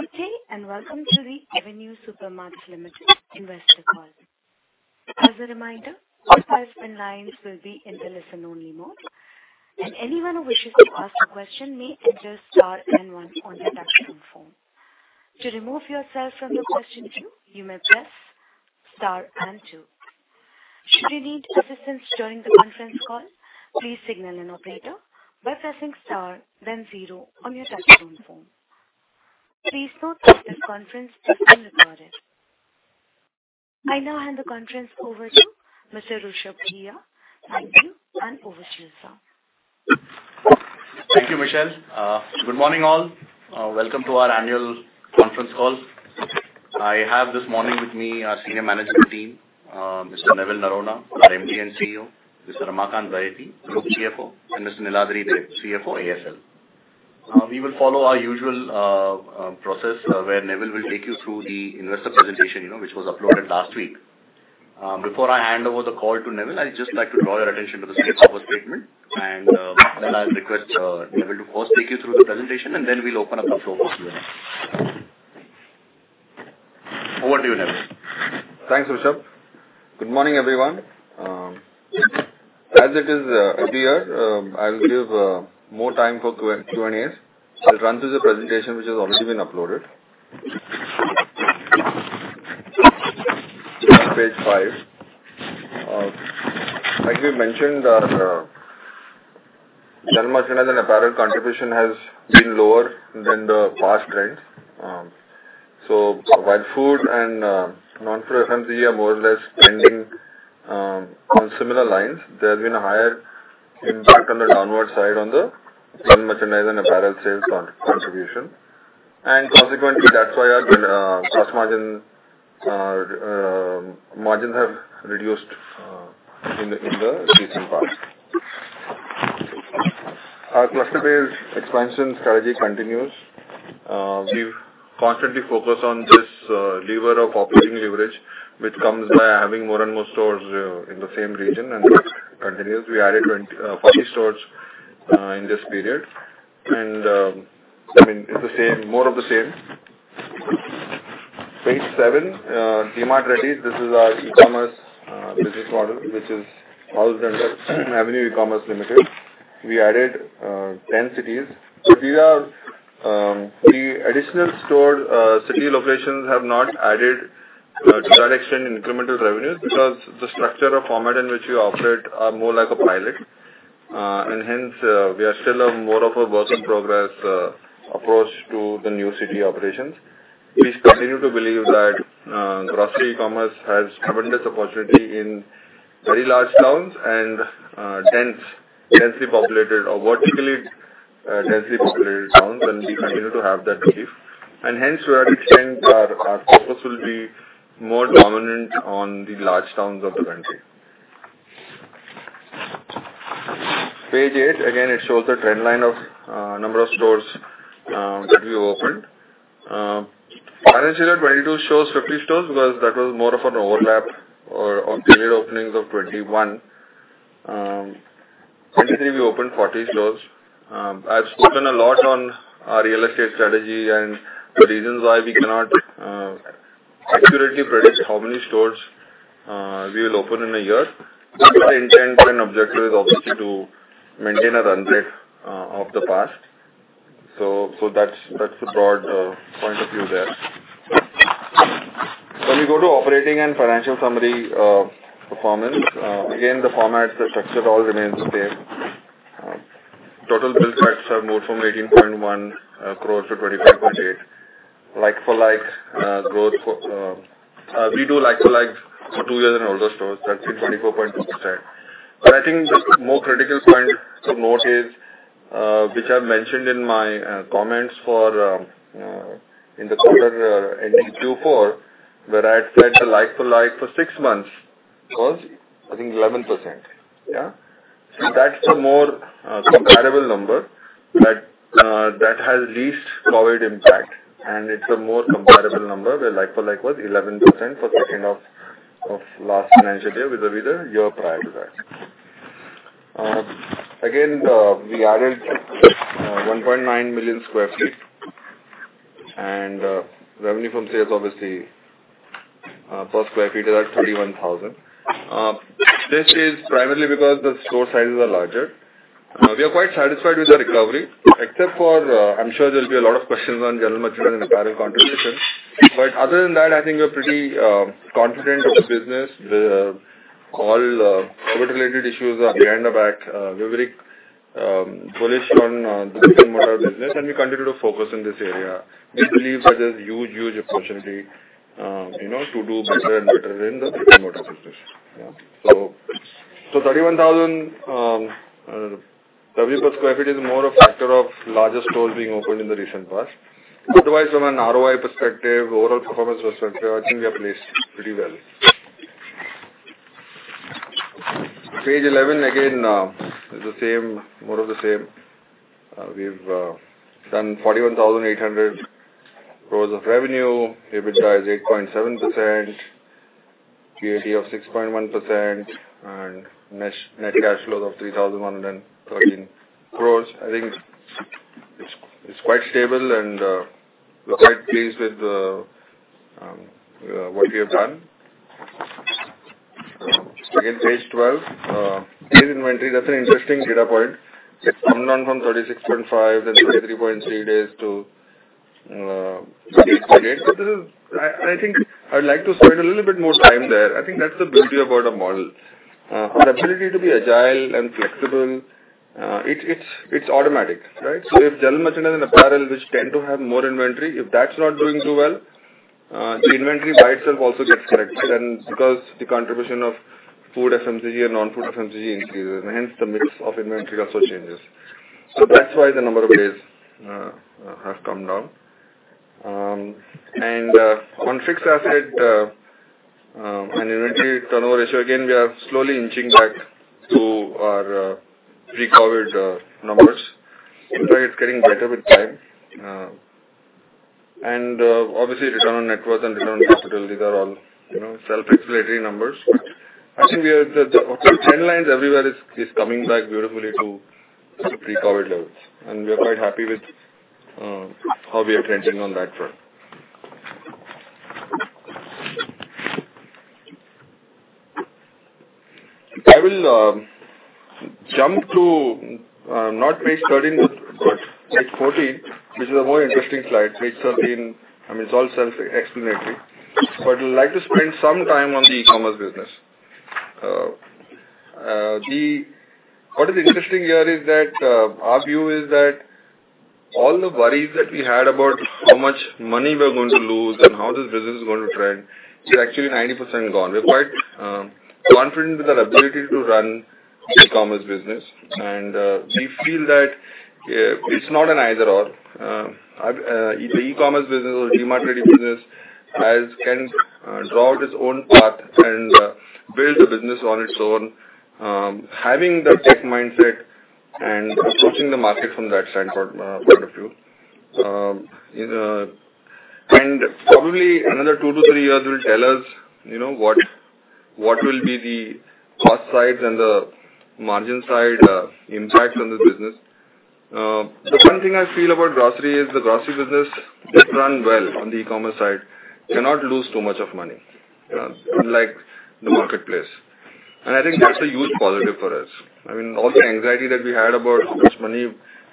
Good day. Welcome to the Avenue Supermarts Limited investor call. As a reminder, all participant lines will be in the listen-only mode, and anyone who wishes to ask a question may enter star and one on their touchtone phone. To remove yourself from the question queue, you may press star and two. Should you need assistance during the conference call, please signal an operator by pressing star, then zero on your touchtone phone. Please note that this conference is being recorded. I now hand the conference over to Mr. Rushabh Ghiya. Thank you. Over to you, sir. Thank you, Michelle. Good morning, all. Welcome to our annual conference call. I have this morning with me our senior management team, Mr. Neville Noronha, our MD and CEO, Mr. Ramakant Baheti, Group CFO, and Mr. Niladri Deb, CFO, ASL. We will follow our usual process, where Neville will take you through the investor presentation, you know, which was uploaded last week. Before I hand over the call to Neville, I'd just like to draw your attention to the safe harbor statement, and then I'll request Neville, to first take you through the presentation, and then we'll open up the floor for Q&A. Over to you, Neville. Thanks, Rushabh. Good morning, everyone. As it is, every year, I will give more time for Q&As. I'll run through the presentation, which has already been uploaded. On Page 5, like we mentioned, our general merchandise and apparel contribution has been lower than the past trends. While food and non-food FMCG are more or less trending on similar lines, there has been a higher impact on the downward side on the general merchandise and apparel sales contribution, and consequently, that's why our gross margin margins have reduced in the recent past. Our cluster-based expansion strategy continues. We've constantly focused on this lever of operating leverage, which comes by having more and more stores in the same region, and it continues. We added 20, 40 stores in this period, and I mean, it's the same, more of the same. Page 7, DMart Ready. This is our e-commerce business model, which is housed under Avenue E-commerce Limited. We added 10 cities. These are the additional store city locations have not added to that extent in incremental revenues, because the structure of format in which we operate are more like a pilot. Hence, we are still a more of a work-in-progress approach to the new city operations. We continue to believe that grocery e-commerce has tremendous opportunity in very large towns and densely populated or vertically densely populated towns, and we continue to have that belief. Hence, to that extent, our focus will be more dominant on the large towns of the country. Page 8. Again, it shows the trend line of number of stores that we opened. Financially, that 2022 shows 50 stores because that was more of an overlap or on period openings of 2021. 2023, we opened 40 stores. I've spoken a lot on our real estate strategy and the reasons why we cannot accurately predict how many stores we will open in a year. Our intent and objective is obviously to maintain a run rate of the past. That's, that's the broad point of view there. When we go to operating and financial summary performance, again, the format, the structure all remains the same. Total Bill Checks are more from 18.1 crore to 25.8. Like-for-like growth for we do Like-for-like, for two years and older stores, that's in 24.2%. I think the more critical point to note is, which I mentioned in my comments for in the quarter ending Q4, where I had said the Like-for-like for 6 months was, I think, 11%. Yeah. That's the more comparable number that that has least COVID impact, and it's a more comparable number. The Like-for-like was 11% for the end of last financial year vis-à-vis the year prior to that. we added 1.9 million sq ft, and revenue from sales, obviously, per square feet are at 31,000. This is primarily because the store sizes are larger. We are quite satisfied with the recovery, except for, I'm sure there'll be a lot of questions on general merchandise and apparel contribution. Other than that, I think we're pretty confident of the business. All COVID-related issues are behind the back. We're very bullish on the business, and we continue to focus in this area. We believe that there's huge, huge opportunity, you know, to do better and better in the business. Yeah. INR 31,000 revenue per sq ft is more a factor of larger stores being opened in the recent past. Otherwise, from an ROI perspective, overall performance perspective, I think we are placed pretty well. Page 11, again, is the same, more of the same. We've done 41,800 crores of revenue. EBITDA is 8.7%. of 6.1% and net cash flow of 3,113 crores. I think it's quite stable and we're quite pleased with the what we have done. Again, Page 12, days inventory, that's an interesting data point. It's come down from 36.5, then 33.3 days to 8.8. I think I'd like to spend a little bit more time there. I think that's the beauty about a model. The ability to be agile and flexible, it's automatic, right? If general merchandise and apparel, which tend to have more inventory, if that's not doing too well, the inventory by itself also gets corrected. Because the contribution of food FMCG and non-food FMCG increases, and hence, the mix of inventory also changes. That's why the number of days have come down. On fixed asset and inventory turnover ratio, again, we are slowly inching back to our pre-COVID numbers. It's getting better with time. Obviously, return on network and return on capital, these are all, you know, self-explanatory numbers. I think we are the trend lines everywhere is coming back beautifully to pre-COVID levels, and we are quite happy with how we are trending on that front. I will jump to not Page 13, but Page 14, which is a more interesting slide. Page 13, I mean, it's all self-explanatory. I'd like to spend some time on the e-commerce business. The— What is interesting here is that, our view is that all the worries that we had about how much money we are going to lose and how this business is going to trend, is actually 90% gone. We're quite confident with our ability to run the e-commerce business, and we feel that it's not an either/or. The e-commerce business or the DMart retail business, as can draw out its own path and build the business on its own. Having the tech mindset and approaching the market from that standpoint, point of view. you know, and probably another 2 to 3 years will tell us, you know, what will be the cost side and the margin side, impact on this business. The one thing I feel about grocery is, the grocery business, if run well on the e-commerce side, cannot lose too much of money, unlike the marketplace. I think that's a huge positive for us. I mean, all the anxiety that we had about how much money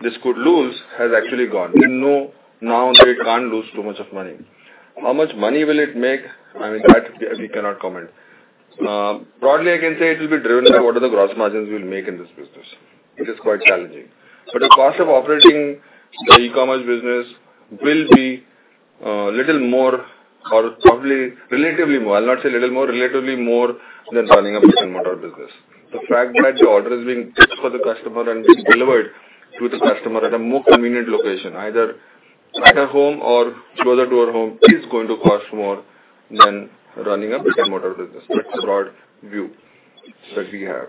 this could lose has actually gone. We know now that it can't lose too much of money. How much money will it make? I mean, that we cannot comment. Broadly, I can say it will be driven by what are the gross margins we'll make in this business, which is quite challenging. The cost of operating the e-commerce business will be little more or probably relatively more, I'll not say little more, relatively more than running a brick-and-mortar business. The fact that the order is being taken for the customer and being delivered to the customer at a more convenient location, either at her home or closer to her home, is going to cost more than running a brick-and-mortar business. That's the broad view that we have.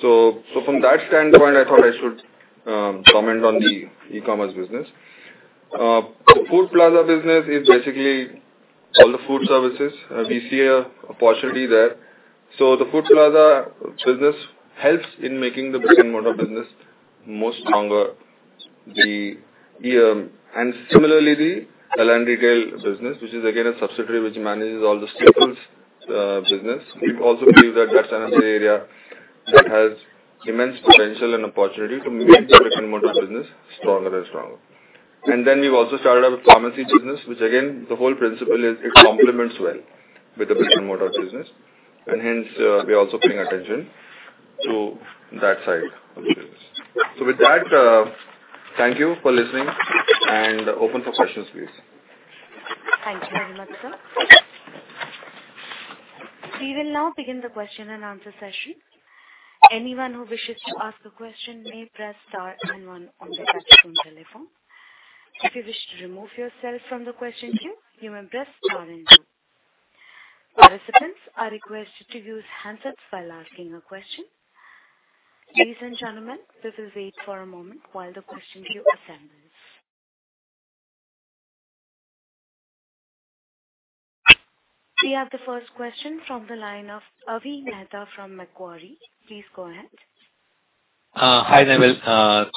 From that standpoint, I thought I should comment on the e-commerce business. The Food Plaza business is basically all the food services. We see an opportunity there. The Food Plaza business helps in making the brick-and-mortar business more stronger. Similarly, the Elant Retail business, which is again, a subsidiary which manages all the Staples business. We also believe that that's another area that has immense potential and opportunity to make the brick-and-mortar business stronger and stronger. We've also started our pharmacy business, which again, the whole principle is it complements well with the brick-and-mortar business, and hence, we're also paying attention to that side of the business. With that, thank you for listening and open for questions, please. Thank you very much, sir. We will now begin the question-and-answer session. Anyone who wishes to ask a question may press star and one on their telephone. If you wish to remove yourself from the question queue, you may press star and two. Participants are requested to use handsets while asking a question. Ladies and gentlemen, please wait for a moment while the question queue assembles. We have the first question from the line of Avi Mehta from Macquarie. Please go ahead. Hi, Neville.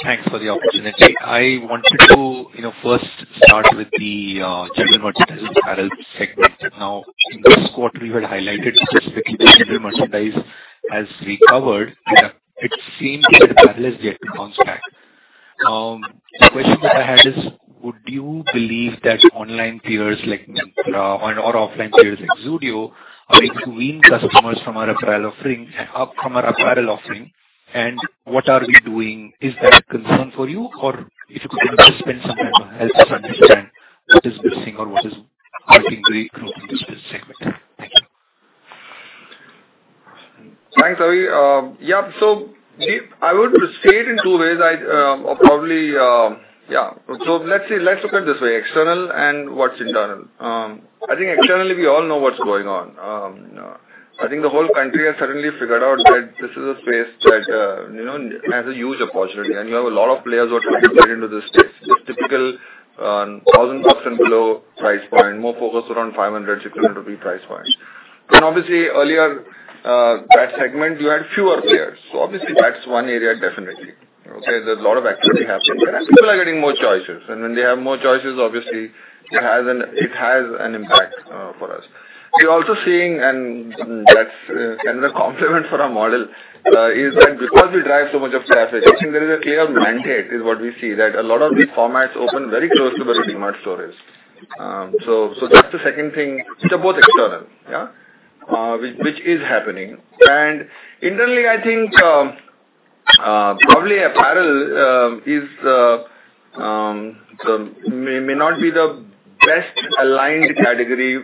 Thanks for the opportunity. I wanted to, you know, first start with the general merchandise apparel segment. In this quarter, you had highlighted specifically, the general merchandise has recovered. It seems that the apparel is yet to bounce back. The question that I had is: Would you believe that online players like Myntra or offline players like Zudio are able to wean customers from our apparel offering? What are we doing? Is that a concern for you? If you could just spend some time to help us understand what is missing or what is hurting the growth in this segment? Thank you. Thanks, Avi. Yeah, so I would state in two ways, I, or probably, yeah. Let's see, let's look at it this way, external and what's internal. I think externally, we all know what's going on. I think the whole country has suddenly figured out that this is a space that, you know, has a huge opportunity, and you have a lot of players who are competing into this space. Typical, on 1,000 plus and below price point, more focused around 500, 600 rupee price point. Obviously, earlier, that segment, you had fewer players. Obviously, that's one area, definitely. Okay? There's a lot of activity happening, and people are getting more choices, and when they have more choices, obviously, it has an impact for us. We're also seeing, and that's kind of a compliment for our model, is that because we drive so much of traffic, I think there is a clear mandate, is what we see, that a lot of these formats open very close to the DMart stores. So that's the second thing. They're both external, yeah, which is happening. Internally, I think, probably apparel, is so may not be the best aligned category,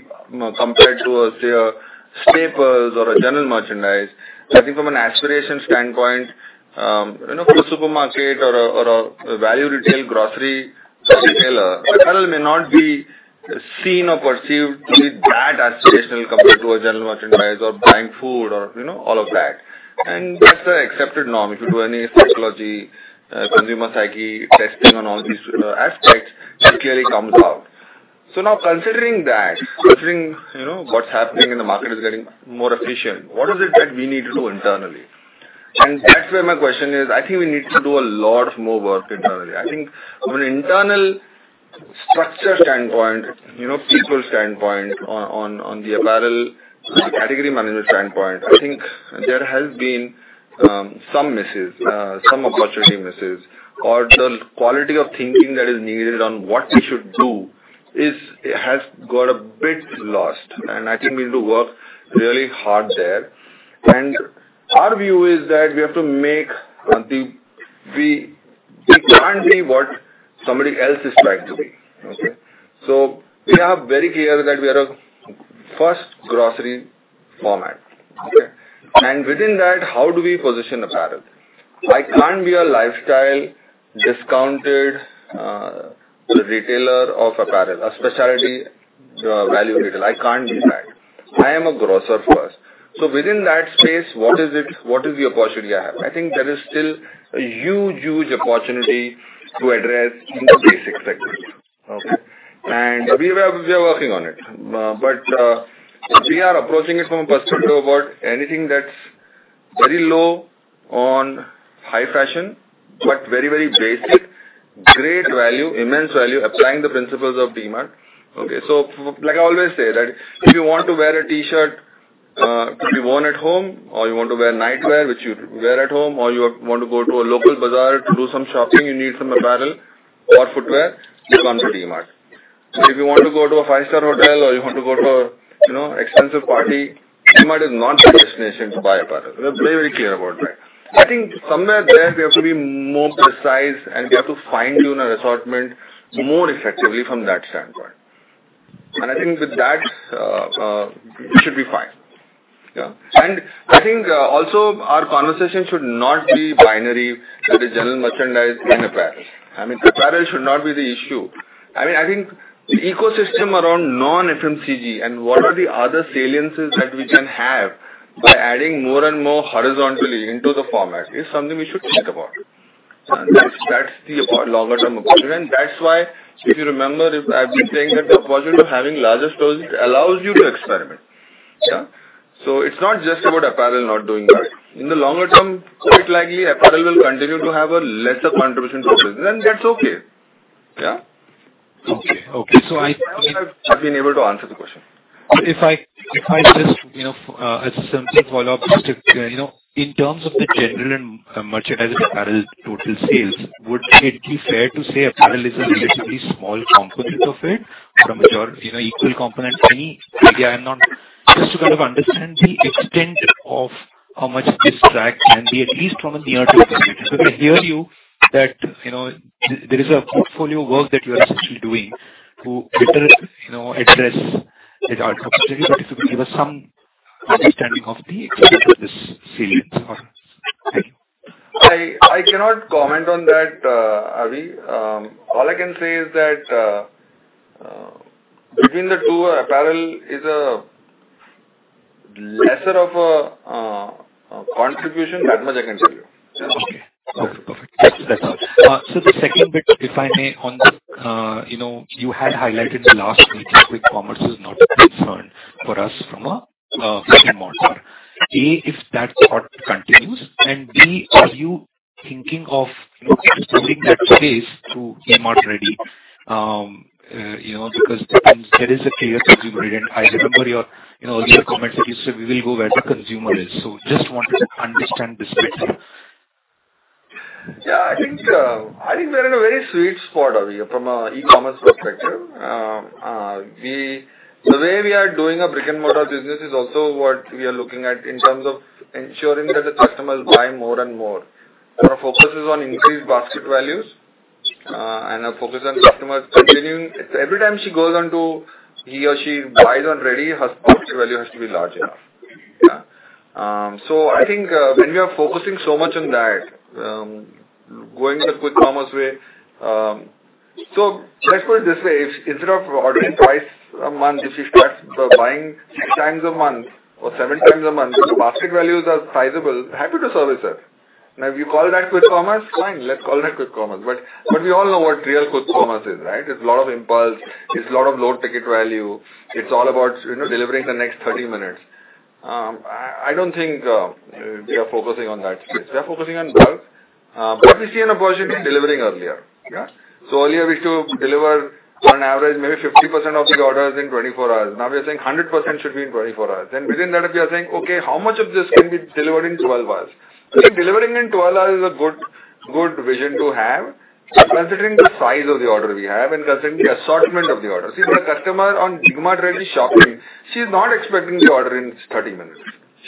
compared to, say, a Staples or a general merchandise. I think from an aspiration standpoint, you know, for a supermarket or a value retail grocery retailer, apparel may not be seen or perceived to be that aspirational compared to a general merchandise or buying food or, you know, all of that. That's the accepted norm. If you do any psychology, consumer psyche testing on all these aspects, it clearly comes out. Now considering that, considering, you know, what's happening in the market is getting more efficient, what is it that we need to do internally? That's where my question is, I think we need to do a lot more work internally. I think from an internal structure standpoint, you know, people standpoint on the apparel, category management standpoint, I think there has been some misses, some opportunity misses, or the quality of thinking that is needed on what we should do is. It has got a bit lost, and I think we need to work really hard there. Our view is that we have to make, we can't be what somebody else is trying to be. Okay. We are very clear that we are a first grocery format. Okay? Within that, how do we position apparel? I can't be a lifestyle discounted retailer of apparel, a specialty value retail. I can't be that. I am a grocer first. Within that space, what is it? What is the opportunity I have? I think there is still a huge opportunity to address in the basic segment. Okay? We are working on it. But we are approaching it from a perspective of what anything that's very low on high fashion, but very, very basic, great value, immense value, applying the principles of DMart. Like I always say, that if you want to wear a T-shirt, to be worn at home, or you want to wear nightwear, which you wear at home, or you want to go to a local bazaar to do some shopping, you need some apparel or footwear, you come to DMart. If you want to go to a 5-star hotel or you want to go to, you know, expensive party, DMart is not the destination to buy apparel. We're very, very clear about that. I think somewhere there, we have to be more precise, and we have to fine-tune our assortment more effectively from that standpoint. I think with that, we should be fine. Yeah. I think, also our conversation should not be binary, that is general merchandise and apparel. I mean, apparel should not be the issue. I mean, I think the ecosystem around non-FMCG and what are the other saliences that we can have by adding more and more horizontally into the format is something we should think about. That's the longer term opportunity. That's why, if you remember, if I've been saying that the opportunity of having larger stores allows you to experiment. Yeah? It's not just about apparel not doing well. In the longer term, quite likely, apparel will continue to have a lesser contribution to business, and that's okay. Yeah. Okay. I hope I've been able to answer the question. If I just, you know, as a simple follow-up, just, you know, in terms of the general and merchandise apparel total sales, would it be fair to say apparel is a relatively small component of it, from your, you know, equal component? Maybe I'm not. Just to kind of understand the extent of how much distract can be, at least from a near-term perspective. I hear you, that, you know, there is a portfolio work that you are actually doing to better, you know, address it appropriately. If you could give us some understanding of the extent of this sales. Thank you. I cannot comment on that, Avi. All I can say is that between the two, apparel is a lesser of a contribution, that much I can tell you. Okay, perfect. That's all. The second bit, if I may, on the, you know, you had highlighted last week that quick commerce is not a concern for us from a brick-and-mortar. A, if that thought continues, and B, are you thinking of, you know, extending that space to DMart Ready, you know, because there is a clear consumer need? I remember your, you know, your comments that you said, "We will go where the consumer is." just wanted to understand this better. I think we're in a very sweet spot, Avi, from an e-commerce perspective. The way we are doing a brick-and-mortar business is also what we are looking at in terms of ensuring that the customers buy more and more. Our focus is on increased basket values, and our focus on customers continuing. Every time she goes on to, he or she buys on Ready, her basket value has to be large enough. I think, when we are focusing so much on that, going the quick commerce way. Let's put it this way, if instead of ordering twice a month, if you start buying six times a month or seven times a month, the basket values are sizable, happy to serve you, sir. If you call that quick commerce, fine, let's call that quick commerce. We all know what real quick commerce is, right? It's a lot of impulse, it's a lot of low ticket value. It's all about, you know, delivering the next 30 minutes. I don't think we are focusing on that space. We are focusing on bulk, but we see an opportunity in delivering earlier. Yeah. Earlier we used to deliver on average, maybe 50% of the orders in 24 hours. Now we are saying 100% should be in 24 hours. Within that, we are saying, "Okay, how much of this can be delivered in 12 hours?" Delivering in 12 hours is a good vision to have, considering the size of the order we have and considering the assortment of the order. See, the customer on DMart daily shopping, she's not expecting the order in 30 minutes.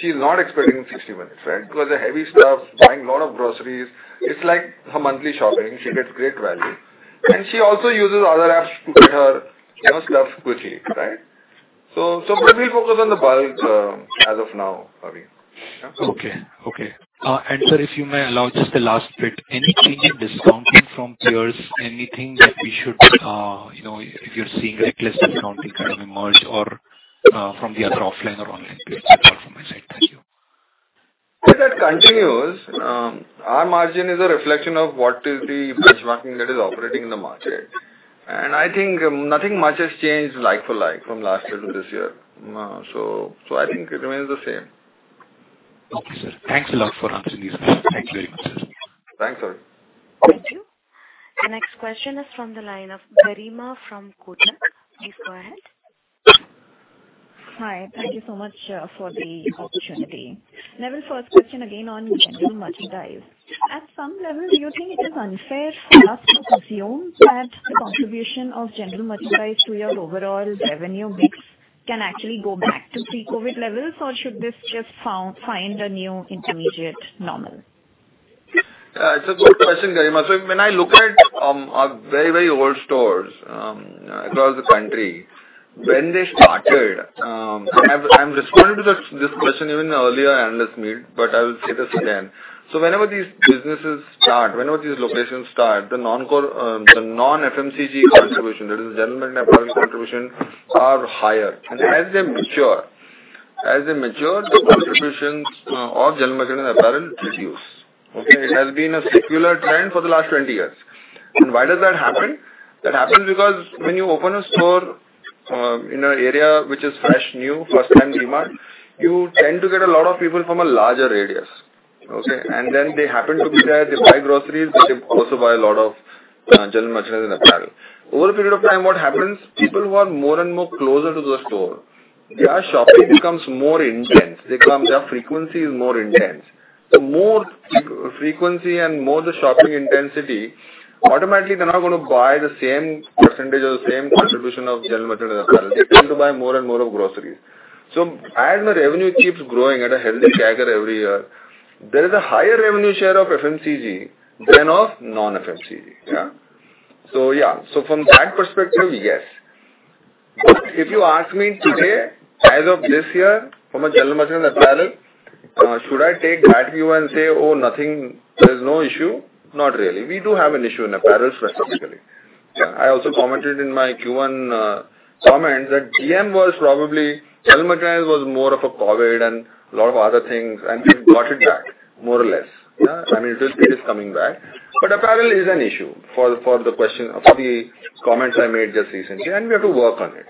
She's not expecting 60 minutes, right? The heavy stuff, buying a lot of groceries, it's like her monthly shopping. She gets great value, she also uses other apps to get her, you know, stuff quickly, right? We focus on the bulk as of now, Ari. Okay. Okay. Sir, if you may allow just the last bit. Any change in discounting from peers, anything that we should, you know, if you're seeing reckless discounting kind of emerge or, from the other offline or online peers from my side? Thank you. If that continues, our margin is a reflection of what is the benchmarking that is operating in the market. I think nothing much has changed Like-for-Like from last year to this year. So I think it remains the same. Okay, sir. Thanks a lot for answering these. Thank you very much, sir. Thanks, Avi. Thank you. The next question is from the line of Garima from Kotak. Please go ahead. Hi. Thank you so much for the opportunity. Neville first question again on general merchandise. At some level, do you think it is unfair for us to assume that the contribution of general merchandise to your overall revenue mix can actually go back to pre-COVID levels, or should this just find a new intermediate normal? It's a good question, Garima. When I look at, our very, very old stores, across the country, when they started. I'm responding to this question even in earlier analyst meet, but I will say this again. Whenever these businesses start, whenever these locations start, the non-core, the non-FMCG contribution, that is general apparel contribution, are higher. As they mature, the contributions, of general merchandise apparel reduce. Okay? It has been a circular trend for the last 20 years. Why does that happen? That happens because when you open a store, in an area which is fresh, new, first-time DMart, you tend to get a lot of people from a larger radius, okay? Then they happen to be there, they buy groceries, they also buy a lot of general merchandise and apparel. Over a period of time, what happens, people who are more and more closer to the store, their shopping becomes more intense, they come, their frequency is more intense. The more frequency and more the shopping intensity, automatically, they're not going to buy the same % or the same contribution of general merchandise apparel. They tend to buy more and more of groceries. As my revenue keeps growing at a healthy stagger every year, there is a higher revenue share of FMCG than of non-FMCG. Yeah. Yeah, so from that perspective, yes. If you ask me today, as of this year, from a general merchandise apparel, should I take that view and say: "Oh, nothing, there is no issue?" Not really. We do have an issue in apparel, specifically. Yeah, I also commented in my Q1, comments that general merchandise was more of a COVID and a lot of other things, and we've got it back, more or less. Yeah, I mean, it is coming back. Apparel is an issue for the question, for the comments I made just recently, and we have to work on it.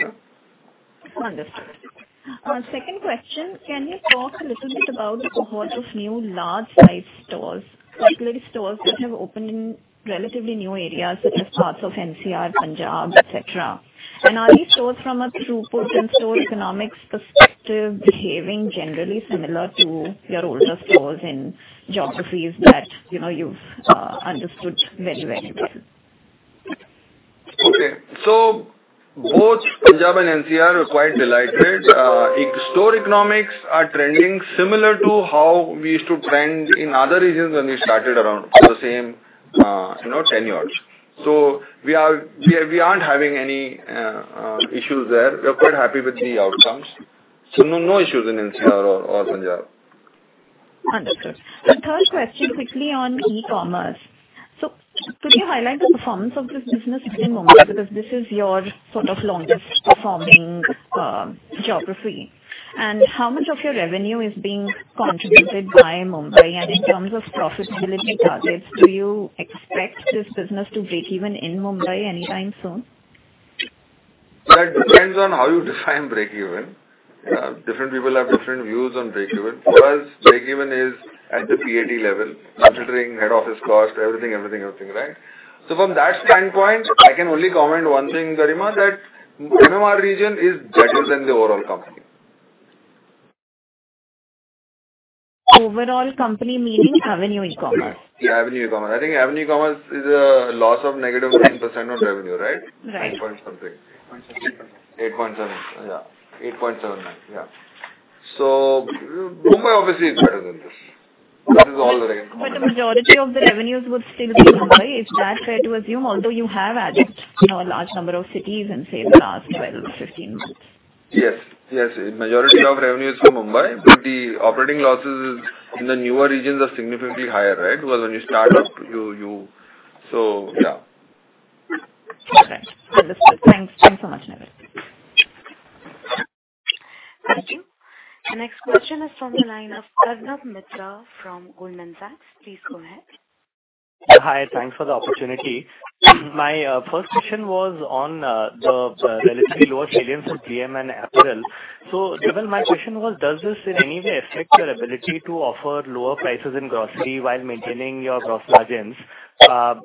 Yeah. Understood. Second question: Can you talk a little bit about the cohort of new large-size stores, particularly stores that have opened in relatively new areas, such as parts of NCR, Punjab, et cetera? Are these stores from a throughput and store economics perspective, behaving generally similar to your older stores in geographies that, you know, you've understood very, very well? Both Punjab and NCR are quite delighted. Store economics are trending similar to how we used to trend in other regions when we started around the same, you know, tenure. We are, we aren't having any issues there. We are quite happy with the outcomes. No issues in NCR or Punjab. Understood. The third question, quickly on e-commerce. Could you highlight the performance of this business in Mumbai? Because this is your sort of longest performing geography. How much of your revenue is being contributed by Mumbai? In terms of profitability targets, do you expect this business to break even in Mumbai anytime soon? That depends on how you define break even. Different people have different views on break even. For us, break even is at the PAT level, considering head office cost, everything, everything, right? From that standpoint, I can only comment one thing, Garima, that MMR region is better than the overall company. Overall company meaning Avenue e-commerce? Avenue e-commerce. I think Avenue e-commerce is a loss of negative 1% of revenue, right? Right. 8 point something. 8.7. 8.7, yeah. 8.79, yeah. Mumbai obviously is better than this. That is all that I can comment. The majority of the revenues would still be Mumbai. Is that fair to assume, although you have added a large number of cities in, say, the last 12 to 15 months? Yes, yes. Majority of revenue is from Mumbai, but the operating losses is, in the newer regions are significantly higher, right? when you start up, yeah. Okay. Understood. Thanks. Thanks so much, Neville. Thank you. The next question is from the line of Arnab Mitra from Goldman Sachs. Please go ahead. Hi, thanks for the opportunity. My first question was on the relatively lower sales in DM and apparel. Neville, my question was, does this in any way affect your ability to offer lower prices in grocery while maintaining your gross margins? Are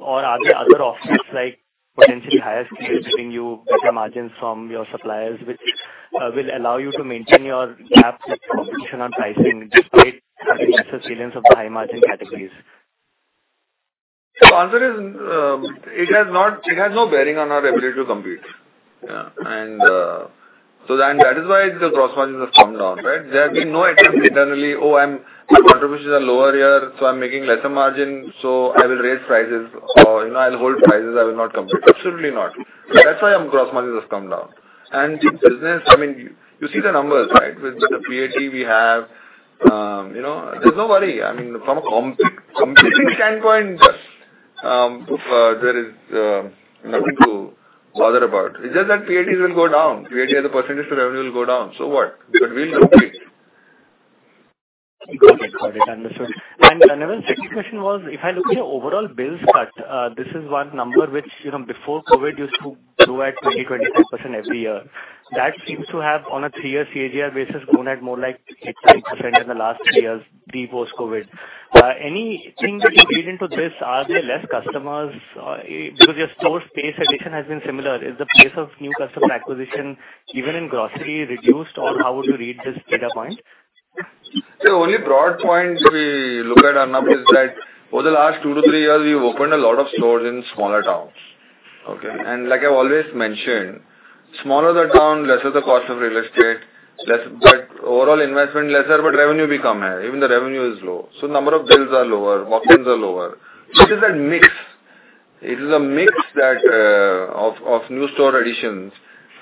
there other offsets, like potentially higher sales, giving you better margins from your suppliers, which will allow you to maintain your gap with competition on pricing, despite having lesser sales of the high-margin categories? The answer is, it has no bearing on our ability to compete. Yeah. That is why the gross margins have come down, right? There have been no attempts internally, "Oh, contributions are lower here, so I'm making lesser margin, so I will raise prices or, you know, I'll hold prices. I will not compete." Absolutely not. That's why our gross margins has come down. Deep business, I mean, you see the numbers, right? With the PAT we have, you know, there's no worry. I mean, from a competing standpoint, there is nothing to bother about. It's just that PATs will go down. PAT as a % to revenue will go down. So what? We'll compete. Got it. Got it. Understood. Neville, second question was, if I look at your overall bills cut, this is one number which, you know, before COVID used to grow at 20%-25% every year. That seems to have, on a 3-year CAGR basis, grown at more like 8%-9% in the last 3 years, pre-post COVID. Anything that you read into this, are there less customers, because your store space addition has been similar? Is the pace of new customer acquisition, even in grocery, reduced, or how would you read this data point? The only broad point we look at, Arnab, is that over the last two to three years, we've opened a lot of stores in smaller towns. Okay? Like I've always mentioned, smaller the town, lesser the cost of real estate. Overall investment lesser, but revenue become high. Even the revenue is low, so number of bills are lower, margins are lower. It is a mix. It is a mix that of new store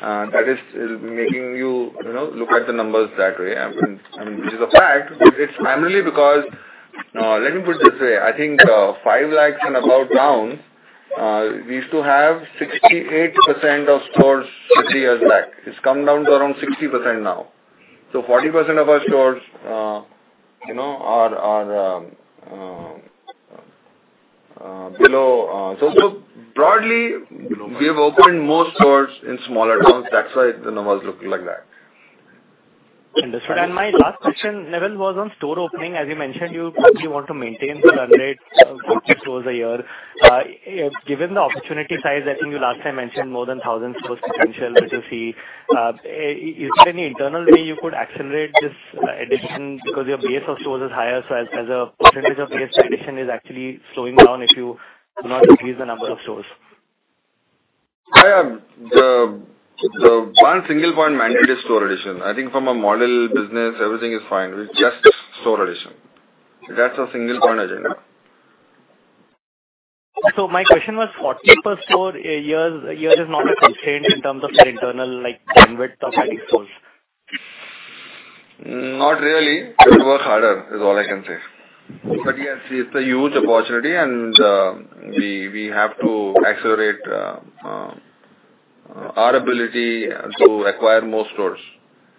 additions that is making you know, look at the numbers that way. I mean, which is a fact, but it's primarily because, let me put it this way: I think, 5 lakhs and above towns, we used to have 68% of stores three years back. It's come down to around 60% now. 40% of our stores, you know, are below. Broadly, we have opened more stores in smaller towns. That's why the numbers look like that. Understood. My last question, Neville, was on store opening. As you mentioned, you probably want to maintain the run rate of 40 stores a year. Given the opportunity size, I think you last time mentioned more than 1,000 stores potential that you see. Is there any internal way you could accelerate this addition? Because your base of stores is higher, so as a percentage of base, the addition is actually slowing down if you do not increase the number of stores. Yeah. The one single point mandate is store addition. I think from a model business, everything is fine, with just store addition. That's a single point agenda. my question was, 40 per store a year is not a constraint in terms of your internal, like, bandwidth of adding stores? Not really. We work harder, is all I can say. But yes, it's a huge opportunity and we have to accelerate our ability to acquire more stores.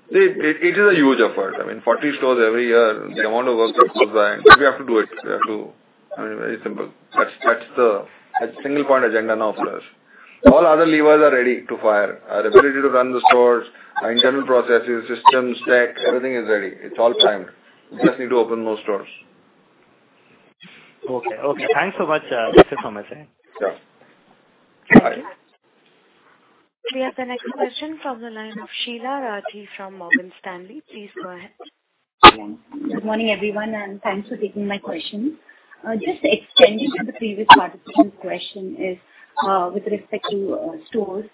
It is a huge effort. I mean, 40 stores every year, the amount of work that goes by, but we have to do it. We have to—I mean, very simple. That's a single point agenda now for us. All other levers are ready to fire. Our ability to run the stores, our internal processes, systems, tech, everything is ready. It's all primed. We just need to open more stores. Okay. Okay, thanks so much, thanks for your time. Sure. Bye. We have the next question from the line of Sheela Rathi from Morgan Stanley. Please go ahead. Good morning, everyone, and thanks for taking my question. Just extending to the previous participant's question is with respect to stores.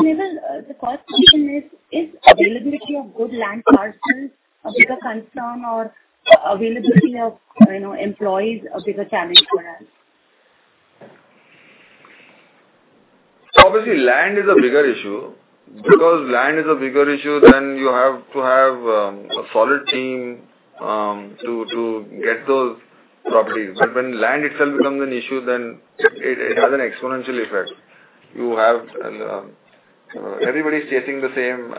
Neville, the first question is: Is availability of good land parcels a bigger concern or availability of, you know, employees, a bigger challenge for us? Obviously, land is a bigger issue. Land is a bigger issue, then you have to have a solid team to get those properties. When land itself becomes an issue, then it has an exponential effect. You have everybody's chasing the same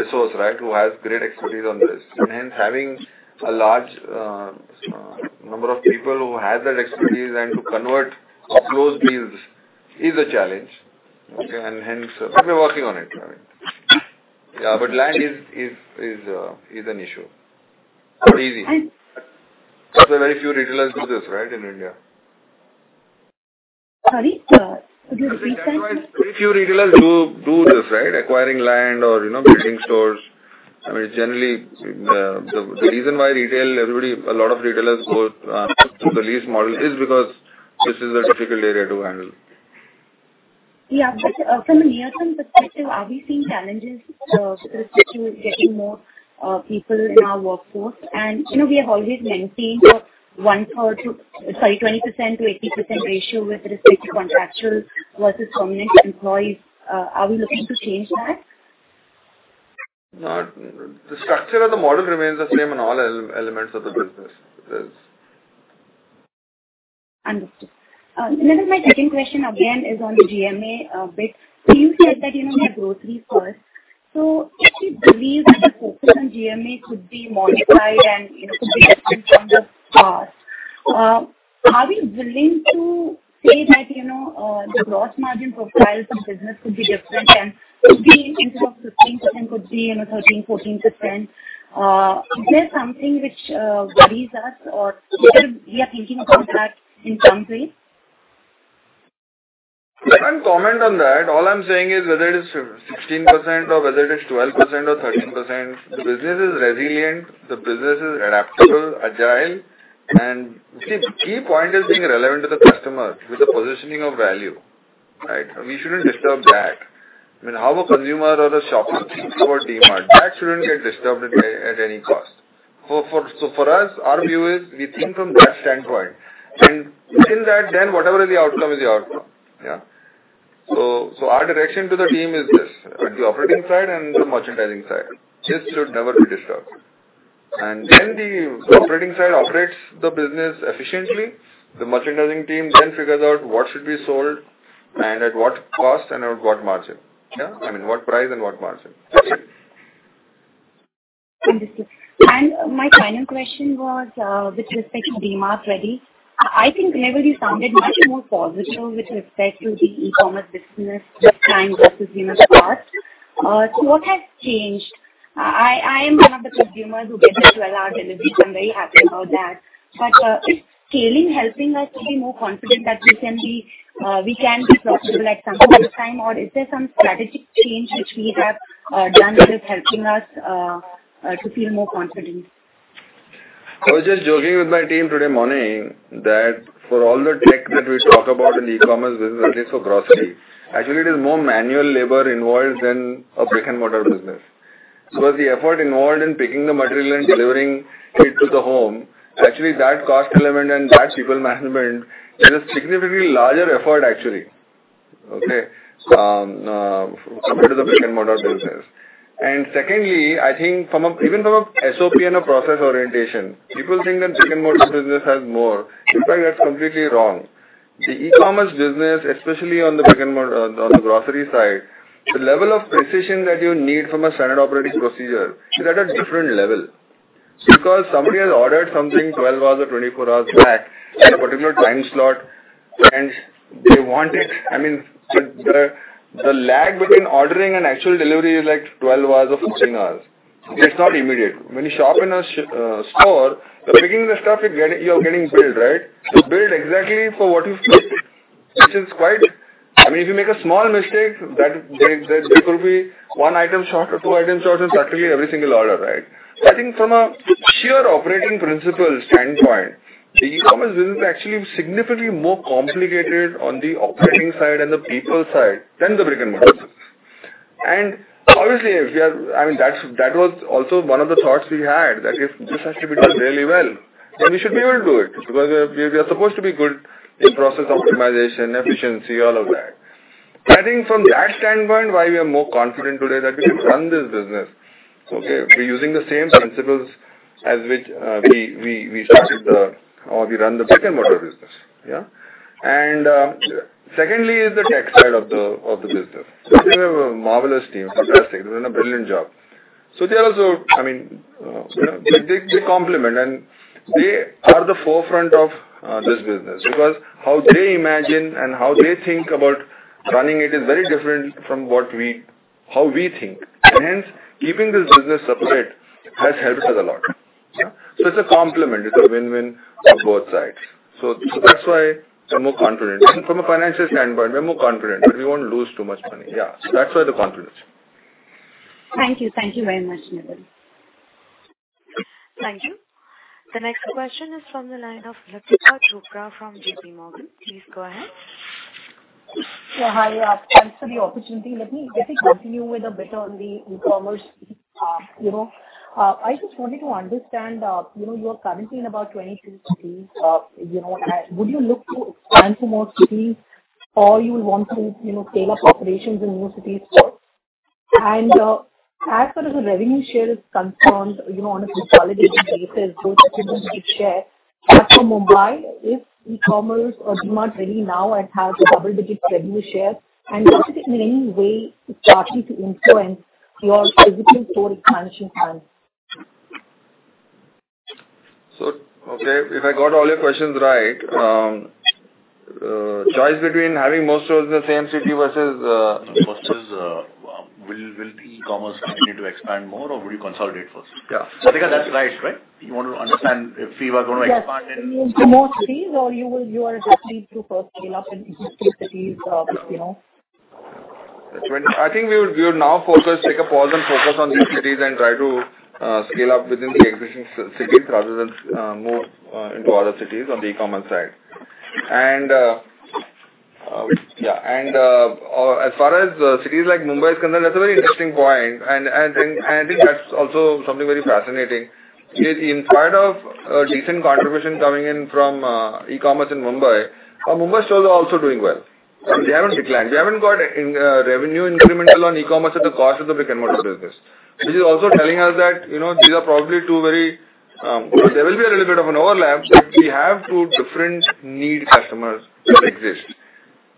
resource, right, who has great expertise on this. Hence, having a large number of people who have that expertise and to convert those deals is a challenge. Okay? Hence, we're working on it. Yeah, land is an issue. Not easy. And— There are very few retailers do this, right, in India. Sorry, could you repeat that? I said that is why very few retailers do this, right? Acquiring land or, you know, building stores. I mean, generally, the reason why a lot of retailers go to the lease model is because this is a difficult area to handle. From a near-term perspective, are we seeing challenges with respect to getting more people in our workforce? You know, we have always maintained a 20%-80% ratio with respect to contractual versus permanent employees. Are we looking to change that? Not, the structure of the model remains the same in all elements of the business. It is. Understood. My second question again is on the GMA bit. You said that, you know, the growth recourse. Do you believe that the focus on GMA could be modified and, you know, could be in terms of cost? Are we willing to say that, you know, the gross margin profile from business could be different and could be instead of 16%, could be, you know, 13%-14%? Is there something which worries us or whether we are thinking about that in some way? I can't comment on that. All I'm saying is whether it is 16% or whether it is 12% or 13%, the business is resilient, the business is adaptable, agile, and the key point is being relevant to the customer with the positioning of value, right. We shouldn't disturb that. I mean, how a consumer or a shopper thinks about DMart, that shouldn't get disturbed at any cost. For us, our view is we think from that standpoint, and within that, then whatever the outcome is the outcome. Yeah. Our direction to the team is this, at the operating side and the merchandising side, this should never be disturbed. The operating side operates the business efficiently, the merchandising team then figures out what should be sold and at what cost and at what margin. Yeah, I mean, what price and what margin. Understood. My final question was with respect to DMart Ready. I think, Neville, you sounded much more positive with respect to the e-commerce business this time versus, you know, the past. What has changed? I am one of the consumers who gets the 12-hour delivery. I'm very happy about that. Is scaling helping us to be more confident that we can be profitable at some point in time, or is there some strategic change which we have done that is helping us to feel more confident? I was just joking with my team today morning that for all the tech that we talk about in the e-commerce business, at least for grocery, actually it is more manual labor involved than a brick-and-mortar business. The effort involved in picking the material and delivering it to the home, actually, that cost element and that people management is a significantly larger effort, actually, okay, compared to the brick-and-mortar business. Secondly, I think even from a SOP and a process orientation, people think that brick-and-mortar business has more. In fact, that's completely wrong. The e-commerce business, especially on the brick-and-mortar, on the grocery side, the level of precision that you need from a standard operating procedure is at a different level. Because somebody has ordered something 12 hours or 24 hours back in a particular time slot, and they want it, I mean, the lag between ordering and actual delivery is, like, 12 hours or 14 hours. It's not immediate. When you shop in a store, you're picking the stuff you're getting, you're getting billed, right? You're billed exactly for what you picked, which is quite. I mean, if you make a small mistake, there will be 1 item short or 2 items short in virtually every single order, right? I think from a sheer operating principle standpoint, the e-commerce business is actually significantly more complicated on the operating side and the people side than the brick-and-mortar business. Obviously, I mean, that's, that was also one of the thoughts we had, that if this has to be done really well, then we should be able to do it, because we are supposed to be good in process optimization, efficiency, all of that. I think from that standpoint, why we are more confident today that we can run this business, okay, we're using the same principles as which we started or we run the brick-and-mortar business. Yeah? Secondly, is the tech side of the business. We have a marvelous team, fantastic. Doing a brilliant job. They are also, I mean, they complement, and they are the forefront of this business. How they imagine and how they think about running it is very different from what how we think. Hence, keeping this business separate has helped us a lot. Yeah. It's a complement, it's a win-win on both sides. That's why we're more confident. From a financial standpoint, we're more confident that we won't lose too much money. That's why the confidence. Thank you. Thank you very much, Neville. Thank you. The next question is from the line of Latika Chopra from J.P. Morgan. Please go ahead. Yeah, hi. Thanks for the opportunity. Let me basically continue with a bit on the e-commerce part. You know, I just wanted to understand, you know, you are currently in about 22 cities, you know, and would you look to expand to more cities or you want to, you know, scale up operations in more cities? As far as the revenue share is concerned, you know, on a consolidated basis, those double-digit share, as for Mumbai, is e-commerce or DMart Ready now and has a double-digit revenue share, and does it in any way starting to influence your physical store expansion plans? Okay, if I got all your questions right, choice between having more stores in the same city versus. Will the e-commerce continue to expand more or will you consolidate first? Yeah. Latika, that's right? You want to understand if we were going to expand. Yes, in more cities or you will, you are looking to first scale up in existing cities, you know. I think we would now focus, take a pause and focus on new cities and try to scale up within the existing cities rather than move into other cities on the e-commerce side. As far as cities like Mumbai is concerned, that's a very interesting point, and I think that's also something very fascinating. In spite of a decent contribution coming in from e-commerce in Mumbai, our Mumbai stores are also doing well—they haven't declined. We haven't got in revenue incremental on e-commerce at the cost of the big converted business. This is also telling us that, you know, these are probably two very, there will be a little bit of an overlap, but we have two different need customers that exist.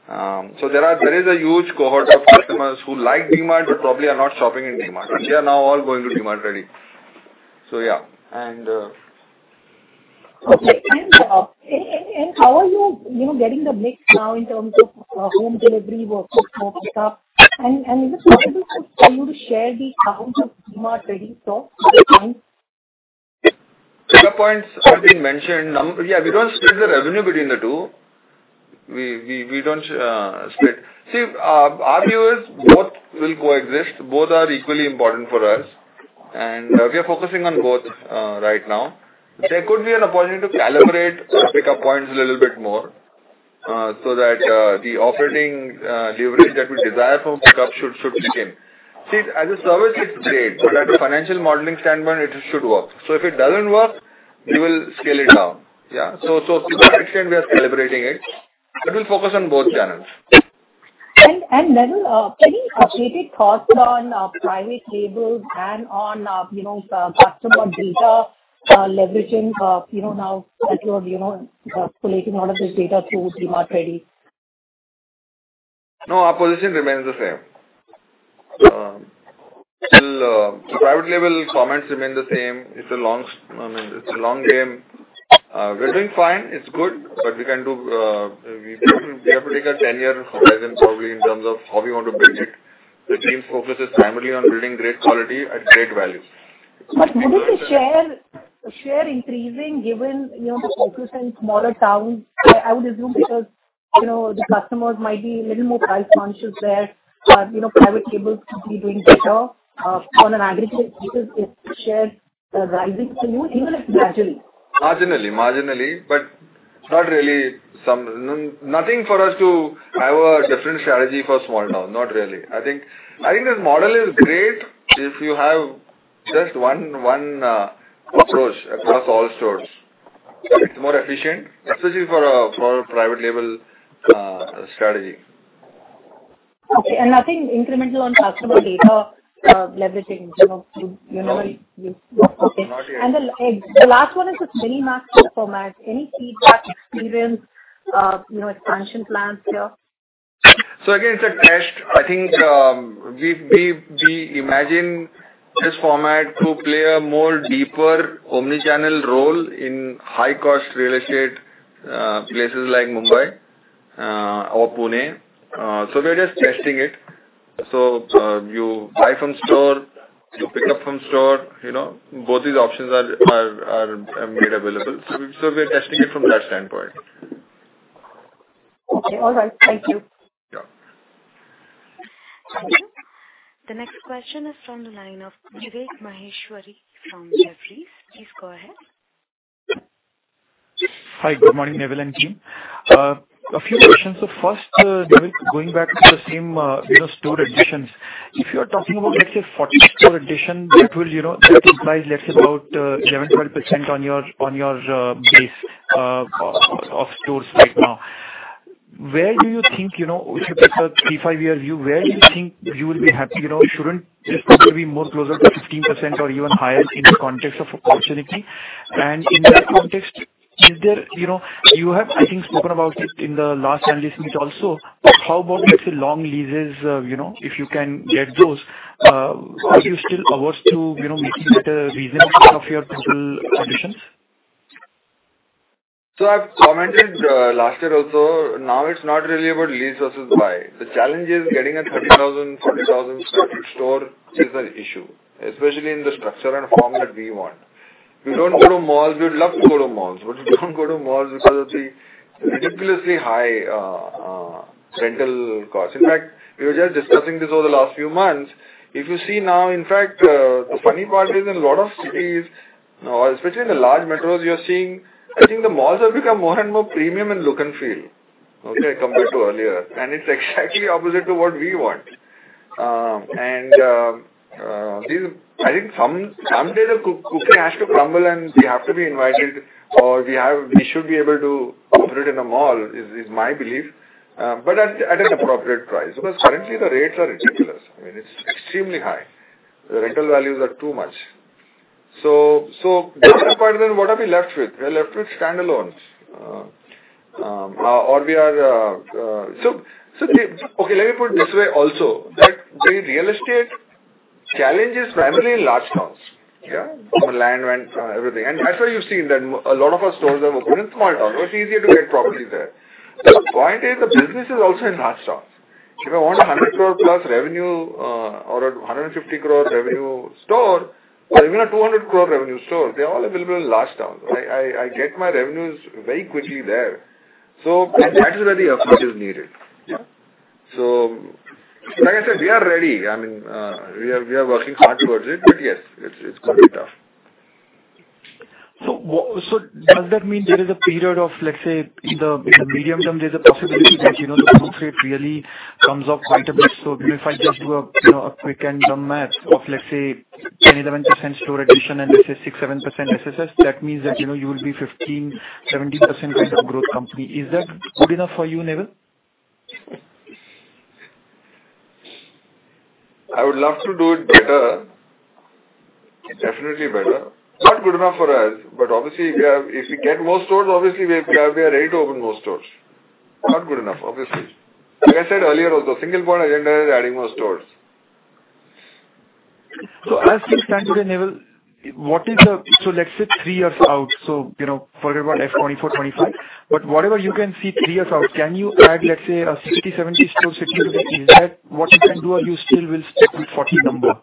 There is a huge cohort of customers who like DMart, but probably are not shopping in DMart, and they are now all going to DMart Ready. Yeah. Okay. And how are you know, getting the mix now in terms of home delivery versus pick up? Is it possible for you to share the count of DMart Ready stores pick up points? Pick up points have been mentioned. We don't split the revenue between the two. We don't split. See, our view is both will coexist. Both are equally important for us, and we are focusing on both right now. There could be an opportunity to calibrate our pickup points a little bit more so that the operating leverage that we desire from pickup should kick in. See, as a service, it's great, so that from financial modeling standpoint, it should work. If it doesn't work, we will scale it down. Yeah. To that extent, we are celebrating it, but we'll focus on both channels. Then, any updated thoughts on private labels and on, you know, customer data, leveraging, you know, now that you're, you know, collating a lot of this data through DMart Ready? No, our position remains the same. Still, the private label comments remain the same. It's a long, I mean, it's a long game. We're doing fine. It's good, but we can do, we have to take a 10-year horizon probably in terms of how we want to build it. The team focuses primarily on building great quality at great value. Wouldn't the share increasing, given, you know, the focus on smaller towns, I would assume, because, you know, the customers might be a little more price-conscious there, you know, private labels could be doing better on an aggregate because it's share rising for you, even if gradually. Marginally, but not really. Nothing for us to have a different strategy for small town. Not really. I think this model is great if you have just one approach across all stores. It's more efficient, especially for a private label strategy. Okay, nothing incremental on customer data, leveraging, you know? No. Okay. Not yet. The last one is the mini max format. Any feedback, experience, you know, expansion plans here? Again, it's a test. I think, we imagine this format to play a more deeper omni-channel role in high-cost real estate, places like Mumbai, or Pune. We're just testing it. You buy from store, you pick up from store, you know, both these options are made available. We're testing it from that standpoint. Okay. All right. Thank you. Yeah. Thank you. The next question is from the line of Vivek Maheshwari from Jefferies. Please go ahead. Hi, good morning, Neville and team. A few questions. First, Neville, going back to the same, you know, store additions. If you are talking about, let's say, 40 store addition, that will, you know, that implies, let's say, about, 11, 12% on your, on your, base of stores right now. Where do you think, you know, if you look at the 3, 5-year view, where do you think you will be happy? You know, shouldn't this probably be more closer to 15% or even higher in the context of opportunity? In that context, is there? You know, you have, I think, spoken about it in the last analysis meet also, how about, let's say, long leases, you know, if you can get those, are you still averse to, you know, making that a reason of your total additions? I've commented, last year also. It's not really about lease versus buy. The challenge is getting a 30,000, 40,000 store is the issue, especially in the structure and form that we want. We don't go to malls. We'd love to go to malls, but we don't go to malls because of the ridiculously high rental costs. We were just discussing this over the last few months. If you see now, in fact, the funny part is, in a lot of cities, especially in the large metros, you're seeing, I think the malls have become more and more premium in look and feel, okay, compared to earlier. It's exactly opposite to what we want. These, I think some, someday the cookie has to crumble, and we have to be invited or we should be able to operate in a mall, is my belief, but at an appropriate price. Currently the rates are ridiculous. I mean, it's extremely high. The rental values are too much. Going to the point, then what are we left with? We're left with standalones. We are—okay, let me put it this way also, that the real estate challenge is primarily in large towns. Yeah, from the land rent, everything. That's why you've seen that a lot of our stores have opened in small towns. It's easier to get property there. The point is, the business is also in large towns. If I want a 100 crore plus revenue, or a 150 crore revenue store, or even a 200 crore revenue store, they're all available in large towns. I get my revenues very quickly there. That is where the effort is needed. Yeah. Like I said, we are ready. I mean, we are, we are working hard towards it, but yes, it's quite tough. Does that mean there is a period of, let's say, in the, in the medium term, there's a possibility that, you know, the growth rate really comes up quite a bit? If I just do a, you know, a quick and dumb math of, let's say, 10%-11% store addition and, let's say, 6%-7% SSS, that means that, you know, you will be 15%-17% kind of growth company. Is that good enough for you, Neville? I would love to do it better, definitely better. It's not good enough for us, but obviously, if we get more stores, obviously, we are ready to open more stores. Not good enough, obviously. Like I said earlier, also, single point agenda is adding more stores. Let's say three years out, so you know, forget about FY 2024, 2025, but whatever you can see three years out, can you add, let's say, a 60, 70 store sitting today? Is that what you can do, or you still will stick with 40 number?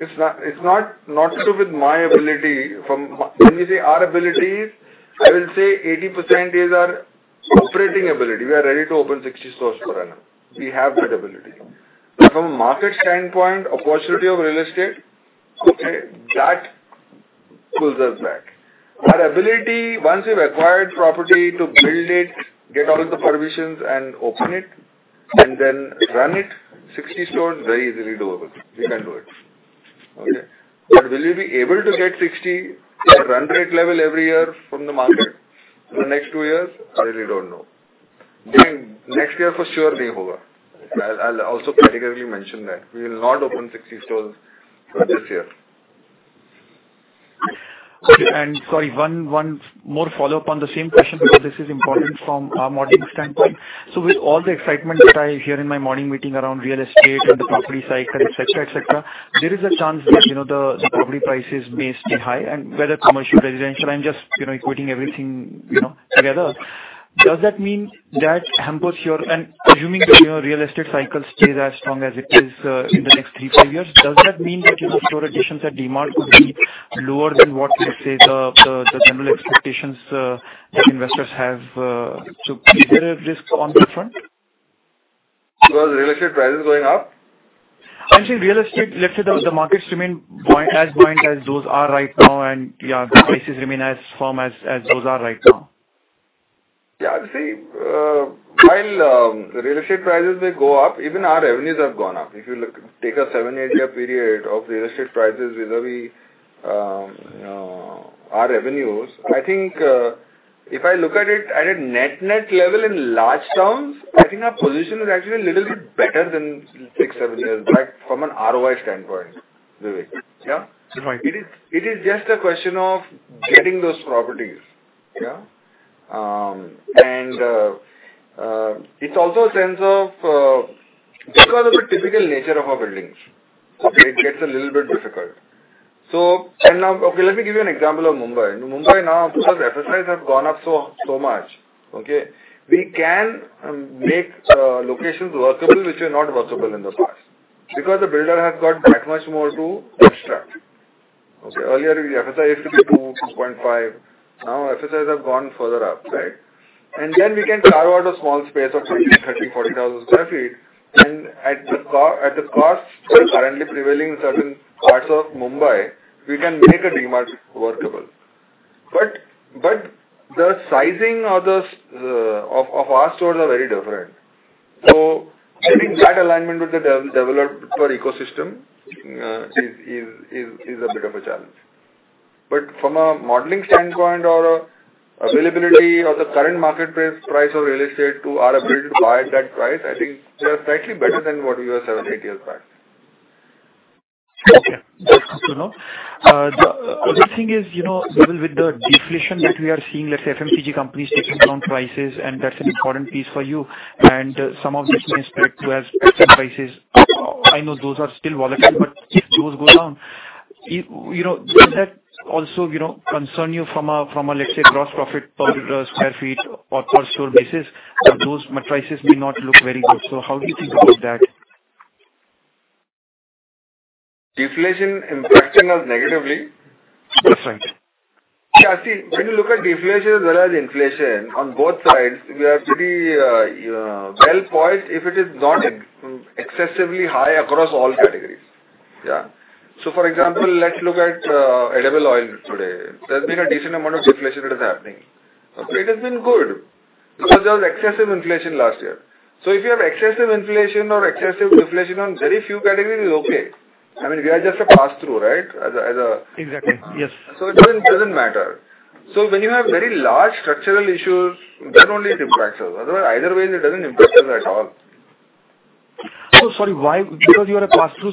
It's not so with my ability. When we say our abilities, I will say 80% is our operating ability. We are ready to open 60 stores for now. We have that ability. From a market standpoint, opportunity of real estate, okay, that pulls us back. Our ability, once we've acquired property, to build it, get all the permissions and open it, and then run it, 60 stores, very easily doable. We can do it. Okay? Will you be able to get 60 at run rate level every year from the market in the next 2 years? I really don't know. Next year for sure. I'll also categorically mention that. We will not open 60 stores for this year. Sorry, one more follow-up on the same question, because this is important from a modeling standpoint. With all the excitement that I hear in my morning meeting around real estate and the property cycle, et cetera, et cetera, there is a chance that, you know, the property prices may stay high and whether commercial, residential, I'm just, you know, equating everything, you know, together. Does that mean that hampers your—assuming that, you know, real estate cycle stays as strong as it is, in the next three, five years, does that mean that, you know, store additions at DMart could be lower than what, let's say, the general expectations that investors have, is there a risk on that front? Real estate prices going up? I'm saying real estate, let's say the markets remain as point as those are right now, yeah, the prices remain as firm as those are right now. Yeah, see, while real estate prices may go up, even our revenues have gone up. If you look, take a seven, eight-year period of real estate prices vis-a-vis our revenues, I think, if I look at it at a net level in large terms, I think our position is actually a little bit better than six, seven years back from an ROI standpoint, Vivek. Yeah? Sure. It is just a question of getting those properties. Yeah? It's also a sense of because of the typical nature of our buildings, it gets a little bit difficult. Let me give you an example of Mumbai. In Mumbai now, because FSIs have gone up so much. We can make locations workable which were not workable in the past, because the builder has got that much more to extract. Earlier, the FSI used to be 2.5. Now, FSIs have gone further up, right? We can carve out a small space of 20, 30, 40 thousand sq ft, at the cost currently prevailing in certain parts of Mumbai, we can make a DMart workable. The sizing of our stores are very different. I think that alignment with the developer ecosystem is a bit of a challenge. From a modeling standpoint or a availability or the current market price of real estate to our ability to buy at that price, I think we are slightly better than what we were seven, eight years back. Okay. You know, the thing is, you know, even with the deflation that we are seeing, let's say, FMCG companies taking down prices, that's an important piece for you. Some of this may spread to us prices. I know those are still volatile, but if those go down, you know, does that also, you know, concern you from a, from a, let's say, gross profit per square feet or per store basis, those matrices may not look very good. How do you think about that? Deflation impacting us negatively? That's right. See, when you look at deflation as well as inflation, on both sides, we are pretty well-poised if it is not excessively high across all categories. For example, let's look at edible oil today. There's been a decent amount of deflation that is happening. It has been good because there was excessive inflation last year. If you have excessive inflation or excessive deflation on very few categories, it's okay. I mean, we are just a pass-through, right? As a. Exactly. Yes. It doesn't matter. When you have very large structural issues, then only it impacts us. Otherwise, either way, it doesn't impact us at all. Sorry, why? Because you are a pass-through,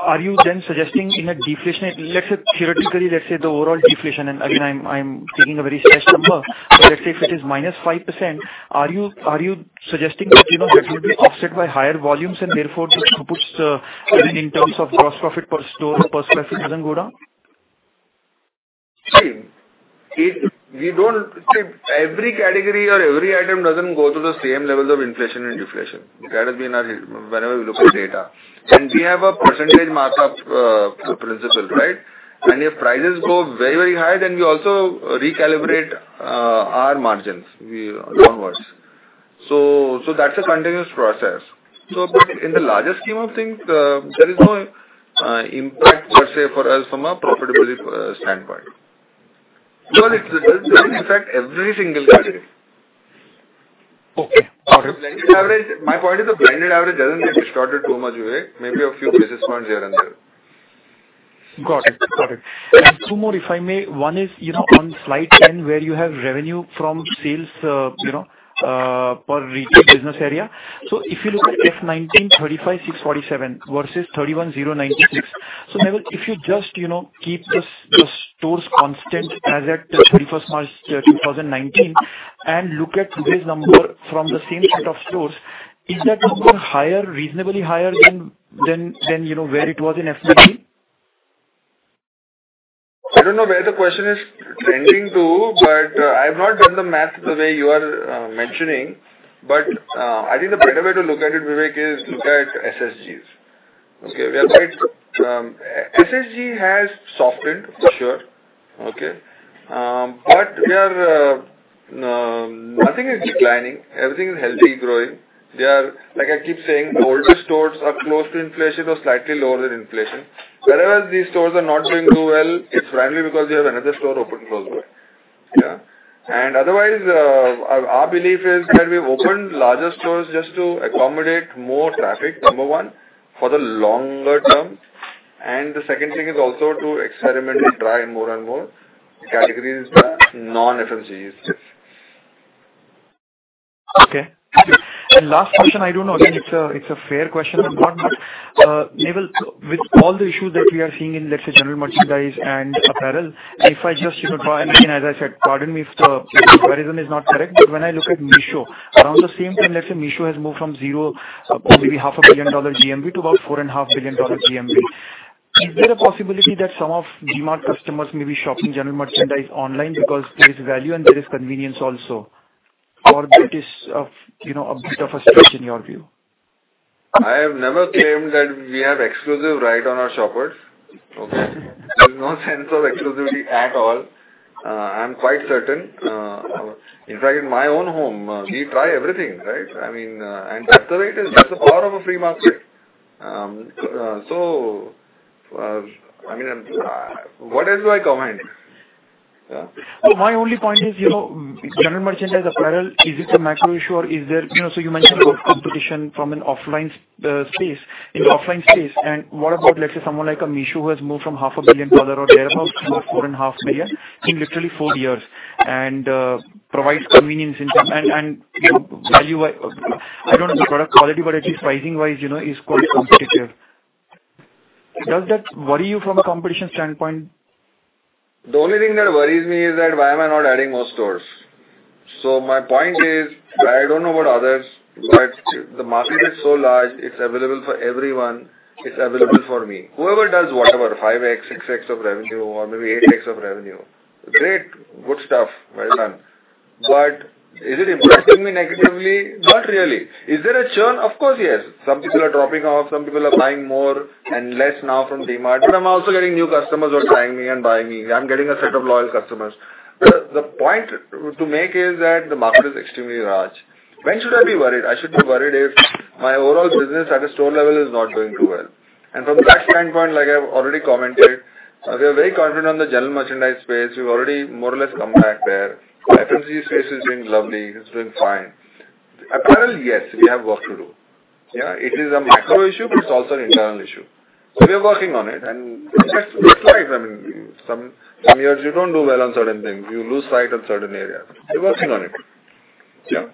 are you then suggesting in a deflation, let's say, theoretically, let's say, the overall deflation, and again, I'm taking a very large number, but let's say if it is -5%, are you suggesting that, you know, that will be offset by higher volumes and therefore this puts the—in terms of gross profit per store, per sq ft, doesn't go down? See, we don't. See, every category or every item doesn't go through the same levels of inflation and deflation. That has been our, whenever we look at data. We have a percentage mark-up principle, right? If prices go very, very high, then we also recalibrate our margins, we, downwards. That's a continuous process. In the larger scheme of things, there is no impact, let's say, for us from a profitability standpoint. It does impact every single category. Okay. Blended average—my point is, the blended average doesn't get distorted too much way, maybe a few basis points here and there. Got it. Got it. Two more, if I may. One is, you know, on slide 10, where you have revenue from sales, you know, per retail business area. If you look at FY19, 35,647 versus 31,096. Neville, if you just, you know, keep the stores constant as at 31st March 2019, and look at today's number from the same set of stores, is that number higher, reasonably higher than, you know, where it was in FY19? I don't know where the question is trending to. I've not done the math the way you are mentioning. I think the better way to look at it, Vivek, is look at SSSGs. Okay? We are quite. SSSG has softened, for sure, okay. Nothing is declining. Everything is healthy, growing. Like I keep saying, older stores are close to inflation or slightly lower than inflation. Wherever these stores are not doing too well, it's primarily because we have another store open close by. Yeah? Otherwise, our belief is that we've opened larger stores just to accommodate more traffic, number one, for the longer term. The second thing is also to experimentally try more and more categories, non-FMCGs. Okay. Last question, I don't know again, it's a fair question or not. Neville, with all the issues that we are seeing in, let's say, general merchandise and apparel, if I just, you know, and again, as I said, pardon me if the comparison is not correct, but when I look at Meesho, around the same time, let's say, Meesho has moved from 0, maybe half a billion dollar GMV to about four and a half billion dollar GMV. Is there a possibility that some of DMart customers may be shopping general merchandise online because there is value and there is convenience also? That is of, you know, a bit of a stretch in your view? I have never claimed that we have exclusive right on our shoppers, okay? There's no sense of exclusivity at all. I'm quite certain. In fact, in my own home, we try everything, right? I mean, that's the way it is. That's the power of a free market. I mean, what else do I comment? Yeah. My only point is, you know, general merchandise apparel, is it a macro issue or is there—you know, so you mentioned competition from an offline space, in the offline space. What about, let's say, someone like a Meesho, who has moved from half a billion dollar or thereabout, to four and a half billion in literally four years, and provides convenience and, and value-wise, I don't know the product quality, but at least pricing-wise, you know, is quite competitive. Does that worry you from a competition standpoint? The only thing that worries me is that why am I not adding more stores? My point is, I don't know about others, but the market is so large, it's available for everyone, it's available for me. Whoever does whatever, 5x, 6x of revenue or maybe 8x of revenue, great! Good stuff. Well done. Is it impacting me negatively? Not really. Is there a churn? Of course, yes. Some people are dropping off, some people are buying more and less now from DMart, I'm also getting new customers who are trying me and buying me. I'm getting a set of loyal customers. The point to make is that the market is extremely large. When should I be worried? I should be worried if my overall business at a store level is not doing too well. From that standpoint, like I've already commented, we are very confident on the general merchandise space. We've already more or less come back there. FMCG space is doing lovely, it's doing fine. Apparel, yes, we have work to do. Yeah, it is a macro issue, but it's also an internal issue. We are working on it, and that's life. I mean, some years you don't do well on certain things, you lose sight on certain areas. We're working on it. Yeah.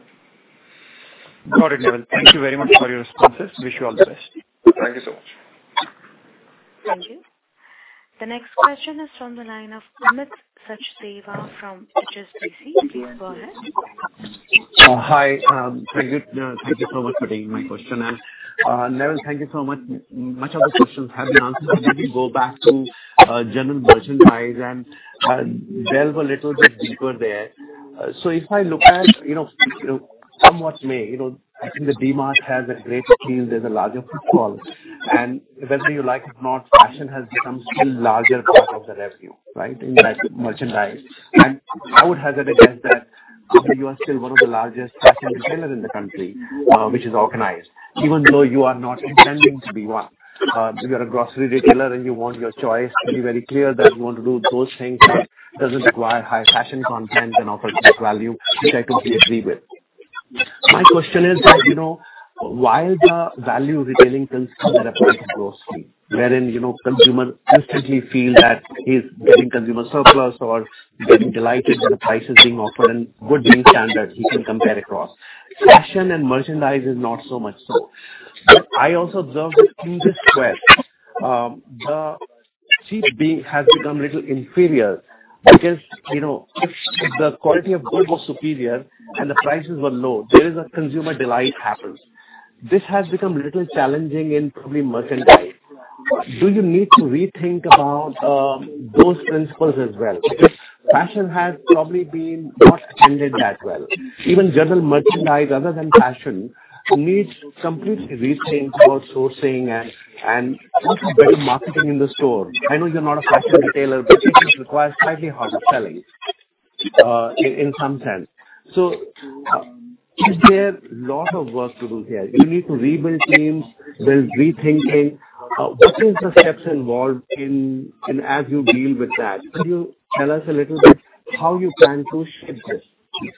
Got it, Neville. Thank you very much for your responses. Wish you all the best. Thank you so much. Thank you. The next question is from the line of Amit Sachdeva from HSBC. Please go ahead. Hi, very good. Thank you so much for taking my question. And, Neville, thank you so much. Much of the questions have been answered, let me go back to general merchandise and delve a little bit deeper there. So if I look at, you know, somewhat may, you know, I think the DMart has a great team, there's a larger football, and whether you like it or not, fashion has become still larger part of the revenue, right? In fact, merchandise. And I would hazard a guess that you are still one of the largest fashion retailer in the country, which is organized, even though you are not intending to be one. You are a grocery retailer, and you want your choice to be very clear that you want to do those things that doesn't require high fashion content and offers best value, which I totally agree with. My question is that, you know, while the value retailing principles apply to grocery, wherein, you know, consumer instantly feel that he's getting consumer surplus or getting delighted with the pricing offered and good deal standard he can compare across. Fashion and merchandise is not so much so. I also observed that in this square, the cheap being has become a little inferior, because, you know, if the quality of goods was superior and the prices were low, there is a consumer delight happens. This has become a little challenging in probably merchandise. Do you need to rethink about those principles as well? Fashion has probably been not tended that well. Even general merchandise other than fashion, needs complete rethink about sourcing and also better marketing in the store. I know you're not a fashion retailer, but it requires slightly harder selling in some sense. Is there a lot of work to do here? You need to rebuild teams, there's rethinking. What is the steps involved in as you deal with that? Could you tell us a little bit how you plan to shape this piece?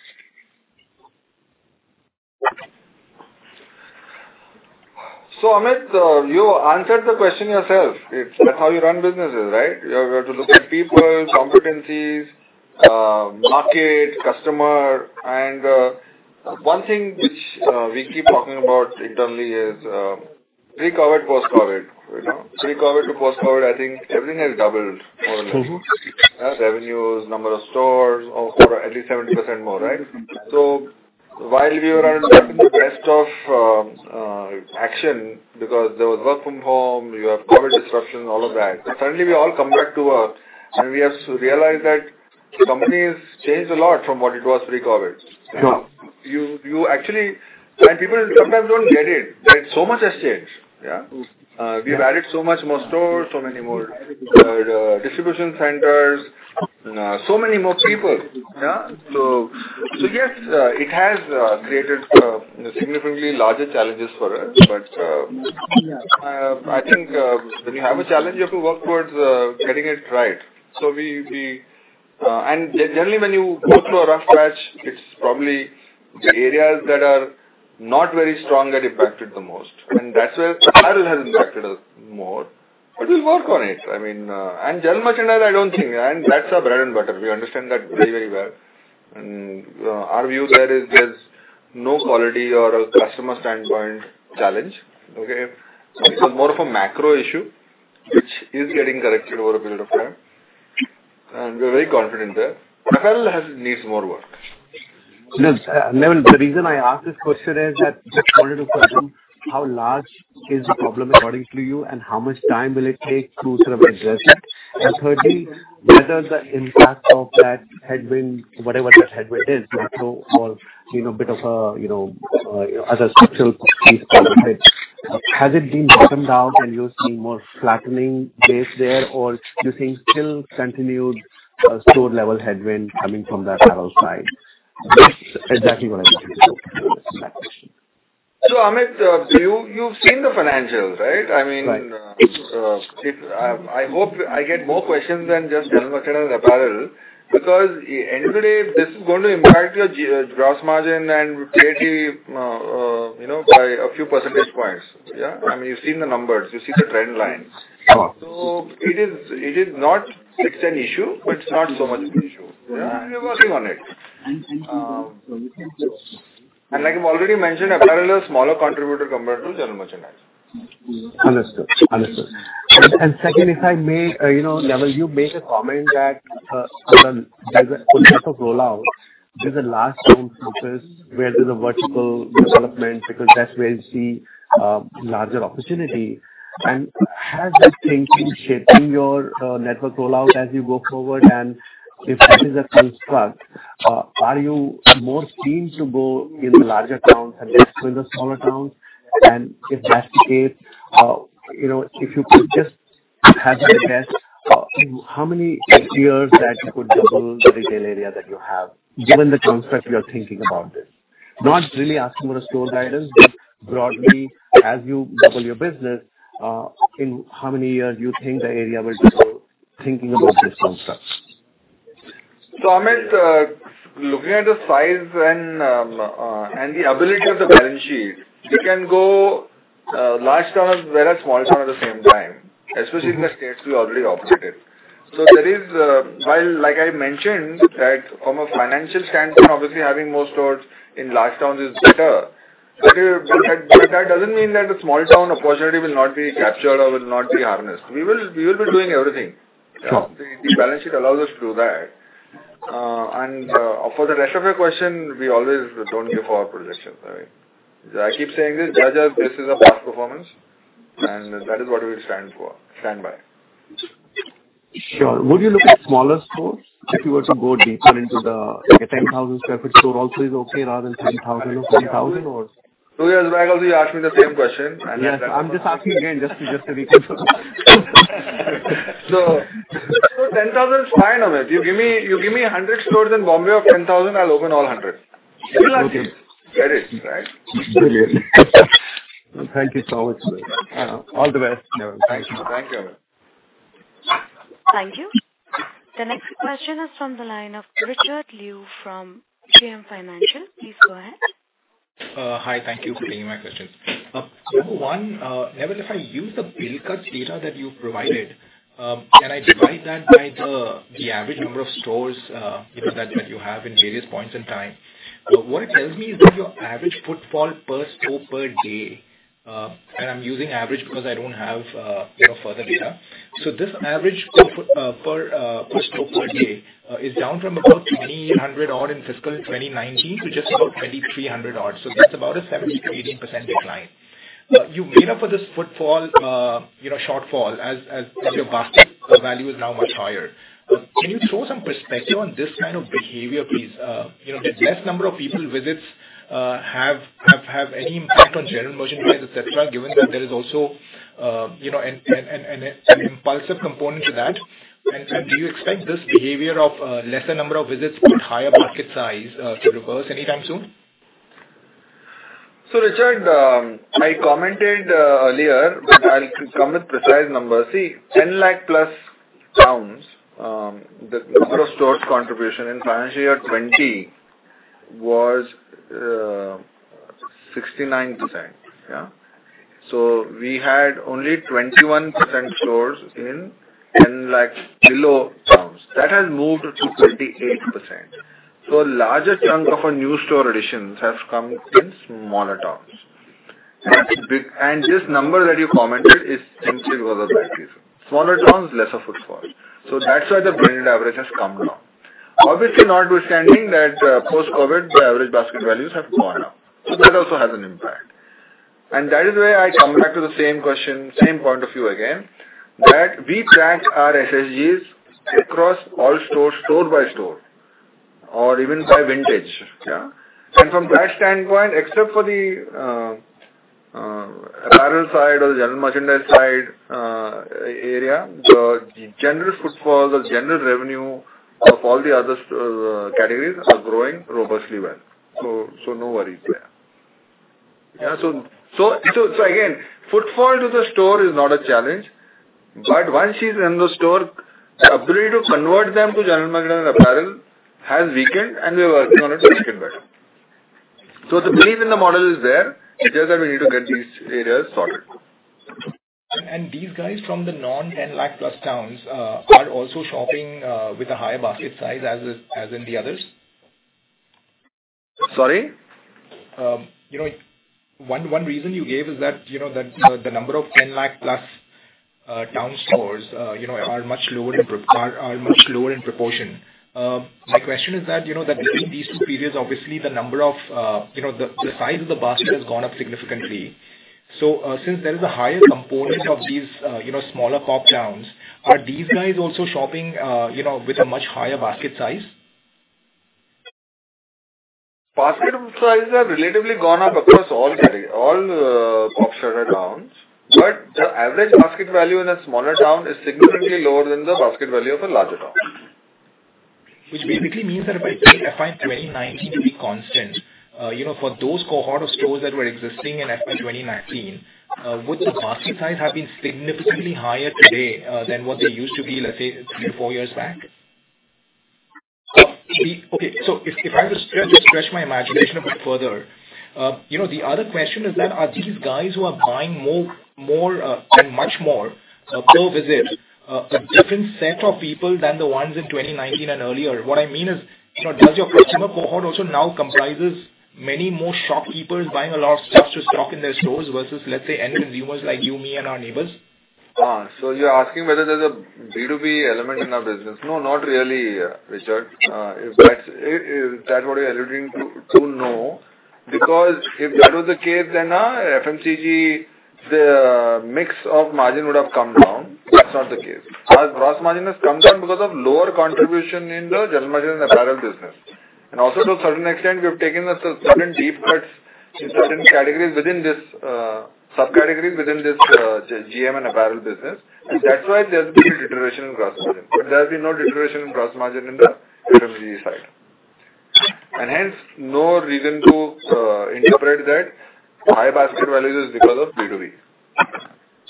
Amit, you answered the question yourself. It's how you run businesses, right? You have to look at people, competencies, market, customer, and one thing which we keep talking about internally is pre-COVID, post-COVID, you know. Pre-COVID to post-COVID, I think everything has doubled more or less. Revenues, number of stores, or at least 70% more, right? While we were in the best of action, because there was work from home, you have COVID disruption, all of that. Suddenly we all come back to work, and we have realized that companies changed a lot from what it was pre-COVID. Yeah. You actually. People sometimes don't get it that so much has changed. We've added so much more stores, so many more distribution centers, so many more people. Yes, it has created significantly larger challenges for us. I think when you have a challenge, you have to work towards getting it right. We. Generally, when you go through a rough patch, it's probably the areas that are not very strong that impacted the most, and that's where apparel has impacted us more. We'll work on it, I mean. General merchandise, I don't think, and that's our bread and butter. We understand that very, very well. Our view there is there's no quality or a customer standpoint challenge. Okay? It's more of a macro issue, which is getting corrected over a period of time, and we're very confident there. Apparel needs more work. Yes. Neville, the reason I asked this question is that just wanted to confirm how large is the problem according to you, and how much time will it take to sort of address it? Thirdly, whether the impact of that headwind, whatever that headwind is, macro or, you know, bit of a, you know, other structural piece, has it been bottomed out and you're seeing more flattening base there, or do you think still continued, store-level headwind coming from the apparel side? That is what I was looking for. Amit, you've seen the financials, right? Right. I hope I get more questions than just general merchandise apparel, because end of the day, this is going to impact your gross margin and creativity, you know, by a few percentage points. Yeah. I mean, you've seen the numbers, you've seen the trend lines. Sure. It is not an issue, but it's not so much an issue. Yeah, we're working on it. And, and— Like I've already mentioned, apparel is a smaller contributor compared to general merchandise. Understood. Understood. Second, if I may, you know, Neville, you made a comment that as a full network rollout is the last mile focus, where there's a vertical development, because that's where you see larger opportunity. Has that thinking shaping your network rollout as you go forward? If that is a construct, are you more keen to go in larger towns than with the smaller towns? If that's the case, you know, if you could just hazard a guess, how many years that you could double the retail area that you have, given the construct you are thinking about this? Not really asking for a store guidance, but broadly, as you double your business, in how many years you think the area will double, thinking about this construct? Amit, looking at the size and the ability of the balance sheet, we can go large towns whereas small town at the same time, especially in the states we already operated. There is While, like I mentioned, that from a financial standpoint, obviously, having more stores in large towns is better, but that doesn't mean that the small town opportunity will not be captured or will not be harnessed. We will be doing everything. Sure. The balance sheet allows us to do that. For the rest of your question, we always don't give our projections, all right? I keep saying this, judge us, this is a past performance, and that is what we stand for, stand by. Sure. Would you look at smaller stores if you were to go deeper into the, like a 10,000 sq ft store also is okay, rather than 10,000 or 20,000 or? Two years back, you asked me the same question. Yes, I'm just asking again, just to recall. 10,000 is fine, Amit. You give me, you give me 100 stores in Bombay of 10,000, I'll open all 100. Okay. Got it, right? Brilliant. Thank you so much, sir. All the best. Thank you. Thank you. Thank you. The next question is from the line of Richard Liu from JM Financial. Please go ahead. Hi, thank you for taking my questions. number one, Neville, if I use the bill counts data that you provided, and I divide that by the average number of stores, you know, that you have in various points in time, what it tells me is that your average footfall per store per day, and I'm using average because I don't have, you know, further data. This average foot per store per day is down from about 2,000 odd in fiscal 2019 to just about 2,300 odds. That's about a 70%-80% decline. You made up for this footfall, you know, shortfall, as your basket value is now much higher. Can you throw some perspective on this kind of behavior, please? you know, did less number of people visits, have any impact on general merchandise, et cetera, given that there is also, you know, an impulsive component to that? Do you expect this behavior of, lesser number of visits but higher basket size, to reverse anytime soon? Richard, I commented earlier, but I'll come with precise numbers. The number of stores contribution in financial year 2020 was 69%. Yeah. We had only 21% stores in, like, below towns. That has moved to 28%. Larger chunk of our new store additions have come in smaller towns. This number that you commented is simply because of that reason. Smaller towns, lesser footfall. That's why the blended average has come down. Obviously, notwithstanding that, post-COVID, the average basket values have gone up, so that also has an impact. That is why I come back to the same question, same point of view again, that we track our SSSGs across all stores, store by store, or even by vintage, yeah? From that standpoint, except for the apparel side or the general merchandise side area, the general footfall, the general revenue of all the other categories are growing robustly well. No worries there. Again, footfall to the store is not a challenge, but once she's in the store, our ability to convert them to general merchandise and apparel has weakened, and we are working on it to get better. The belief in the model is there, it's just that we need to get these areas sorted. These guys from the non-10 lakh plus towns, are also shopping, with a higher basket size as in the others? Sorry? you know, one reason you gave is that, you know, that the number of 10 lakh plus town stores, you know, are much lower in proportion. My question is that, you know, that between these 2 periods, obviously, the number of, you know, the size of the basket has gone up significantly. since there is a higher component of these, you know, smaller pop towns, are these guys also shopping, you know, with a much higher basket size? Basket sizes are relatively gone up across all category, all, Pop-strata towns, but the average basket value in a smaller town is significantly lower than the basket value of a larger town. Which basically means that if I take FY 2019 to be constant, you know, for those cohort of stores that were existing in FY 2019, would the basket size have been significantly higher today, than what they used to be, let's say, three, four years back? If, if I were to stretch my imagination a bit further, you know, the other question is that, are these guys who are buying more, and much more, per visit, a different set of people than the ones in 2019 and earlier? What I mean is, you know, does your customer cohort also now comprises many more shopkeepers buying a lot of stuff to stock in their stores versus, let's say, end consumers like you, me, and our neighbors? You're asking whether there's a B2B element in our business? No, not really, Richard. If that's, if that's what you're alluding to, no, because if that was the case, then our FMCG, the mix of margin would have come down. That's not the case. Our gross margin has come down because of lower contribution in the general merchandise and apparel business. Also to a certain extent, we have taken a certain deep cuts in certain categories within this subcategory within this GM and apparel business. That's why there's been deterioration in gross margin, but there has been no deterioration in gross margin in the FMCG side. Hence, no reason to interpret that high basket values is because of B2B.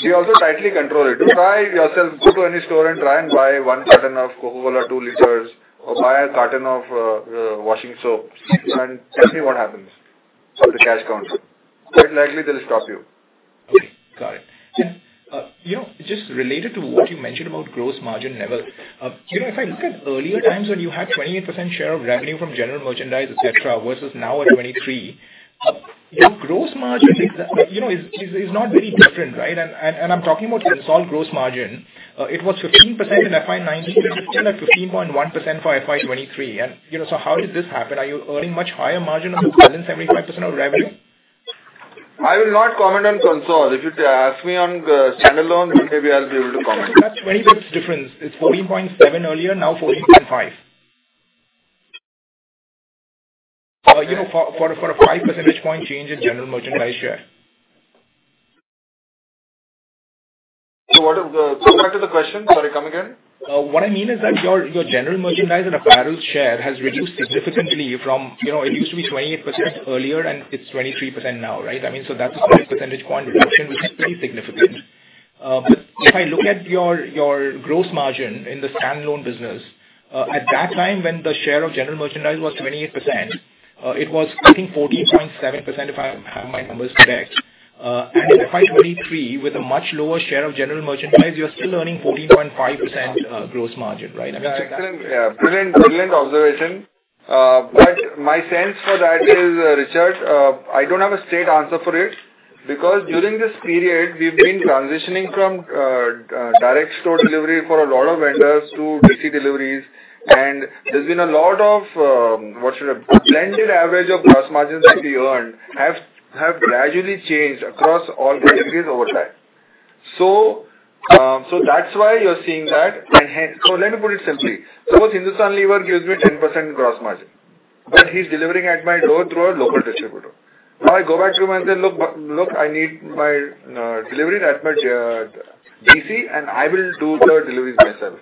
We also tightly control it. To try yourself, go to any store and try and buy one carton of Coca-Cola, 2 liters, or buy a carton of washing soap, and tell me what happens at the cash counter. Quite likely they'll stop you. Okay, got it. You know, just related to what you mentioned about gross margin level, you know, if I look at earlier times when you had 28% share of revenue from general merchandise, et cetera, versus now at 23, your gross margin, you know, is not very different, right? I'm talking about consolidated gross margin. It was 15% in FY19 and 15.1% for FY23. You know, how did this happen? Are you earning much higher margin on the more than 75% of revenue? I will not comment on consult. If you'd ask me on the standalone, maybe I'll be able to comment. That's 20 points difference. It's 14.7 earlier, now 14.5. you know, for a 5 percentage point change in general merchandise share. Go back to the question. Sorry, come again? What I mean is that your general merchandise and apparel share has reduced significantly from, you know, it used to be 28% earlier, and it's 23% now, right? I mean, that's a 5 percentage point reduction, which is pretty significant. If I look at your gross margin in the standalone business, at that time when the share of general merchandise was 28%, it was, I think, 14.7%, if I have my numbers correct. In FY 2023, with a much lower share of general merchandise, you're still earning 14.5%, gross margin, right? Yeah, excellent, yeah, brilliant observation. My sense for that is, Richard, I don't have a straight answer for it, because during this period, we've been transitioning from direct store delivery for a lot of vendors to DC deliveries, and there's been a lot of, what should I blended average of gross margins that we earned have gradually changed across all categories over time. That's why you're seeing that. Hence, let me put it simply: Suppose Hindustan Lever gives me 10% gross margin, but he's delivering at my door through a local distributor. Now, I go back to him and say: Look, I need my delivery at my DC, and I will do the deliveries myself.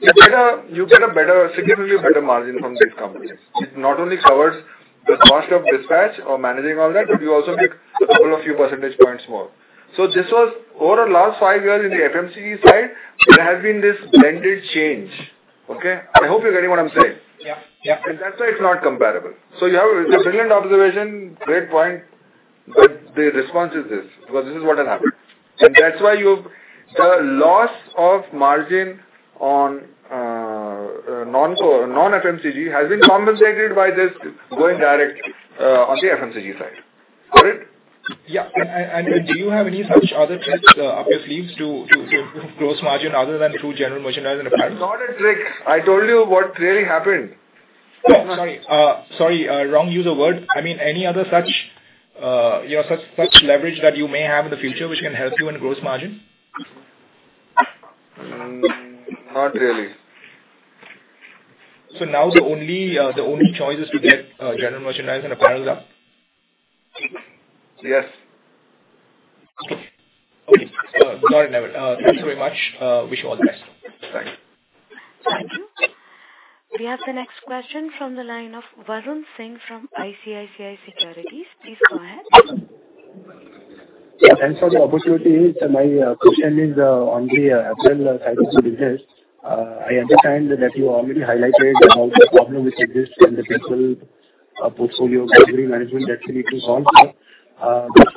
You get a better, significantly better margin from this company. It not only covers the cost of dispatch or managing all that, but you also make a couple of few percentage points more. This was over the last five years in the FMCG side, there has been this blended change. Okay? I hope you're getting what I'm saying. Yeah. Yeah. That's why it's not comparable. You have a brilliant observation, great point, but the response is this, because this is what has happened. That's why the loss of margin on non-FMCG has been compensated by this going direct on the FMCG side. Got it? Yeah. Do you have any such other tricks up your sleeves to gross margin other than through general merchandise and apparel? It's not a trick. I told you what really happened. Sorry. sorry, wrong use of word. I mean, any other such, you know, such leverage that you may have in the future, which can help you in gross margin? Not really. Now the only, the only choice is to get, general merchandise and apparel up? Yes. Okay. Okay. got it, Neville. Thank you very much. Wish you all the best. Thanks. Thank you. We have the next question from the line of Varun Singh from ICICI Securities. Please go ahead. Thanks for the opportunity. My question is on the apparel side of the business. I understand that you already highlighted about the problem which exists in the digital portfolio, delivery management that you need to solve.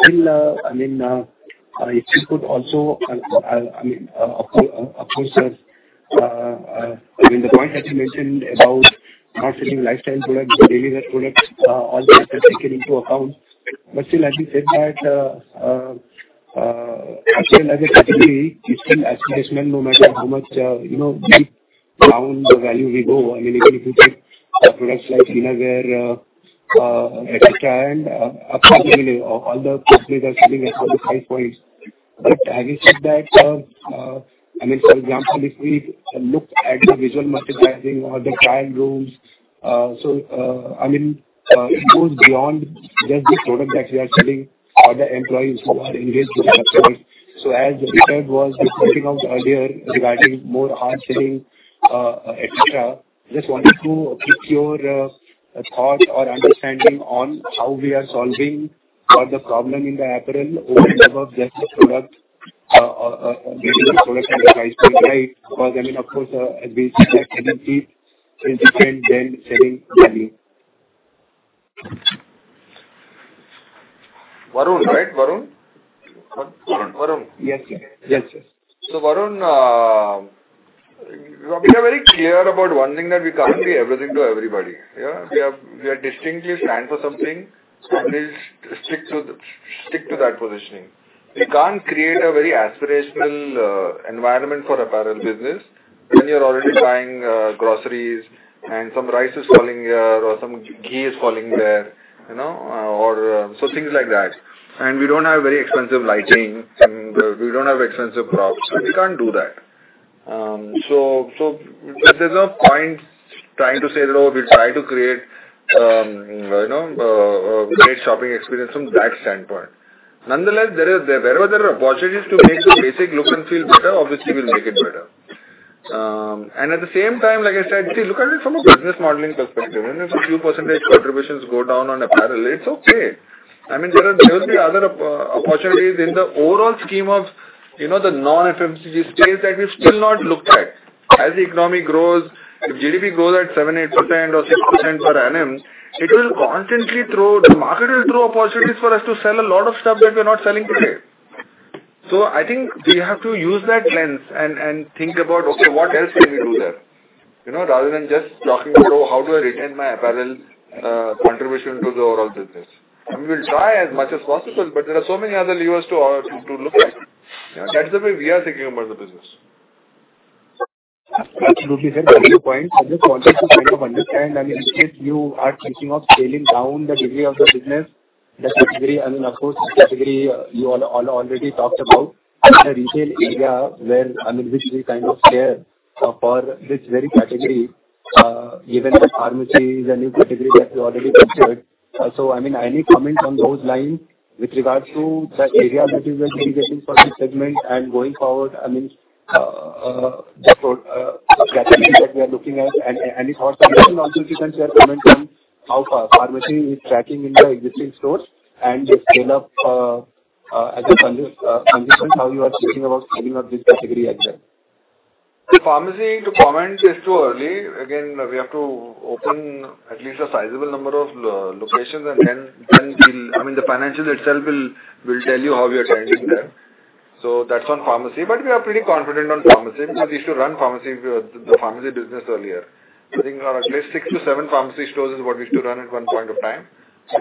Still, I mean, if you could also, I mean, of course, I mean, the point that you mentioned about not selling lifestyle products or daily wear products, all that has taken into account. Still, as you said, that, as well as a category, it's still aspirational, no matter how much, you know, deep down the value we go. I mean, even if you take products like Innerwear, et cetera, and apparently all the categories are sitting at 45 points. Having said that, I mean, for example, if we look at the visual merchandising or the try-on rooms, I mean, it goes beyond just the product that we are selling or the employees who are engaged with the website. As the concern was the pointing out earlier regarding more hard selling, et cetera, just wanted to pick your thought or understanding on how we are solving all the problem in the apparel over and above just the product, getting the product and the price point, right? I mean, of course, as we said, everything different than selling value. Varun, right? Varun? Varun. Yes. Yes, yes. Varun, we are very clear about one thing, that we can't be everything to everybody. Yeah, we are distinctly stand for something, and we stick to that positioning. You can't create a very aspirational environment for apparel business when you're already buying groceries, and some rice is falling here or some ghee is falling there, you know, or. Things like that. We don't have very expensive lighting, and we don't have expensive crops. We can't do that. There's no point trying to say that, "Oh, we'll try to create, you know, a great shopping experience from that standpoint." Nonetheless, there were other opportunities to make the basic look and feel better. Obviously, we'll make it better. At the same time, like I said, see, look at it from a business modeling perspective. Even if a few percentage contributions go down on apparel, it's okay. I mean, there will be other opportunities in the overall scheme of, you know, the non-FMCG space that we've still not looked at. As the economy grows, if GDP grows at 7%, 8% or 6% per annum, the market will throw opportunities for us to sell a lot of stuff that we're not selling today. I think we have to use that lens and think about, okay, what else can we do there? You know, rather than just talking about how do I retain my apparel contribution to the overall business. We'll try as much as possible, but there are so many other levers to look at. That's the way we are thinking about the business. Absolutely, sir. Good point. I just wanted to kind of understand, I mean, in case you are thinking of scaling down the degree of the business, the category, I mean, of course, category, you all already talked about the retail area where, I mean, which we kind of care for this very category, even the pharmacies and new category that you already pictured. I mean, any comment on those lines with regards to the area that is engaging for this segment and going forward, I mean, the category that we are looking at and if also you can share comment on how pharmacy is tracking in the existing stores and the scale of, I think, consistent, how you are thinking about scaling up this category as well. Pharmacy, to comment is too early. Again, we have to open at least a sizable number of locations, and then we'll I mean, the financial itself will tell you how we are trending there. That's on pharmacy. We are pretty confident on pharmacy, because we used to run pharmacy, the pharmacy business earlier. I think at least 6 to 7 pharmacy stores is what we used to run at one point of time.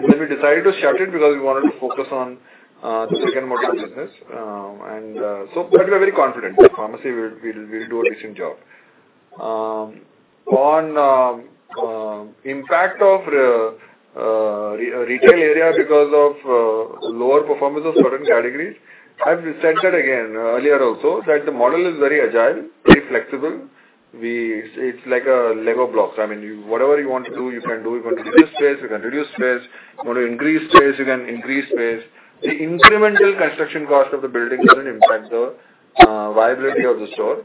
We decided to shut it because we wanted to focus on the second model business. We are very confident that pharmacy, we'll do a decent job. On impact of retail area because of lower performance of certain categories, I've said that again earlier also, that the model is very agile, very flexible. It's like a Lego blocks. I mean, you, whatever you want to do, you can do. You want to reduce space, you can reduce space. You want to increase space, you can increase space. The incremental construction cost of the building doesn't impact the viability of the store.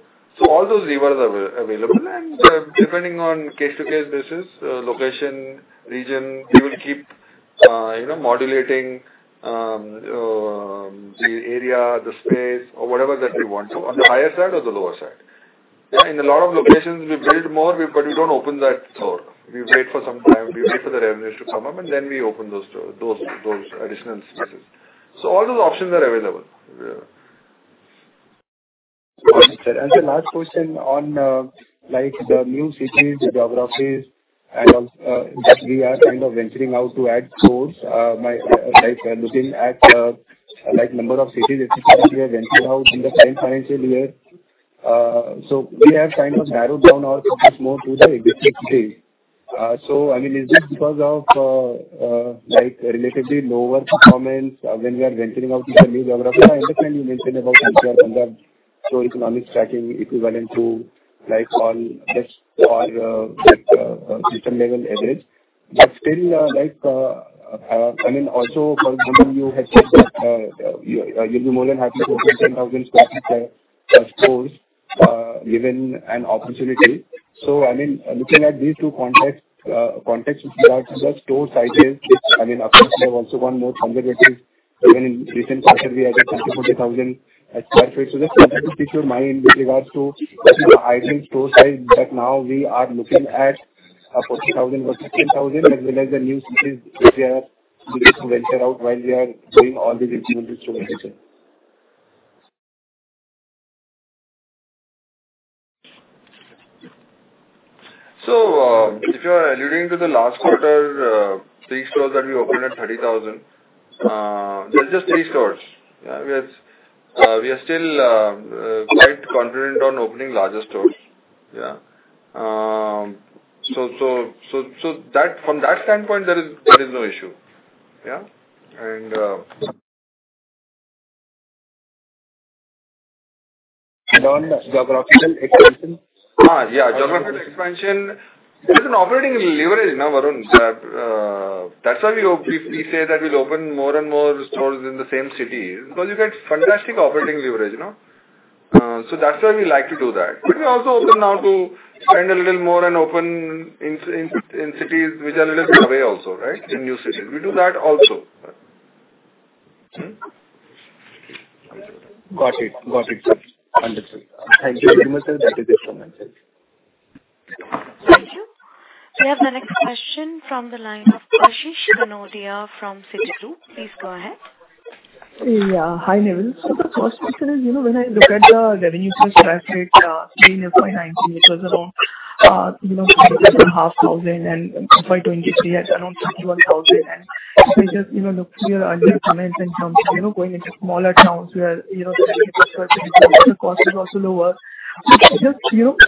All those levers are available, and, depending on case-to-case basis, location, region, we will keep, you know, modulating the area, the space, or whatever that we want. On the higher side or the lower side. Yeah, in a lot of locations we build more, we, but we don't open that store. We wait for some time, we wait for the revenues to come up, and then we open those store, those additional spaces. All those options are available. Yeah. Understood. The last question on, like, the new cities, the geographies, that we are kind of venturing out to add stores, like, looking at, like, number of cities that we have ventured out in the current financial year. We have kind of narrowed down our focus more to the existing cities. I mean, is this because of, like, relatively lower performance, when we are venturing out into the new geography? I understand you mentioned about Bangalore, so economic tracking equivalent to, like, all just or, like, system level average. Still, like, I mean, also, for example, you had said that, you'll be more than happy to open 10,000 sq ft of stores, given an opportunity. Looking at these two contexts with regards to the store sizes, which, I mean, of course, we have also one more congregated, even in recent quarter, we had a 30,000-40,000 sq ft. Just if you mind with regards to item store size, that now we are looking at a 40,000 or 15,000 as we like the new cities, if we are looking to venture out while we are doing all these improvements to the business. If you are alluding to the last quarter, 3 stores that we opened at 30,000, there are just 3 stores. Yeah, we are still quite confident on opening larger stores. Yeah. So that, from that standpoint, there is no issue. Yeah? On geographical expansion? Yeah, geographical expansion. It's an operating leverage, now, Varun. That's why we say that we'll open more and more stores in the same city, because you get fantastic operating leverage, you know? That's why we like to do that. We also open now to spend a little more and open in cities which are a little bit away also, right? In new cities. We do that also. Got it. Got it, sir. Wonderful. Thank you very much, sir. That is it from my side. Thank you. We have the next question from the line of Ashish Kanodia from Citigroup. Please go ahead. Yeah. Hi, Neville. The first question is, you know, when I look at the revenue per sq ft, in FY19, it was around, you know, seven and a half thousand, and FY23 had around 51,000. I just, you know, look to your earlier comments in terms of, you know, going into smaller towns where, you know, the cost is also lower. You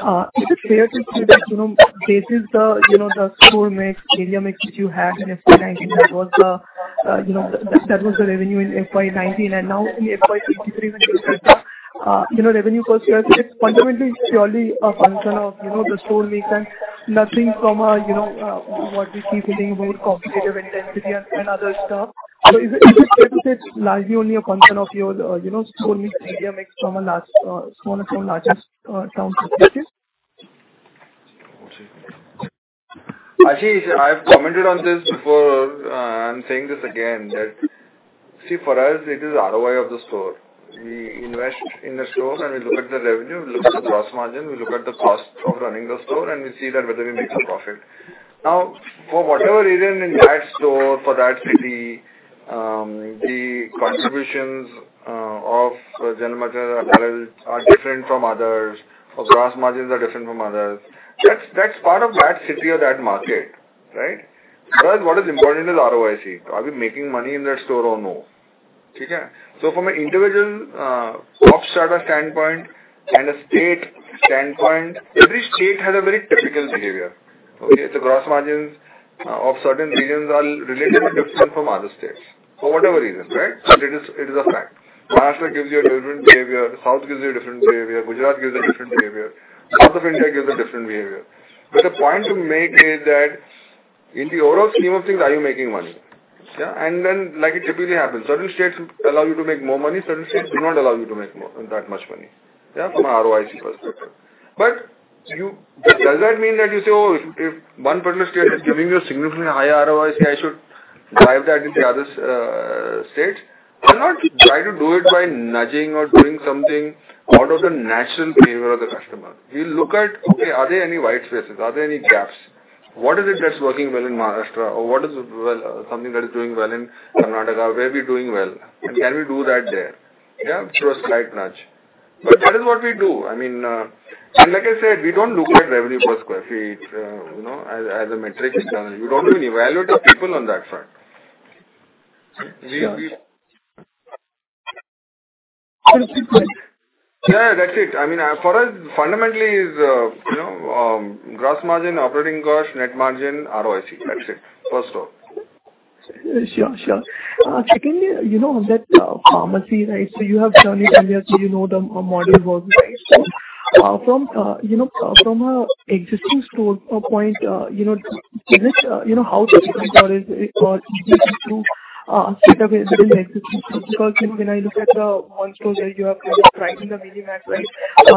know, is it fair to say that, you know, this is the, you know, the store mix, area mix, which you had in FY19? That was the, you know, that was the revenue in FY 2019, and now in FY 2023, you know, revenue per square feet, fundamentally, it's surely a function of, you know, the store mix and nothing from a, you know, what we see fitting about competitive intensity and other stuff. Is it fair to say it's largely only a function of your, you know, store mix, area mix from a large, smaller to larger, towns and cities? Ashish, I've commented on this before, I'm saying this again, that see, for us it is ROI of the store. We invest in the stores and we look at the revenue, we look at the gross margin, we look at the cost of running the store, and we see that whether we make a profit. Now, for whatever reason in that store, for that city, the contributions of general material are different from others or gross margins are different from others. That's, that's part of that city or that market, right? Because what is important is the ROIC. Are we making money in that store or no? So from an individual, pop starter standpoint and a state standpoint, every state has a very typical behavior. Okay? The gross margins of certain regions are relatively different from other states, for whatever reason, right? It is, it is a fact. Maharashtra gives you a different behavior, South gives you a different behavior, Gujarat gives a different behavior, South of India gives a different behavior. The point to make is that in the overall scheme of things, are you making money? Yeah. Like it typically happens, certain states allow you to make more money, certain states do not allow you to make that much money, yeah, from a ROIC perspective. Does that mean that you say, "Oh, if one particular state is giving you a significantly higher ROIC, I should drive that into the other states?" Why not try to do it by nudging or doing something out of the natural behavior of the customer? We look at, okay, are there any white spaces? Are there any gaps? What is it that's working well in Maharashtra or what is, well, something that is doing well in Karnataka, where we're doing well, and can we do that there? Yeah, through a slight nudge. That is what we do. I mean, and like I said, we don't look at revenue per square feet, you know, as a metric. We don't do any evaluative people on that front. Sure. That's it. I mean, for us, fundamentally is, you know, gross margin, operating cost, net margin, ROIC. That's it. First of all. Sure, sure. Secondly, you know, that pharmacy, right? You have done it earlier, so you know the model works, right? From, you know, from a existing store point, you know, is it, you know, how difficult is it or easy to set up a little existing store? Because, you know, when I look at the one store that you have right in the mini-map, right,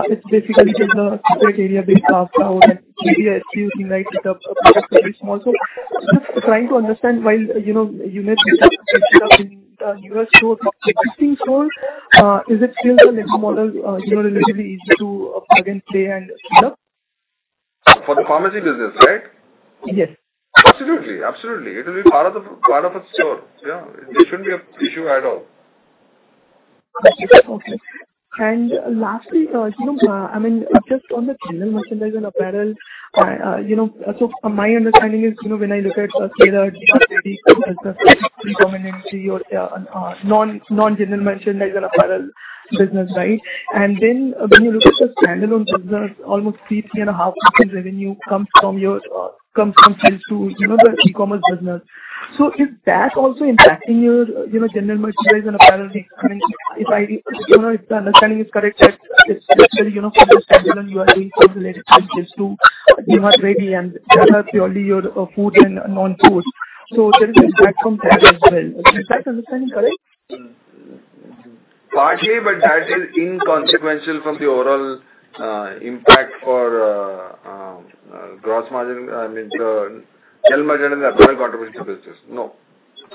it's basically just a separate area based off our area. You write it up very small. Just trying to understand while, you know, you need to set up in a newer store from existing store, is it still the next model, you know, relatively easy to plug and play and scale up? For the pharmacy business, right? Yes. Absolutely, absolutely. It will be part of a store. Yeah. It shouldn't be a issue at all. Okay. Lastly, you know, I mean, just on the general merchandise and apparel, you know, from my understanding is, you know, when I look at Zara, H&M, predominantly or non-general merchandise and apparel business, right? When you look at the standalone business, almost 50 and a half % revenue comes from your, comes from sales to, you know, the e-commerce business. Is that also impacting your, you know, general merchandise and apparel mix? I mean, if I, you know, if the understanding is correct, that it's actually, you know, for the standalone, you are being related to, you have ready and that are purely your, food and non-food. There is impact from that as well. Is that understanding correct? Partly, that is inconsequential from the overall impact for gross margin, I mean, the general margin in the apparel contribution business. No.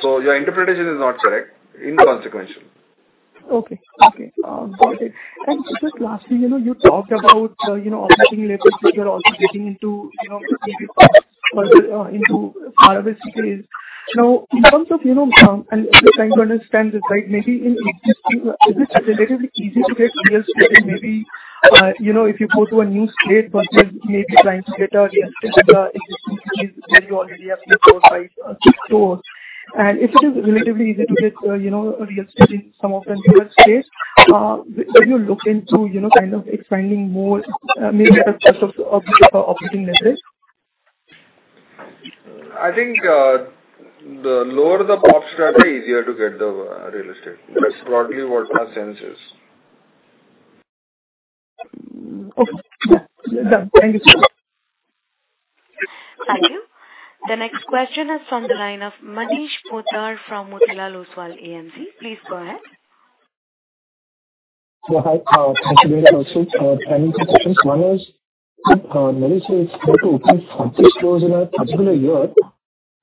Your interpretation is not correct. Inconsequential. Okay. Okay. Just lastly, you know, you talked about, you know, operating levels, which you're also getting into, you know, into RRC phase. Now, in terms of, you know, just trying to understand this, right? Maybe in existing, is it relatively easy to get real estate and maybe, you know, if you go to a new state versus maybe trying to get a existing where you already have your store, right, 2 stores. If it is relatively easy to get, you know, real estate in some of the newer states, will you look into, you know, kind of expanding more, maybe at a cost of, operating leverage? I think, the lower the pop strata, easier to get the real estate. That's broadly what my sense is. Okay. Yeah. Thank you, sir. Thank you. The next question is from the line of Manish Poddar from Motilal Oswal AMC. Please go ahead. Hi, thank you very much for taking the questions. One is, let me say it's hard to open 40 stores in a particular year.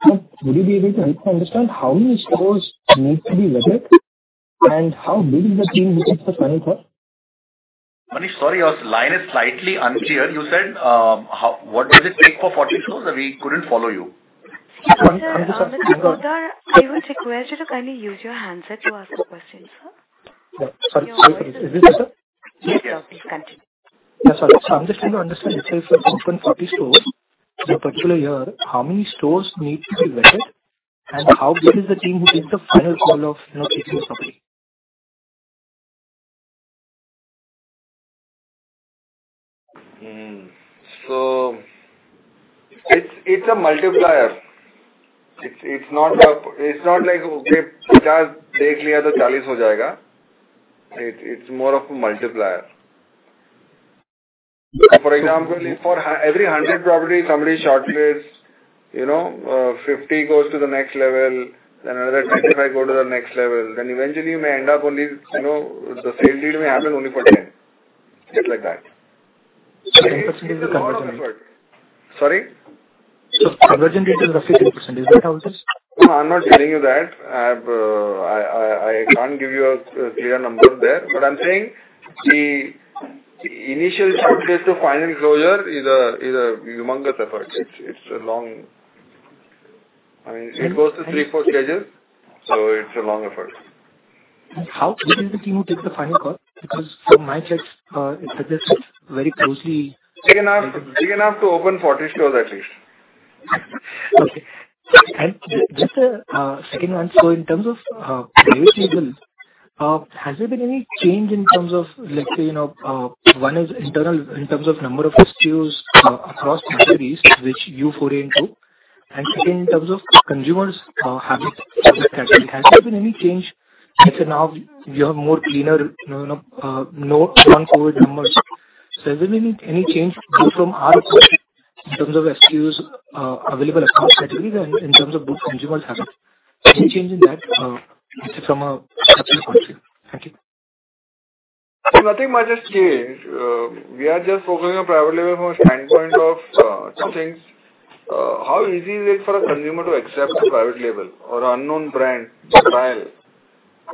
Would you be able to help me understand how many stores need to be vetted and how big is the team which takes the final call? Manish, sorry, your line is slightly unclear. You said, what does it take for 40 stores? We couldn't follow you. Sir, Mr. Poddar, I will request you to kindly use your handset to ask the question, sir. Yeah. Sorry. Is this better? Yes, sir. Please continue. Yeah, sorry. I'm just trying to understand, let's say, if you open 40 stores in a particular year, how many stores need to be vetted, and how big is the team who takes the final call of, you know, taking the property? It's a multiplier. It's not like it's more of a multiplier. For example, if for every 100 properties, somebody shortlists, you know, 50 goes to the next level, then another 25 go to the next level, then eventually you may end up only, you know, the same deal may happen only for 10. Just like that. 10% is the conversion rate? Sorry? Conversion rate is roughly 10%. Is that how it is? No, I'm not telling you that. I've, I can't give you a clear number there. I'm saying the initial short list to final closure is a humongous effort. I mean, it goes to three, four stages, so it's a long effort. How big is the team who takes the final call? Because from my checks, it suggests it's very closely. Big enough, big enough to open 40 stores, at least. Okay. Just second one, in terms of private label, has there been any change in terms of let's say, you know, one is internal, in terms of number of SKUs across categories which you foray into, and second, in terms of consumers habits? Has there been any change? For now, you have more cleaner, you know, more advanced forward numbers. Has there been any change from our side in terms of SKUs available across categories and in terms of good consumer habits? Any change in that from a customer point of view? Thank you. Nothing much has changed. We are just focusing on private label from a standpoint of, two things: how easy is it for a consumer to accept a private label or an unknown brand to try it,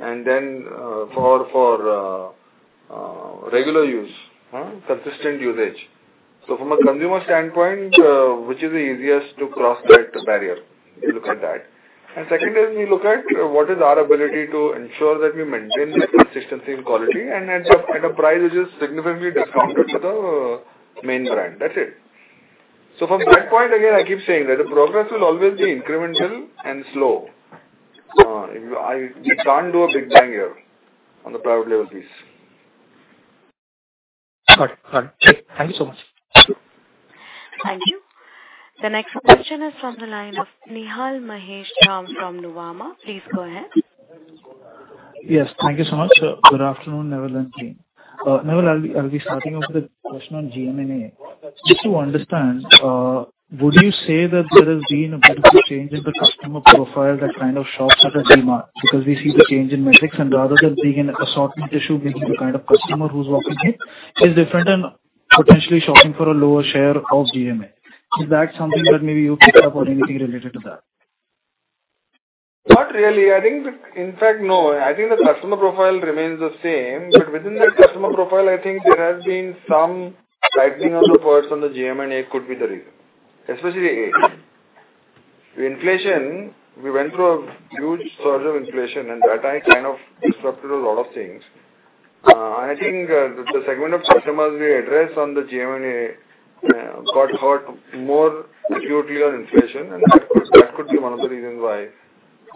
and then, for regular use, huh, consistent usage. From a consumer standpoint, which is the easiest to cross that barrier? We look at that. Secondly, we look at what is our ability to ensure that we maintain the consistency and quality, and at a, at a price which is significantly discounted to the main brand. That's it. From that point, again, I keep saying that the progress will always be incremental and slow. I, we can't do a big bang here on the private label piece. Got it. Got it. Thank you so much. Thank you. The next question is from the line of Nihal Mahesh Ram from Nuvama. Please go ahead. Yes, thank you so much. Good afternoon, Neville and team. Neville, I'll be starting off with a question on GM&A. Just to understand, would you say that there has been a bit of a change in the customer profile that kind of shops at the DMart? We see the change in metrics, and rather than being an assortment issue, being the kind of customer who's walking in is different and potentially shopping for a lower share of GM&A. Is that something that maybe you picked up or anything related to that? Not really. In fact, no. I think the customer profile remains the same. Within that customer profile, I think there has been some tightening of the purse on the GM&A could be the reason, especially A. The inflation, we went through a huge surge of inflation. That kind of disrupted a lot of things. I think the segment of customers we address on the GM&A got hurt more acutely on inflation. That could be one of the reasons why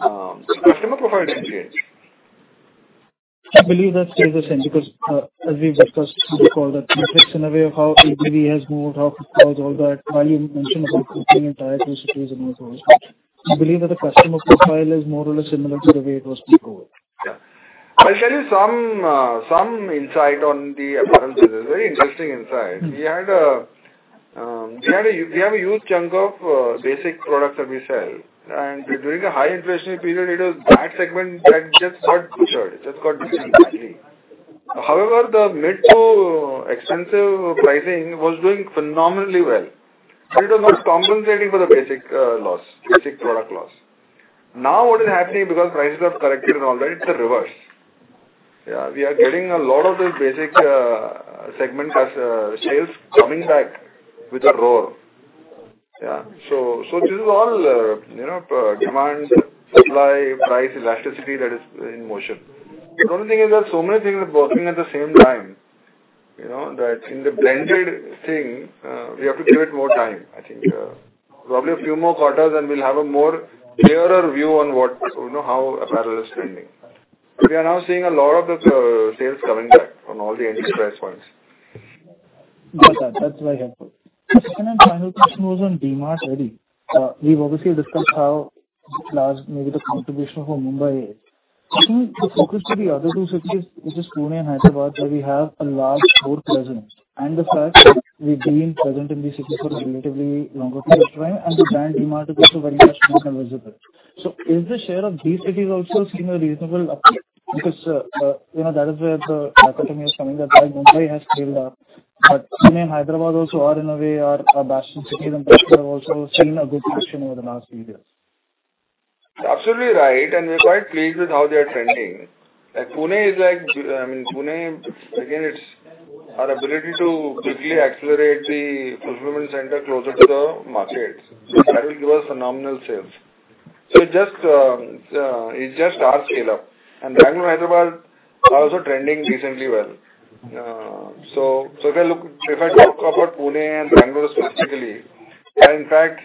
the customer profile didn't change. I believe that makes sense, because, as we've discussed before, the metrics in a way of how ABV has moved, how all that, while you mentioned about cooking entire cities and also, you believe that the customer profile is more or less similar to the way it was before? Yeah. I'll tell you some insight on the apparel business. Very interesting insight. We have a huge chunk of basic products that we sell. During the high inflationary period, it was that segment that just got pushed, it just got pushed actually. However, the mid to expensive pricing was doing phenomenally well, but it was not compensating for the basic loss, basic product loss. What is happening because prices have corrected and all that, it's the reverse. Yeah, we are getting a lot of the basic segment as sales coming back with a roar. Yeah. This is all, you know, demand, supply, price elasticity that is in motion. The only thing is there are so many things working at the same time, you know, that in the blended thing, we have to give it more time, I think. Probably a few more quarters, and we'll have a more clearer view on what—you know, how apparel is trending. We are now seeing a lot of the sales coming back from all the entry price points. Got that. That's very helpful. Second and final question was on DMart Ready. We've obviously discussed how large maybe the contribution for Mumbai is. I think the focus to the other two cities, which is Pune and Hyderabad, where we have a large store presence and the fact that we've been present in these cities for a relatively longer period of time, and the brand DMart is also very much known and visible. Is the share of these cities also seeing a reasonable uptake? You know, that is where the dichotomy is coming, that while Mumbai has scaled up, but Pune and Hyderabad also are, in a way, are our bastion cities and have also seen a good traction over the last few years. Absolutely right. We're quite pleased with how they are trending. Like, Pune is like, I mean, Pune, again, it's our ability to quickly accelerate the fulfillment center closer to the markets. That will give us phenomenal sales. It's just our scale up. Bangalore, Hyderabad are also trending decently well. If I talk about Pune and Bangalore specifically, and in fact,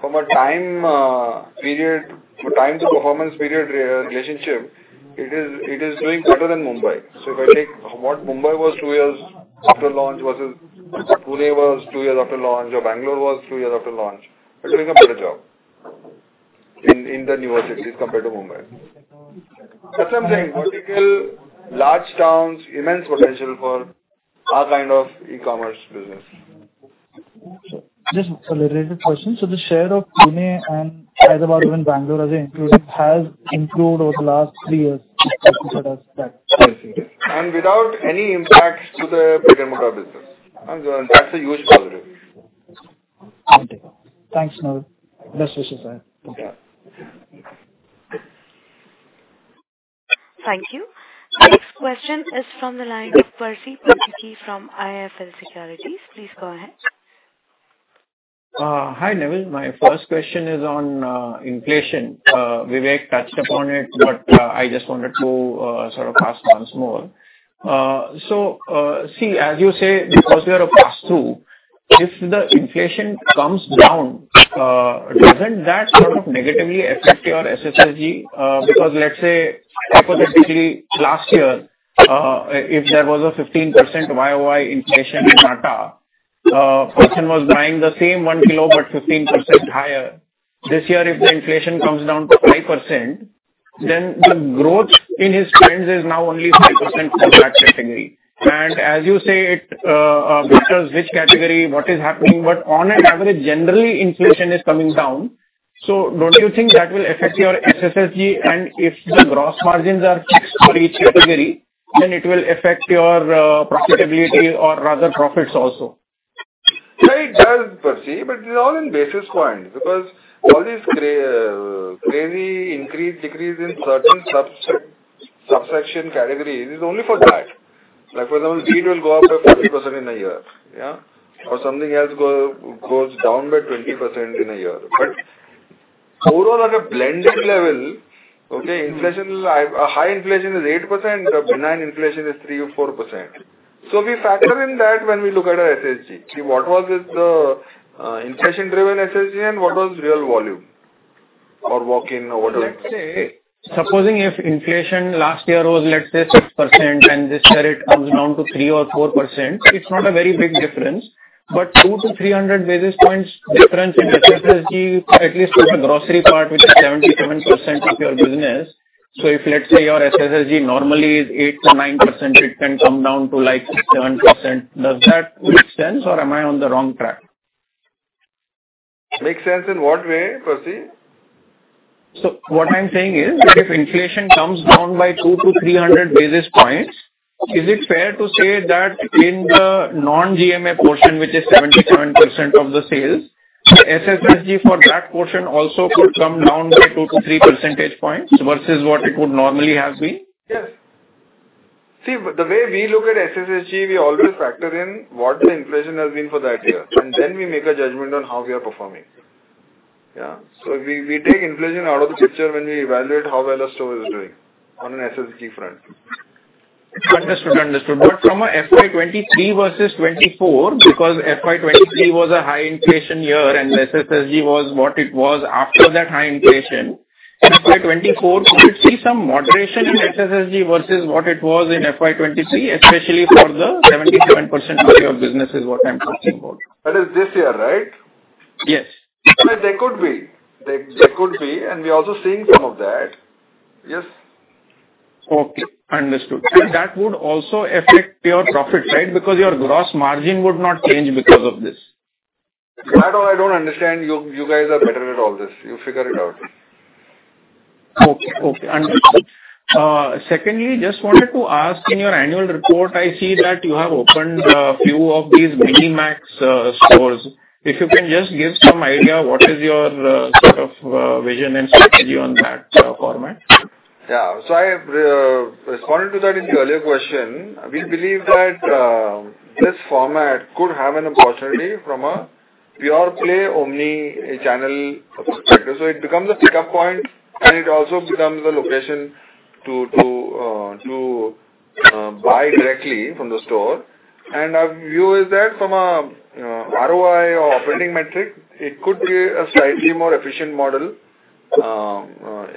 from a time, period, time to performance period relationship, it is doing better than Mumbai. If I take what Mumbai was two years after launch versus Pune was two years after launch, or Bangalore was two years after launch, they're doing a better job in the newer cities compared to Mumbai. That's something, vertical, large towns, immense potential for our kind of e-commerce business. Just a related question. The share of Pune and Hyderabad, even Bangalore, as I included, has improved over the last three years as you said as that? Yes. Without any impact to the bigger motor business, and that's a huge positive. Thank you. Thanks, Neville. Best wishes ahead. Yeah. Thank you. Our next question is from the line of Percy Panthaki from IIFL Securities. Please go ahead. Hi, Neville. My first question is on inflation. Vivek touched upon it, but I just wanted to sort of ask once more. See, as you say, because we are a pass-through, if the inflation comes down, doesn't that sort of negatively affect your SSSG? Because let's say, hypothetically, last year, if there was a 15% YOY inflation in atta, person was buying the same 1 kilo, but 15% higher. This year, if the inflation comes down to 5%, then the growth in his spends is now only 5% for that category. As you say, it, which category, what is happening, but on an average, generally inflation is coming down. Don't you think that will affect your SSSG? if the gross margins are fixed for each category, then it will affect your profitability or rather, profits also. Yeah, it does, Percy, but it's all in basis points, because all these crazy increase, decrease in certain subsection categories is only for that. Like, for example, seed will go up by 50% in a year, yeah, or something else goes down by 20% in a year. Overall, at a blended level, okay, inflation, a high inflation is 8%, a benign inflation is 3% or 4%. We factor in that when we look at our SSSG. See, what was the inflation-driven SSSG and what was real volume? or walk-in or whatever. Let's say, supposing if inflation last year was, let's say, 6%, and this year it comes down to 3% or 4%, it's not a very big difference, but 200-300 basis points difference in SSSG, at least for the grocery part, which is 77% of your business. If, let's say, your SSSG normally is 8%-9%, it can come down to, like, 6%, 7%. Does that make sense or am I on the wrong track? Makes sense in what way, Percy? What I'm saying is, if inflation comes down by 200-300 basis points, is it fair to say that in the non-GMA portion, which is 77% of the sales, the SSSG for that portion also could come down by 2-3 percentage points versus what it would normally have been? Yes. See, the way we look at SSSG, we always factor in what the inflation has been for that year, and then we make a judgment on how we are performing. Yeah. We take inflation out of the picture when we evaluate how well a store is doing on an SSSG front. Understood. Understood. From a FY 2023 versus 2024, because FY 2023 was a high inflation year and SSSG was what it was after that high inflation, FY 2024, could see some moderation in SSSG versus what it was in FY 2023, especially for the 77% of your business, is what I'm talking about. That is this year, right? Yes. There could be. There could be, we're also seeing some of that. Yes. Okay, understood. That would also affect your profit, right? Because your gross margin would not change because of this. That I don't understand. You guys are better at all this. You figure it out. Okay, okay. Secondly, just wanted to ask, in your annual report, I see that you have opened a few of these Mini Max stores. If you can just give some idea, what is your sort of vision and strategy on that format? I responded to that in the earlier question. We believe that this format could have an opportunity from a pure play omnichannel perspective. It becomes a pickup point, and it also becomes a location to buy directly from the store. Our view is that from a ROI or operating metric, it could be a slightly more efficient model,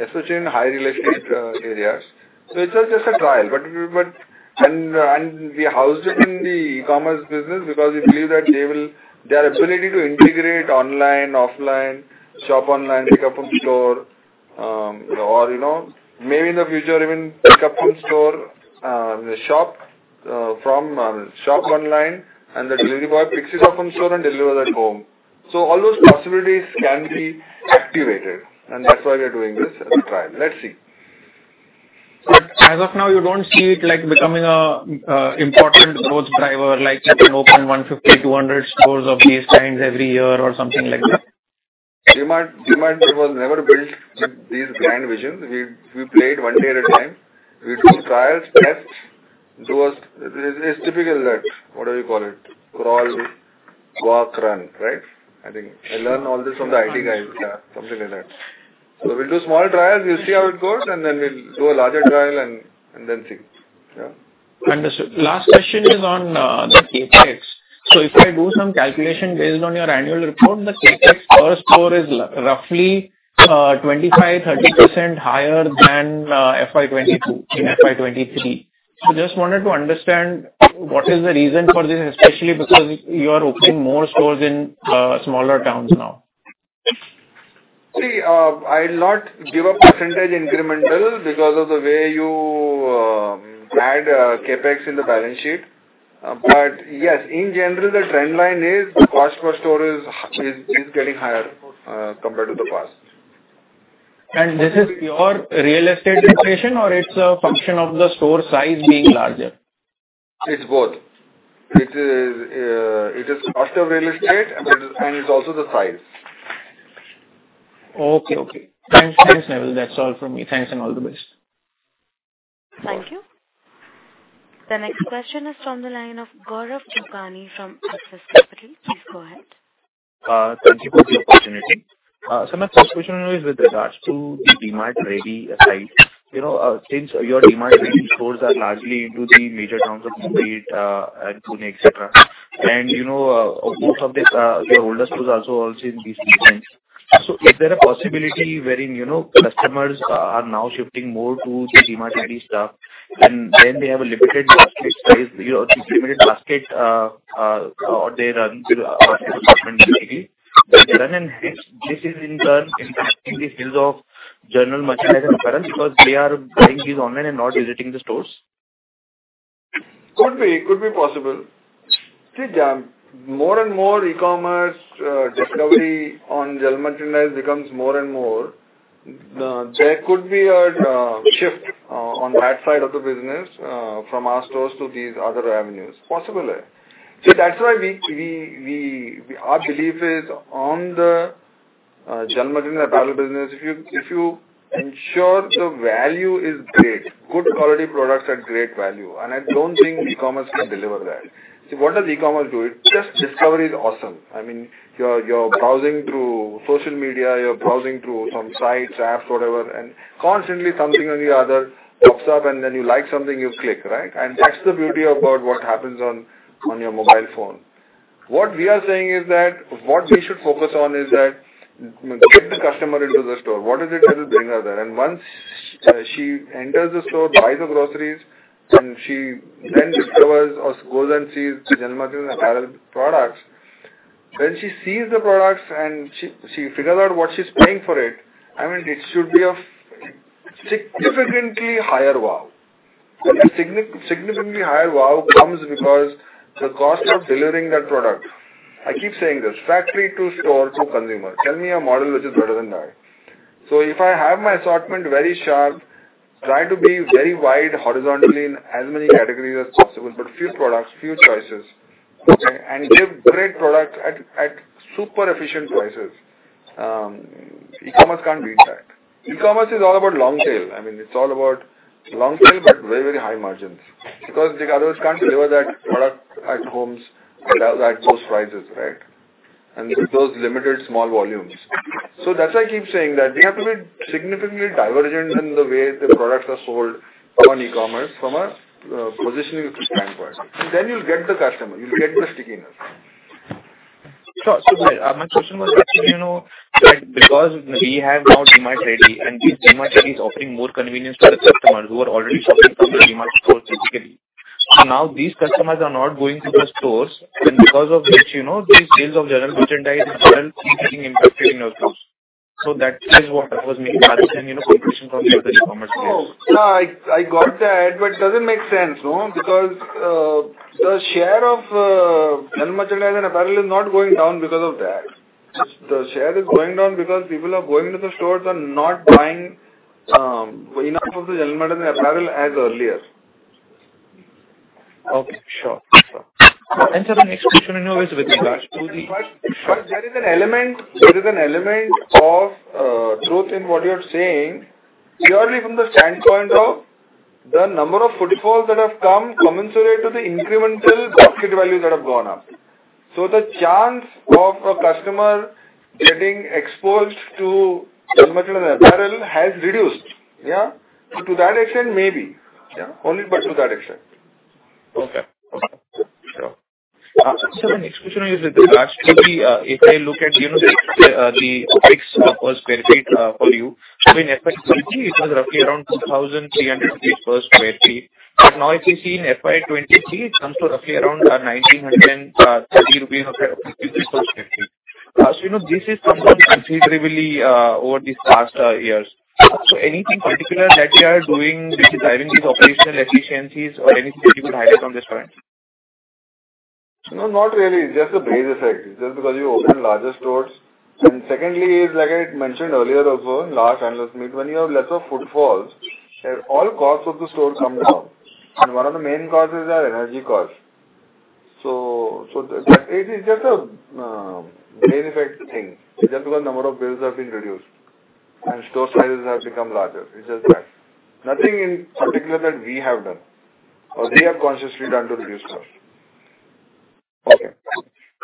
especially in high real estate areas. It's just a trial, but—we housed it in the e-commerce business because we believe that their ability to integrate online, offline, shop online, pick up from store, or, you know, maybe in the future, even pick up from store, the shop, from, shop online, and the delivery boy picks it up from store and delivers at home. All those possibilities can be activated, and that's why we are doing this as a trial. Let's see. As of now, you don't see it, like, becoming a important growth driver, like you can open 150, 200 stores of these kinds every year or something like that? DMart was never built with these grand visions. We played one day at a time. We do trials, tests. It's typical that, what do you call it? Crawl, walk, run, right? I think I learned all this from the IT guys, yeah, something like that. We'll do small trials, we'll see how it goes, and then we'll do a larger trial and then see. Yeah. Understood. Last question is on the CapEx. If I do some calculation based on your annual report, the CapEx per store is roughly 25%-30% higher than FY 2022 in FY 2023. Just wanted to understand what is the reason for this, especially because you are opening more stores in smaller towns now? See, I'll not give a % incremental because of the way you add CapEx in the balance sheet. Yes, in general, the trend line is cost per store is getting higher, compared to the past. This is pure real estate inflation or it's a function of the store size being larger? It's both. It is, it is cost of real estate, and it's also the size. Okay, okay. Thanks. Thanks, Neville. That's all from me. Thanks, and all the best. Thank you. The next question is from the line of Gaurav Jogani from Axis Capital. Please go ahead. Thank you for the opportunity. My first question is with regards to the DMart Ready site. You know, since your DMart Ready stores are largely into the major towns of Mumbai and Pune, et cetera. You know, most of the, their older stores are also in these regions. Is there a possibility wherein, you know, customers are now shifting more to the DMart Ready stuff, and then they have a limited basket size, you know, limited basket, or they run into government basically? This is in turn impacting the sales of general merchandise apparent, because they are buying these online and not visiting the stores. Could be, could be possible. See, yeah, more and more e-commerce, discovery on general merchandise becomes more and more, there could be a shift on that side of the business from our stores to these other avenues. Possibly. That's why we our belief is on the general merchandise apparel business, if you ensure the value is great, good quality products at great value, and I don't think e-commerce can deliver that. See, what does e-commerce do? It's just discovery is awesome. I mean, you're browsing through social media, you're browsing through some sites, apps, whatever, and constantly something or the other pops up, and then you like something, you click, right? That's the beauty about what happens on your mobile phone. What we are saying is that what we should focus on is that get the customer into the store. What is it that will bring her there? Once she enters the store, buys the groceries, and she then discovers or goes and sees general merchandise apparel products, when she sees the products and she figures out what she's paying for it, I mean, it should be of significantly higher wow. Significantly higher wow comes because the cost of delivering that product. I keep saying this: factory to store to consumer. Tell me a model which is better than that. If I have my assortment very sharp, try to be very wide horizontally in as many categories as possible, but few products, few choices, okay? Give great products at super efficient prices. E-commerce can't beat that. E-commerce is all about long tail. I mean, it's all about long tail, but very, very high margins, because the others can't deliver that product at homes at those prices, right? And those limited small volumes. That's why I keep saying that we have to be significantly divergent in the way the products are sold on e-commerce from a positioning standpoint, and then you'll get the customer, you'll get the stickiness. Sure. My question was actually, you know, that because we have now DMart Ready, and this DMart Ready is offering more convenience to the customers who are already shopping from DMart stores physically. Now these customers are not going to the stores, and because of which, you know, the sales of general merchandise is getting impacted in your stores. That is what was mainly driving, you know, competition from the other e-commerce players. No, I got that, but it doesn't make sense, no? The share of general merchandise and apparel is not going down because of that. The share is going down because people are going into the stores and not buying enough of the general merchandise and apparel as earlier. Okay. Sure. Sir, the next question, you know, is with regard to. There is an element of truth in what you're saying, purely from the standpoint of the number of footfalls that have come commensurate to the incremental basket values that have gone up. The chance of a customer getting exposed to general merchandise and apparel has reduced. Yeah. To that extent, maybe, yeah. Only but to that extent. Okay. Sure. The next question is with regards to the, if I look at, you know, the fixed cost per sq ft for you. In FY 2020, it was roughly around 2,300 rupees per sq ft. Now if you see in FY 2023, it comes to roughly around 1,930 rupees per sq ft. You know, this has come down considerably over these past years. Anything particular that you are doing, which is driving these operational efficiencies or anything that you could highlight on this front? No, not really. It's just a base effect, just because you open larger stores. Secondly, is like I mentioned earlier also, in last analyst meet, when you have lesser footfalls, all costs of the store come down, and one of the main causes are energy costs. So that, it is just a base effect thing. It's just because number of bills have been reduced and store sizes have become larger. It's just that. Nothing in particular that we have done or we have consciously done to reduce costs.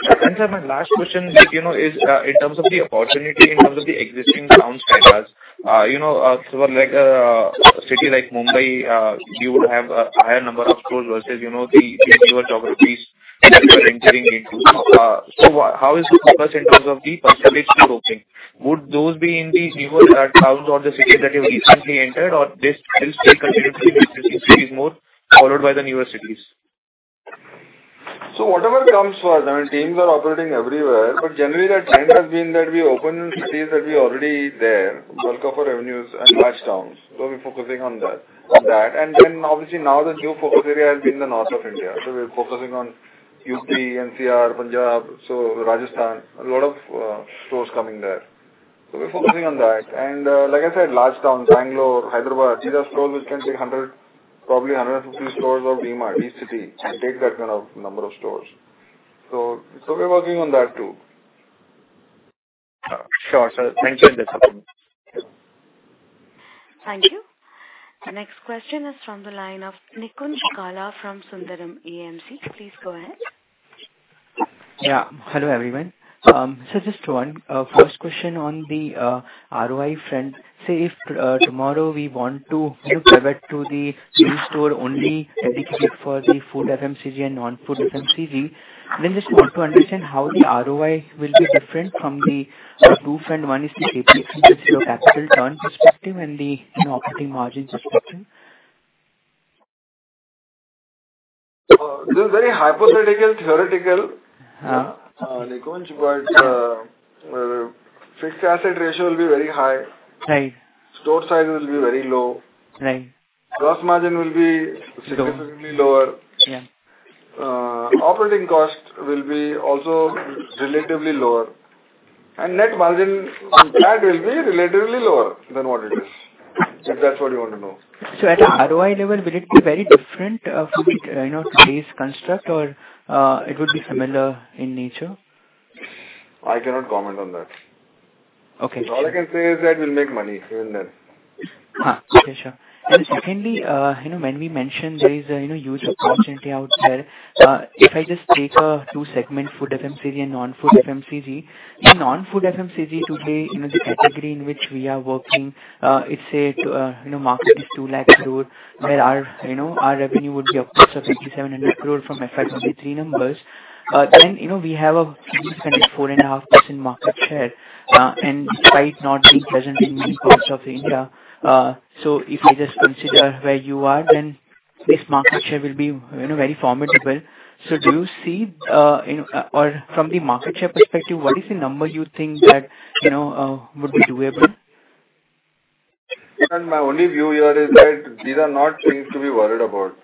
Okay. Sir, my last question, you know, is in terms of the opportunity, in terms of the existing town radars, you know, so like a city like Mumbai, you would have a higher number of stores versus, you know, the newer geographies that you are entering into. How is the focus in terms of the percentage you're opening? Would those be in these newer towns or the cities that you've recently entered, or this will still continue to be more followed by the newer cities? Whatever comes first, I mean, teams are operating everywhere, but generally the trend has been that we open in cities that we're already there, bulk of our revenues and large towns. We're focusing on that. Obviously now the new focus area has been the north of India. We're focusing on UT, NCR, Punjab, so Rajasthan, a lot of stores coming there. We're focusing on that. Like I said, large towns, Bangalore, Hyderabad, these are stores which can take 100, probably 150 stores of DMart, each city can take that kind of number of stores. We're working on that, too. Sure, sir. Thank you. Thank you. The next question is from the line of Nikunj Gala from Sundaram AMC. Please go ahead. Hello, everyone. Just one first question on the ROI front. If tomorrow we want to look over to the new store only dedicated for the food FMCG and non-food FMCG, just want to understand how the ROI will be different from the two front, one is the CapEx, which is your capital return perspective and the, you know, operating margin perspective. This is very hypothetical. Nikunj, fixed asset ratio will be very high. Right. Store size will be very low. Right. Gross margin will be Low. significantly lower. Yeah. Operating cost will be also relatively lower, and net margin add will be relatively lower than what it is, if that's what you want to know. At a ROI level, will it be very different, from, you know, today's construct or, it would be similar in nature? I cannot comment on that. Okay. All I can say is that we'll make money even then. Sure, sure. Secondly, you know, when we mentioned there is a, you know, huge opportunity out there, if I just take two segment food FMCG and non-food FMCG, the non-food FMCG today, you know, the category in which we are working, it's say to, you know, market is 2 lakh crore, where our, you know, our revenue would be upwards of 5,700 crore from FMCG numbers. We have a 4.5% market share, and despite not being present in many parts of India. If I just consider where you are, then this market share will be, you know, very formidable. Do you see, you know, or from the market share perspective, what is the number you think that, you know, would be doable? My only view here is that these are not things to be worried about.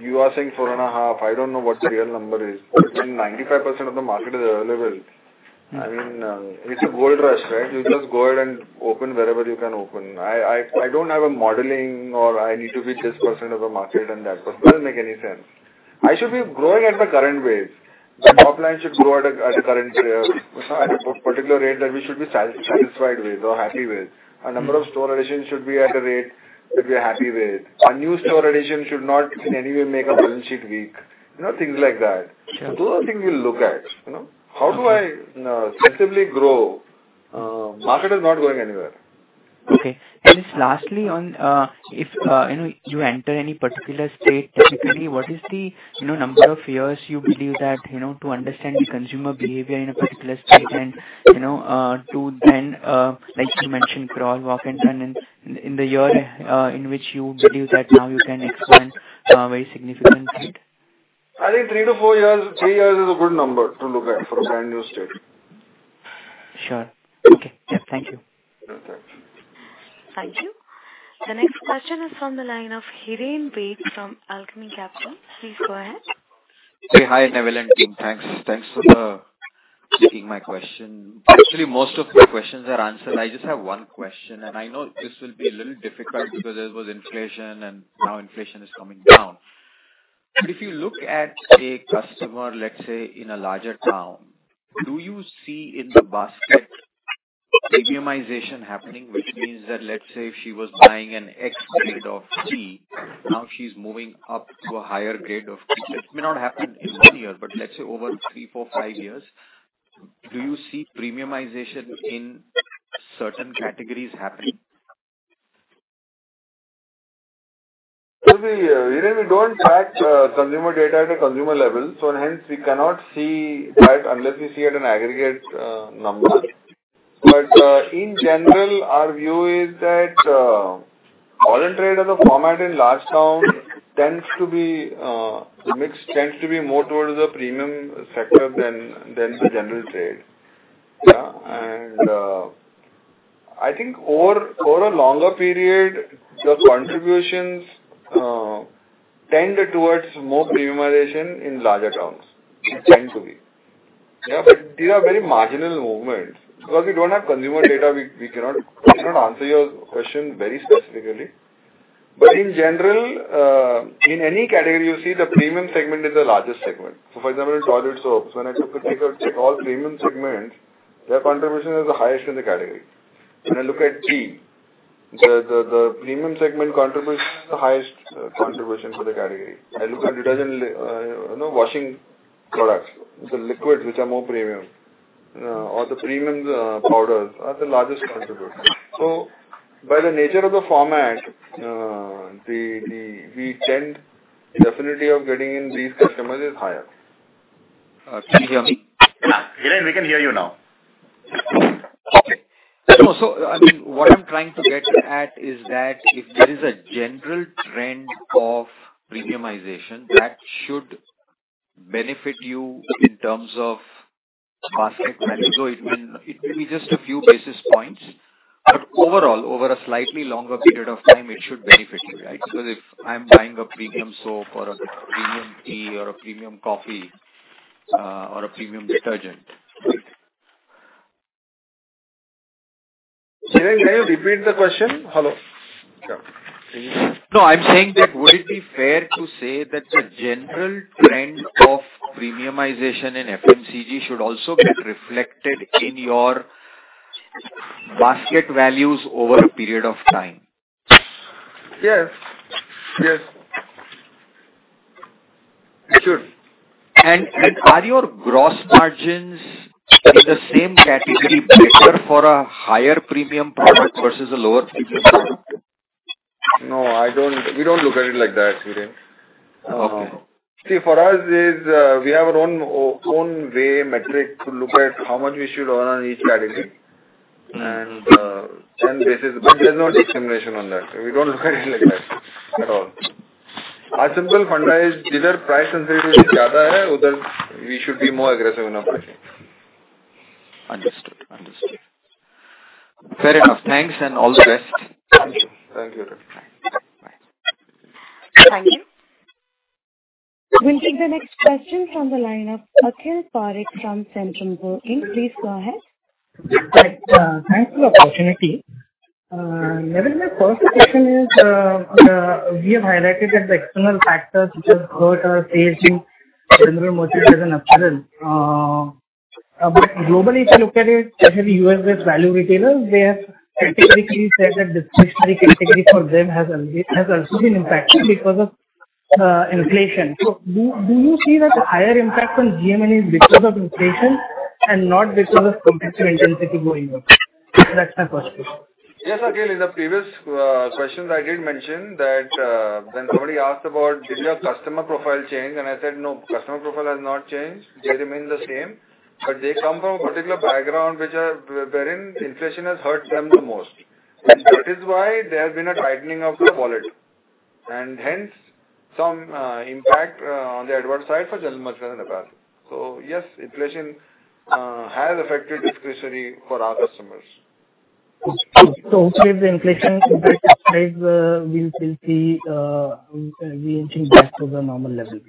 You are saying 4.5, I don't know what the real number is, but when 95% of the market is available, I mean, it's a gold rush, right? You just go ahead and open wherever you can open. I don't have a modeling or I need to be this person of the market, and that person doesn't make any sense. I should be growing at the current rate. The top line should grow at a, at the current, at a particular rate that we should be satisfied with or happy with. A number of store additions should be at a rate that we are happy with. A new store addition should not in any way make a balance sheet weak, you know, things like that. Sure. Those are things we'll look at, you know. How do I sensibly grow? Market is not going anywhere. Okay. Just lastly on, if, you know, you enter any particular state, typically, what is the, you know, number of years you believe that, you know, to understand the consumer behavior in a particular state and, you know, to then, like you mentioned, crawl, walk, and run in the year, in which you believe that now you can expand, very significantly? I think 3-4 years. 3 years is a good number to look at for a brand new state. Sure. Okay, yeah. Thank you. Okay. Thank you. Thank you. The next question is from the line of Hiren Ved from Alchemy Capital. Please go ahead. Hey, hi, Neville and team. Thanks. Thanks for taking my question. Actually, most of my questions are answered. I just have one question, and I know this will be a little difficult because there was inflation and now inflation is coming down. If you look at a customer, let's say, in a larger town, do you see in the basket premiumization happening? Which means that let's say, if she was buying an X grade of tea, now she's moving up to a higher grade of tea. It may not happen in one year, but let's say over three, four, five years, do you see premiumization in certain categories happening? We, Hiren, we don't track, consumer data at a consumer level, so hence we cannot see that unless we see at an aggregate, number. In general, our view is that, modern trade as a format in large town tends to be, the mix tends to be more towards the premium sector than the general trade. I think over a longer period, the contributions, tend towards more premiumization in larger towns. It tend to be. These are very marginal movements. Because we don't have consumer data, we cannot answer your question very specifically. In general, in any category, you'll see the premium segment is the largest segment. So for example, in toilet soaps, when I look at all premium segments, their contribution is the highest in the category. When I look at tea, the premium segment contributes the highest contribution to the category. I look at detergent, you know, washing products, the liquids which are more premium, or the premium powders, are the largest contributor. By the nature of the format, the chance, the affinity of getting in these customers is higher. Can you hear me? Yeah, Hiren, we can hear you now. Okay. I mean, what I'm trying to get at is that if there is a general trend of premiumization, that should benefit you in terms of basket value, though it may be just a few basis points. Overall, over a slightly longer period of time, it should benefit you, right? If I'm buying a premium soap or a premium tea or a premium coffee, or a premium detergent. Hiren, can you repeat the question? Hello. Yeah. No, I'm saying that would it be fair to say that the general trend of premiumization in FMCG should also get reflected in your basket values over a period of time? Yes. Yes. It should. Are your gross margins in the same category better for a higher premium product versus a lower premium product? No, We don't look at it like that, Hiren. Okay. See, for us is, we have our own way, metric to look at how much we should earn on each category. There's no discrimination on that. We don't look at it like that at all. Our simple funda is, either price sensitivity, we should be more aggressive in operating. Understood. Understood. Fair enough. Thanks, and all the best. Thank you. Thank you. Bye. Thank you. We'll take the next question from the line of Akhil Parekh from Centrum Broking. Please go ahead. Thanks for the opportunity. Neville, my first question is, we have highlighted that the external factors which have hurt our sluggish general merchandise and apparel. Globally, if you look at it, I think US value retailers, they have categorically said that discretionary category for them has also been impacted because of inflation. Do you see that the higher impact on GM&A is because of inflation and not because of competitive intensity going up? That's my first question. Yes, again, in the previous question I did mention that when somebody asked about did your customer profile change? I said, "No, customer profile has not changed. They remain the same." They come from a particular background wherein inflation has hurt them the most. That is why there has been a tightening of the wallet, and hence some impact on the adverse side for general merchandise and apparel. Yes, inflation has affected discretionary for our customers. Hopefully the inflation impact aside, we'll still see we inching back to the normal level.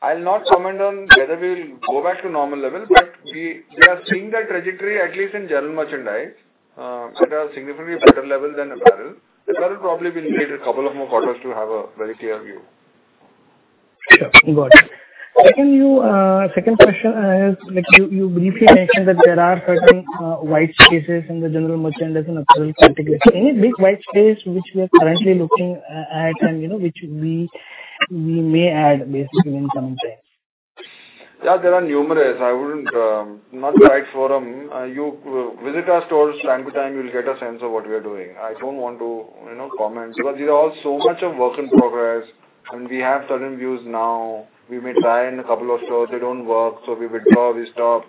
I'll not comment on whether we will go back to normal level, but we are seeing that trajectory, at least in general merchandise, at a significantly better level than apparel. That will probably be needed a couple of more quarters to have a very clear view. Sure. Got it. Second question I have, like, you briefly mentioned that there are certain white spaces in the general merchandise and apparel category. Any big white space which we are currently looking at and, you know, which we may add basically in some time? Yeah, there are numerous. I wouldn't, not the right forum. You visit our stores time to time, you will get a sense of what we are doing. I don't want to, you know, comment, because these are all so much of work in progress, and we have certain views now. We may try in a couple of stores, they don't work, so we withdraw, we stop.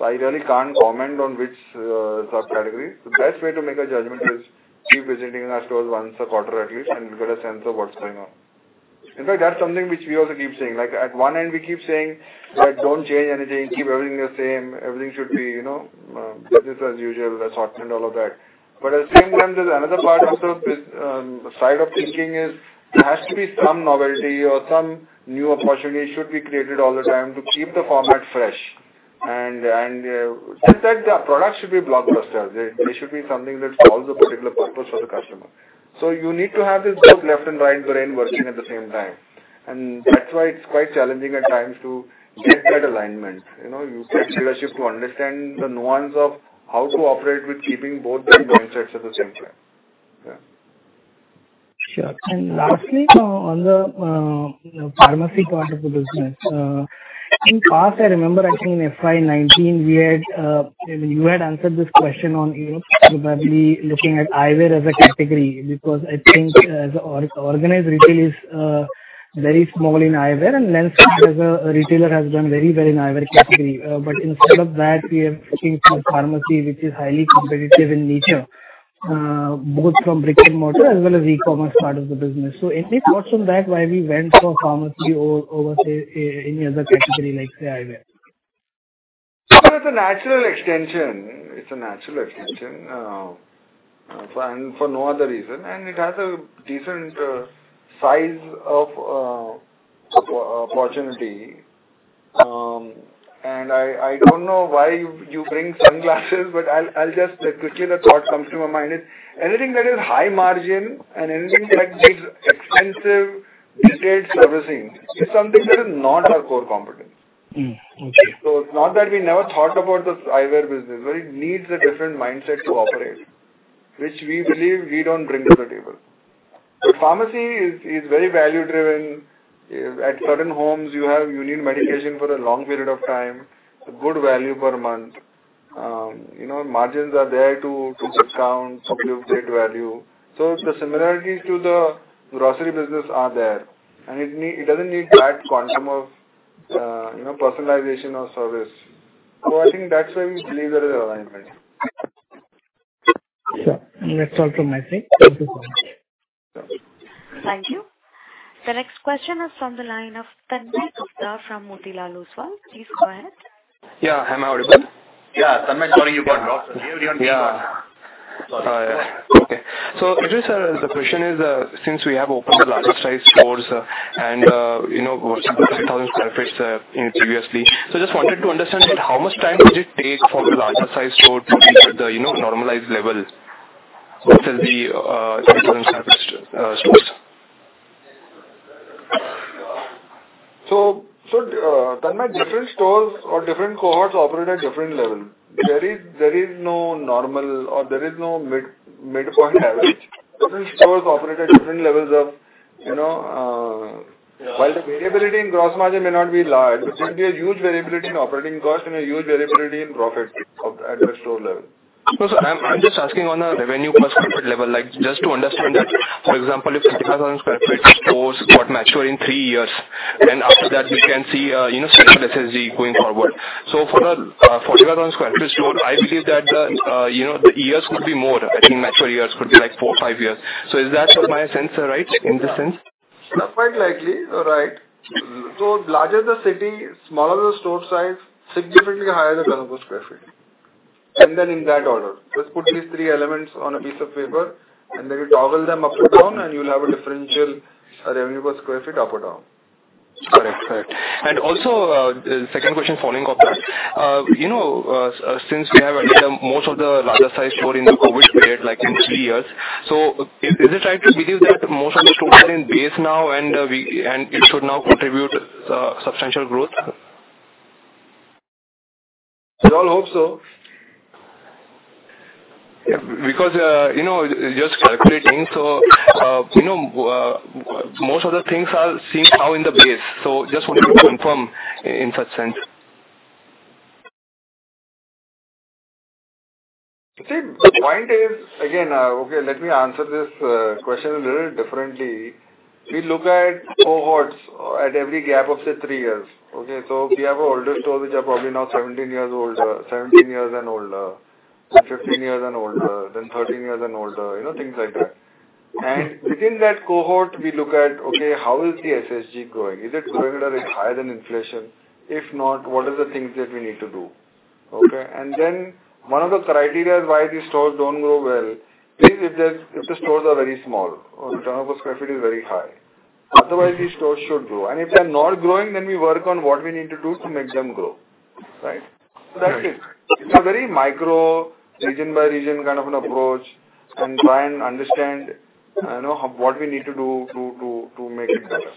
I really can't comment on which subcategory. The best way to make a judgment is keep visiting our stores once a quarter at least, and you'll get a sense of what's going on. In fact, that's something which we also keep saying. Like, at one end we keep saying, like, "Don't change anything, keep everything the same. Everything should be, you know, business as usual, assortment, and all of that." At the same time, there's another part of the side of thinking is, there has to be some novelty or some new opportunity should be created all the time to keep the format fresh. Just that the product should be blockbuster. They should be something that solves a particular purpose for the customer. You need to have this both left and right brain working at the same time, and that's why it's quite challenging at times to get that alignment. You know, you get leadership to understand the nuance of how to operate with keeping both the mindsets at the same time. Yeah. Sure. Lastly, now on the pharmacy part of the business. In the past, I remember, I think in FY 2019, You had answered this question on, you know, probably looking at eyewear as a category, because I think as organized retail is very small in eyewear, and then as a retailer has done very in eyewear category. Instead of that, we are looking for pharmacy, which is highly competitive in nature, both from brick-and-mortar as well as e-commerce part of the business. Any thoughts on that, why we went for pharmacy over, say, any other category, like, say, eyewear? Sure, it's a natural extension. It's a natural extension, and for no other reason, and it has a different size of opportunity. I don't know why you bring sunglasses, but I'll just quickly the thought comes to my mind is anything that is high margin and anything that needs expensive detailed servicing is something that is not our core competence. Okay. It's not that we never thought about the eyewear business, but it needs a different mindset to operate, which we believe we don't bring to the table. Pharmacy is very value driven. At certain homes, you need medication for a long period of time, a good value per month. You know, margins are there to discount, to update value. The similarities to the grocery business are there, and it doesn't need that quantum of, you know, personalization or service. I think that's where we believe there is an alignment. Sure. That's all from my side. Thank you so much. Thank you. The next question is from the line of Tanmay Gupta from Motilal Oswal. Please go ahead. Yeah. Am I audible? Yeah, Tanmay, sorry, you got dropped. Yeah. Yeah. Okay. Ajay, sir, the question is, since we have opened the larger size stores and, you know, 1,000 sq ft, in previously. Just wanted to understand that how much time does it take for the larger size store to reach at the, you know, normalized level within the, 1,000 sq ft, stores? Tanmay, different stores or different cohorts operate at different level. There is no normal or there is no midpoint average. Different stores operate at different levels of, you know. While the variability in gross margin may not be large, there will be a huge variability in operating cost and a huge variability in profit at the store level. Sir, I'm just asking on a revenue per square foot level, like, just to understand that, for example, if 50,000 sq ft stores got mature in three years, then after that we can see, you know, stable SSSG going forward. For a 45,000 sq ft store, I believe that the, you know, the years could be more, I think mature years could be like four, five years. Is that my sense, right, in this sense? Quite likely. All right. Larger the city, smaller the store size, significantly higher the revenue per square foot, and then in that order. Just put these three elements on a piece of paper, and then you toggle them up or down, and you'll have a differential, revenue per square foot, up or down. Correct. Correct. Also, second question following up on that. You know, since we have added most of the larger size store in the COVID period, like in three years, is it right to believe that most of the stores are in it should now contribute, substantial growth? We all hope so. Yeah, because, you know, just calculating. You know, most of the things are seen now in the base. Just wanted to confirm in such sense. See, the point is, again, okay, let me answer this question a little differently. We look at cohorts at every gap of, say, 3 years, okay? We have older stores which are probably now 17 years older, 17 years and older, and 15 years and older, then 13 years and older, you know, things like that. Within that cohort, we look at, okay, how is the SSSG growing? Is it growing at a rate higher than inflation? If not, what are the things that we need to do? Okay. One of the criteria why these stores don't grow well is if the, if the stores are very small or the turnover square feet is very high. These stores should grow. If they're not growing, then we work on what we need to do to make them grow, right? That's it. It's a very micro, region-by-region kind of an approach, and try and understand, you know, what we need to do to make it better.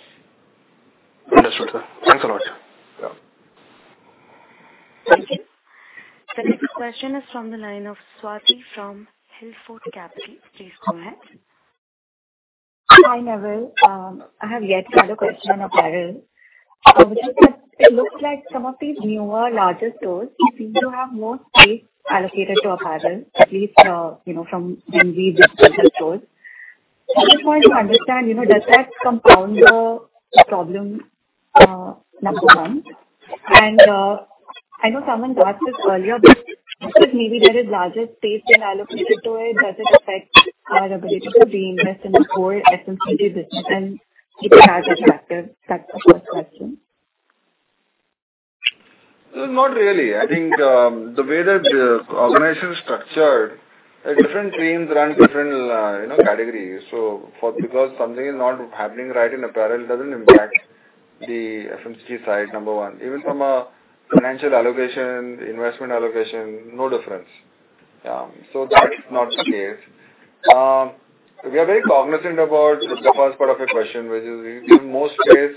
Understood, sir. Thanks a lot. Yeah. Thank you. The next question is from the line of Swati from Hillfort Capital. Please go ahead. Hi, Neville. I have yet another question on apparel. It looks like some of these newer, larger stores seem to have more space allocated to apparel, at least, you know, from when we visit the stores. Just wanted to understand, you know, does that compound the problem, number one? I know someone asked this earlier, but maybe there is larger space being allocated to it, does it affect our ability to reinvest in the core FMCG business and keep it as attractive? That's the first question. Not really. I think, the way that the organization is structured, different teams run different, you know, categories. Because something is not happening right in apparel doesn't impact the FMCG side, number 1. Even from a financial allocation, investment allocation, no difference. That's not the case. We are very cognizant about the first part of your question, which is if most space,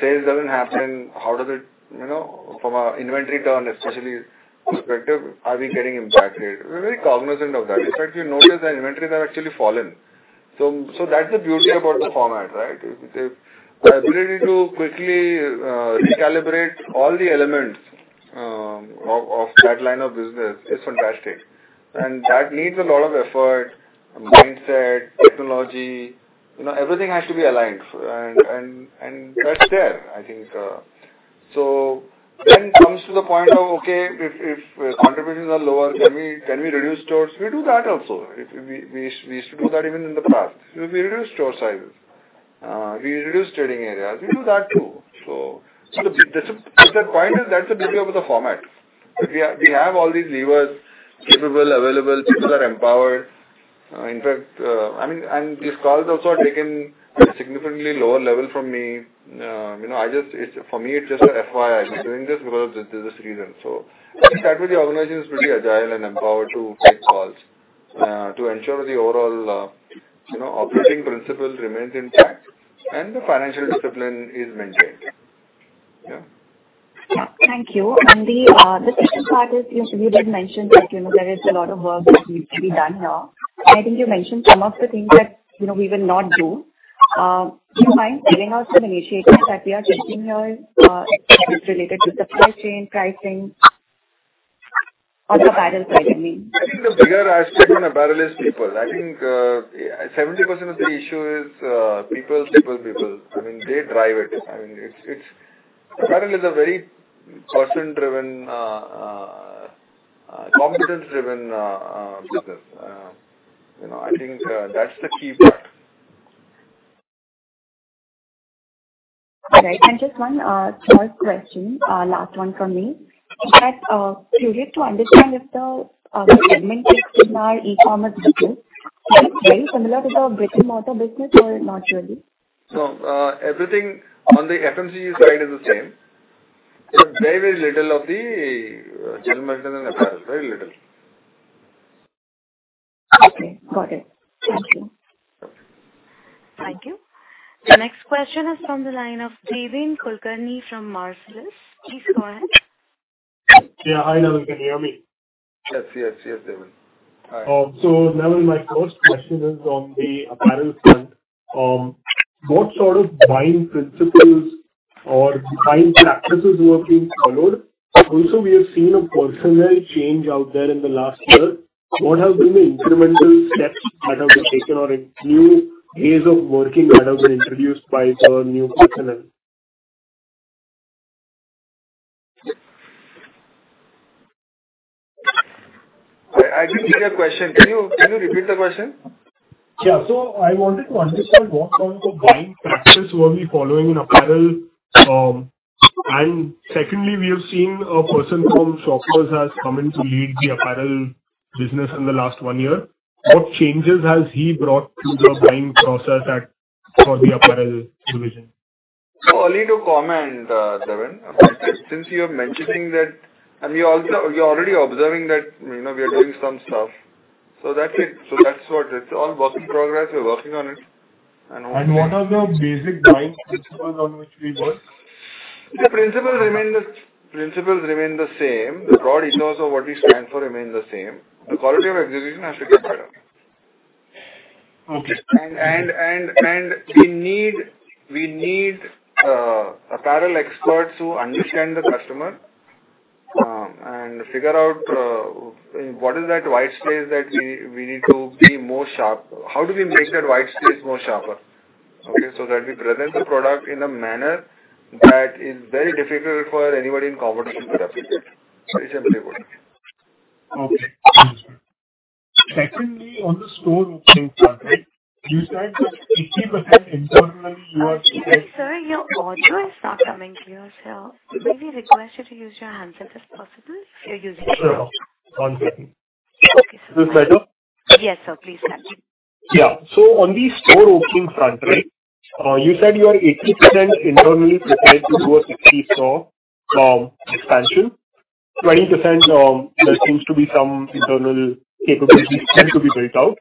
sales doesn't happen, how does it, you know, from an inventory term, especially perspective, are we getting impacted? We're very cognizant of that. In fact, you notice that inventories have actually fallen. That's the beauty about the format, right? The ability to quickly recalibrate all the elements of that line of business is fantastic, and that needs a lot of effort, mindset, technology. You know, everything has to be aligned, and that's there, I think. comes to the point of: Okay, if contributions are lower, can we reduce stores? We do that also. We used to do that even in the past. We reduce store sizes. We reduce trading areas. We do that, too. the point is, that's the beauty of the format. We have all these levers capable, available, people are empowered. in fact, I mean, and these calls also are taken significantly lower level from me. you know, for me, it's just an FYI. I'm doing this because there's a reason. I think that way the organization is pretty agile and empowered to make calls, to ensure the overall, you know, operating principle remains intact and the financial discipline is maintained. Yeah. Yeah. Thank you. The, the second part is, you did mention that, you know, there is a lot of work that needs to be done here. I think you mentioned some of the things that, you know, we will not do. Do you mind telling us some initiatives that we are taking here, related to supply chain pricing on the apparel side, I mean? I think the bigger aspect in apparel is people. I think, 70% of the issue is people. I mean, they drive it. I mean, it's Apparel is a very person-driven, competence-driven, business. You know, I think, that's the key part. All right. Just one, third question, last one from me. In fact, curious to understand if the segment in our e-commerce business is very similar to the brick-and-mortar business or not really? Everything on the FMCG side is the same. It's very little of the general merchandise, very little. Okay, got it. Thank you. Thank you. The next question is from the line of Deven Kulkarni from Marcellus. Please go ahead. Yeah. Hi, Neville, can you hear me? Yes, yes, Deven. Hi. Neville, my first question is on the apparel front. What sort of buying principles or buying practices were being followed? Also, we have seen a personnel change out there in the last year. What have been the incremental steps that have been taken or a new ways of working that have been introduced by the new personnel? I didn't get your question. Can you repeat the question? I wanted to understand what kind of buying practices were we following in apparel? Secondly, we have seen a person from Shoppers has come in to lead the apparel business in the last one year. What changes has he brought to the buying process for the apparel division? only to comment, Deven, since you are mentioning that, you're already observing that, you know, we are doing some stuff. That's it. That's what, it's all work in progress. We're working on it. What are the basic buying principles on which we work? The principles remain the same. The broad ethos of what we stand for remain the same. The quality of execution has to get better. Okay. We need apparel experts who understand the customer, and figure out, what is that white space that we need to be more sharp. How do we make that white space more sharper? Okay, so that we present the product in a manner that is very difficult for anybody in competition to replicate. It's simply what it is. Okay. Secondly, on the store opening front, right, you said that 80% internal- Excuse me, sir, your audio is not coming clear, so may we request you to use your handset, if possible? Sure. One second. Okay, sir. Is this better? Yes, sir, please continue. Yeah. On the store opening front, right, you said you are 80% internally prepared to do a 60 store expansion. 20%, there seems to be some internal capabilities tend to be built out.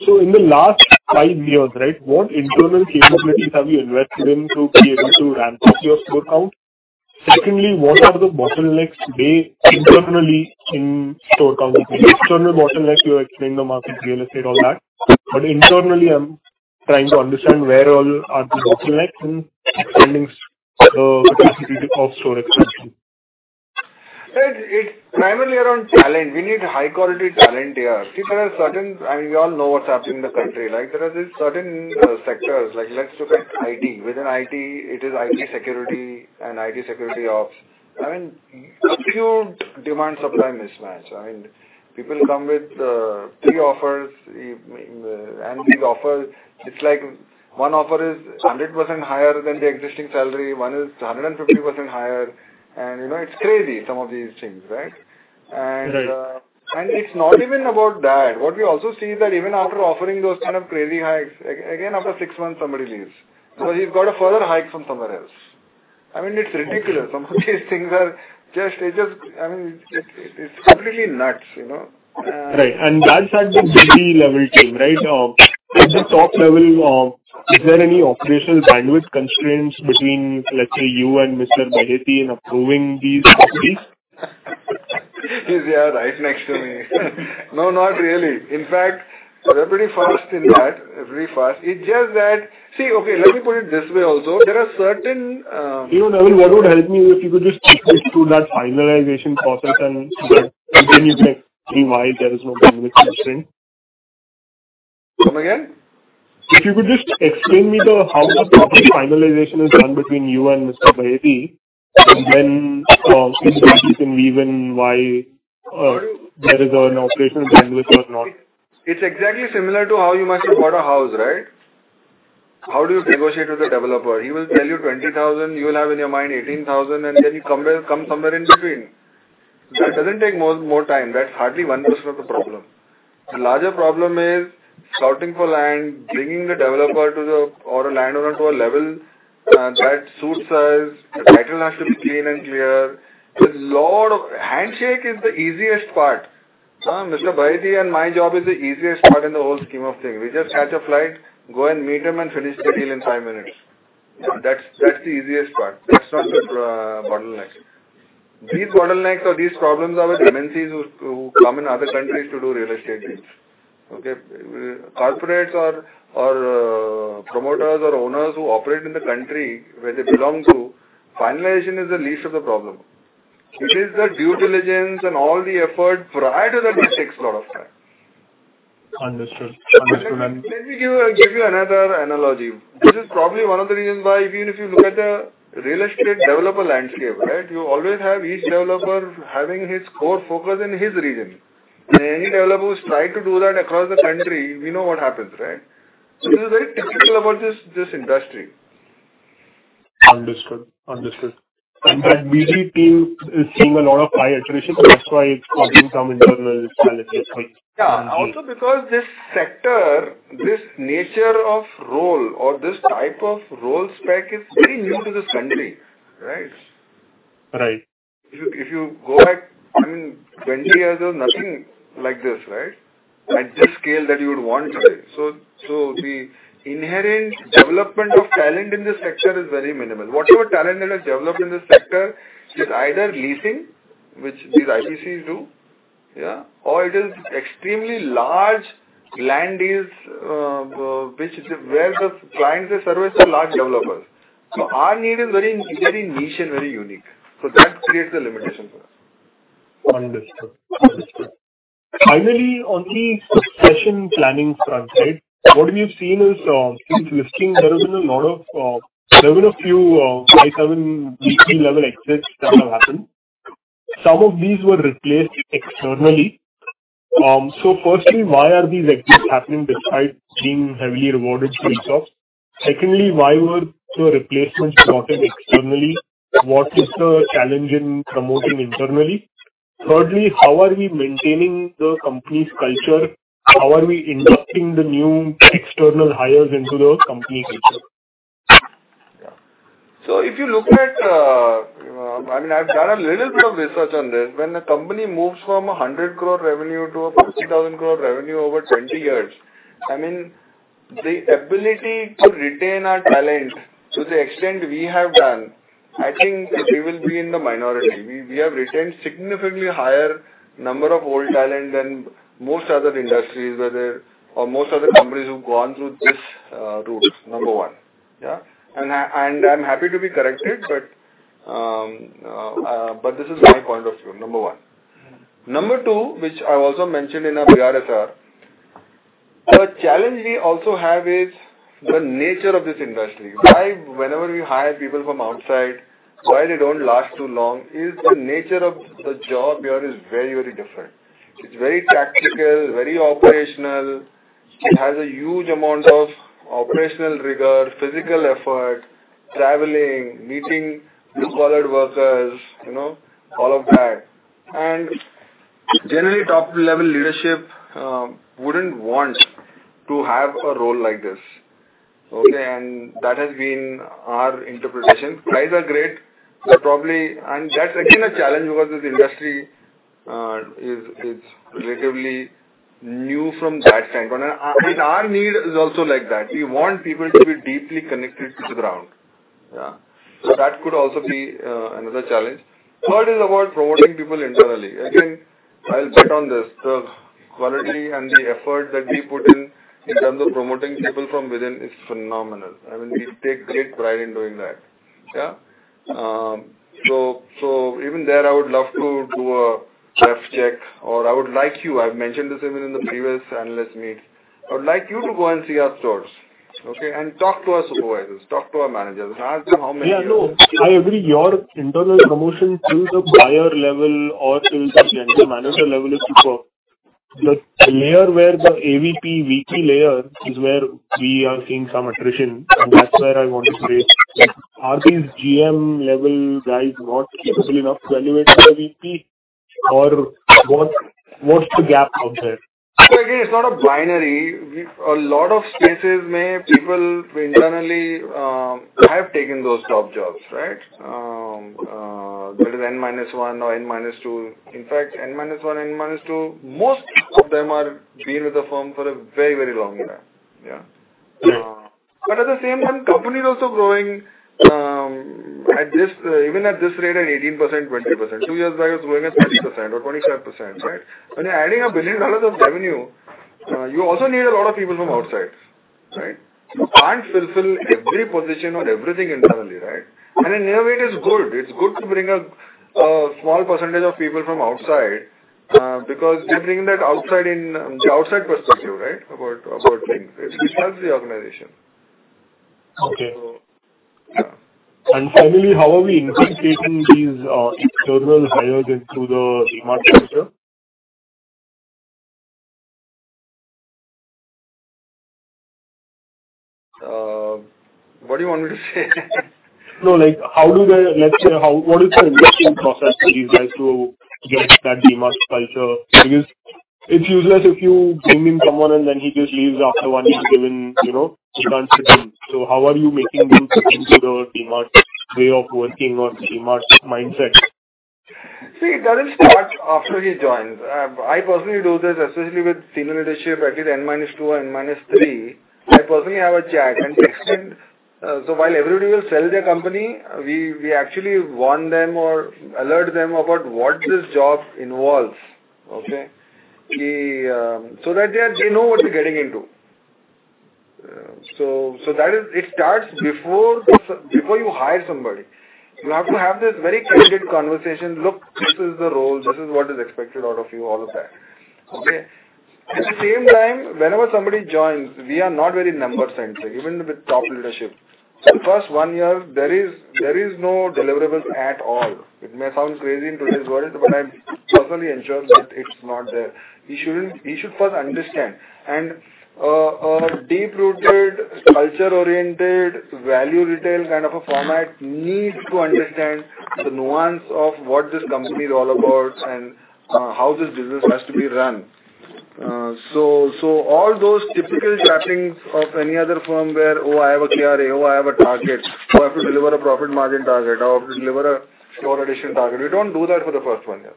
In the last 5 years, right, what internal capabilities have you invested in to be able to ramp up your store count? Secondly, what are the bottlenecks today internally in store count? External bottlenecks, you explained the market, real estate, all that. Internally, I'm trying to understand where all are the bottlenecks in expanding the capacity to store expansion. Right, it's primarily around talent. We need high-quality talent here. See, there are certain—I mean, we all know what's happening in the country, right? There are these certain sectors, like, let's look at IT. Within IT, it is IT security and IT security ops. I mean, acute demand-supply mismatch, right? People come with 3 offers, and these offers, it's like one offer is 100% higher than the existing salary, one is 150% higher, and, you know, it's crazy, some of these things, right? Right. it's not even about that. What we also see is that even after offering those kind of crazy hikes, again, after six months, somebody leaves. Okay. he's got a further hike from somewhere else. I mean, it's ridiculous. Some of these things are just. I mean, it's completely nuts, you know? Right. That's at the BD level team, right? At the top level, is there any operational bandwidth constraints between, let's say, you and Mr. Baheti in approving these properties? He's, yeah, right next to me. No, not really. In fact, we're pretty fast in that, very fast. It's just that—see, okay, let me put it this way also. There are certain— You know, what would help me if you could just take us through that finalization process and then you can explain why there is no bandwidth constraint. Come again? If you could just explain me the, how the finalization is done between you and Mr. Baheti, and then, we can weave in why, there is an operational bandwidth or not. It's exactly similar to how you must have bought a house, right? How do you negotiate with the developer? He will tell you 20,000, you will have in your mind 18,000, and then you come somewhere in between. That doesn't take more time. That's hardly 1% of the problem. The larger problem is scouting for land, bringing the developer to the or a landowner to a level that suits us. The title has to be clean and clear. There's a lot of. Handshake is the easiest part. Mr. Baheti and my job is the easiest part in the whole scheme of things. We just catch a flight, go and meet him, and finish the deal in 5 minutes. That's the easiest part. That's not the bottlenecks. These bottlenecks or these problems are with MNCs who come in other countries to do real estate deals. Okay? Corporates or promoters or owners who operate in the country where they belong to, finalization is the least of the problem. It is the due diligence and all the effort prior to that, which takes a lot of time. Understood. Let me give you another analogy. This is probably one of the reasons why, even if you look at the real estate developer landscape, right, you always have each developer having his core focus in his region. Any developer who's tried to do that across the country, we know what happens, right? This is very typical about this industry. Understood. Understood. That BD team is seeing a lot of high attrition, that's why it's having some internal challenges, right? Yeah. Also because this sector, this nature of role or this type of role spec is very new to this country, right? Right. If you go back, I mean, 20 years, there was nothing like this, right? At this scale that you would want to. The inherent development of talent in this sector is very minimal. Whatever talent that has developed in this sector is either leasing, which these IPCs do, yeah, or it is extremely large land deals, where the clients they service are large developers. Our need is very, very niche and very unique. That creates a limitation for us. Understood. Understood. Finally, on the succession planning front, right, what we've seen is, since listing, there have been a lot of, there have been a few, high-level exits that have happened. Some of these were replaced externally. Firstly, why are these exits happening despite being heavily rewarded so far? Secondly, why were the replacements sorted externally? What is the challenge in promoting internally? Thirdly, how are we maintaining the company's culture? How are we inducting the new external hires into the company culture? If you look at, I mean, I've done a little bit of research on this. When a company moves from an 100 crore revenue to an 50,000 crore revenue over 20 years, I mean, the ability to retain our talent to the extent we have done, I think we will be in the minority. We have retained significantly higher number of old talent than most other industries, whether or most other companies who've gone through this route, number one, yeah? I, and I'm happy to be corrected, but this is my point of view, number one. Number two, which I also mentioned in our GRSR, the challenge we also have is the nature of this industry. Why whenever we hire people from outside, why they don't last too long, is the nature of the job here is very, very different. It's very tactical, very operational. It has a huge amount of operational rigor, physical effort, traveling, meeting blue-collar workers, you know, all of that. Generally, top-level leadership wouldn't want to have a role like this, okay? That has been our interpretation. Prices are great, but that's again, a challenge because this industry is relatively new from that standpoint. Our need is also like that. We want people to be deeply connected to the ground. Yeah. That could also be another challenge. Third is about promoting people internally. Again, I'll bet on this. The quality and the effort that we put in terms of promoting people from within is phenomenal. I mean, we take great pride in doing that. Yeah. even there, I would love to do a ref check, or I would like you, I've mentioned this even in the previous analyst meet, I would like you to go and see our stores, okay? talk to our supervisors, talk to our managers, ask them how many. Yeah, no, I agree. Your internal promotion to the buyer level or to the general manager level is super. The layer where the AVP, VP layer is where we are seeing some attrition. That's where I want to say, like, are these GM level guys not capable enough to elevate to the VP? Or what's the gap out there? Again, it's not a binary. A lot of spaces may people internally have taken those top jobs, right? There is N minus one or N minus two. In fact, N minus one, N minus two, most of them are been with the firm for a very, very long time. Yeah. Yeah. At the same time, company is also growing, at this, even at this rate, at 18%, 20%. Two years back, it was growing at 30% or 25%, right? When you're adding INR 1 billion of revenue, you also need a lot of people from outside, right? You can't fulfill every position or everything internally, right? In a way, it is good. It's good to bring a small percentage of people from outside, because they bring that outside in, the outside perspective, right, about things. It helps the organization. Okay. So. Finally, how are we inculcating these internal hires into the DMart culture? What do you want me to say? No, like, Let's say, what is the induction process for these guys to get that DMart culture? Because it's useless if you bring in someone and then he just leaves after one year given, you know, he can't fit in. How are you making him fit into the DMart way of working or DMart mindset? It doesn't start after he joins. I personally do this, especially with senior leadership, at least N minus two, N minus three. I personally have a chat and explain. While everybody will sell their company, we actually warn them or alert them about what this job involves. Okay? That they know what they're getting into. That is, it starts before you hire somebody. You have to have this very candid conversation: "Look, this is the role, this is what is expected out of you," all of that. Okay? At the same time, whenever somebody joins, we are not very number-centric, even with top leadership. The first 1 year, there is no deliverables at all. It may sound crazy in today's world, but I'm personally ensured that it's not there. He should first understand, a deep-rooted, culture-oriented, value-retail kind of a format needs to understand the nuance of what this company is all about and how this business has to be run. All those typical trappings of any other firm where, "Oh, I have a KRA, oh, I have a target. I have to deliver a profit margin target, or I have to deliver a store addition target." We don't do that for the first one year.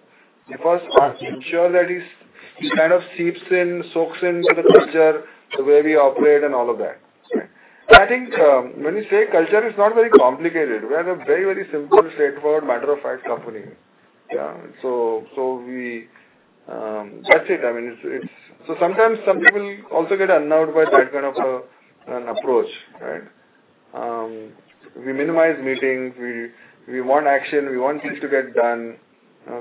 We first ensure that he kind of seeps in, soaks in to the culture, the way we operate and all of that, right? I think, when we say culture, it's not very complicated. We have a very, very simple, straightforward, matter-of-fact company. We, that's it. I mean, it's. Sometimes some people also get unnerved by that kind of a, an approach, right? We minimize meetings, we want action, we want things to get done,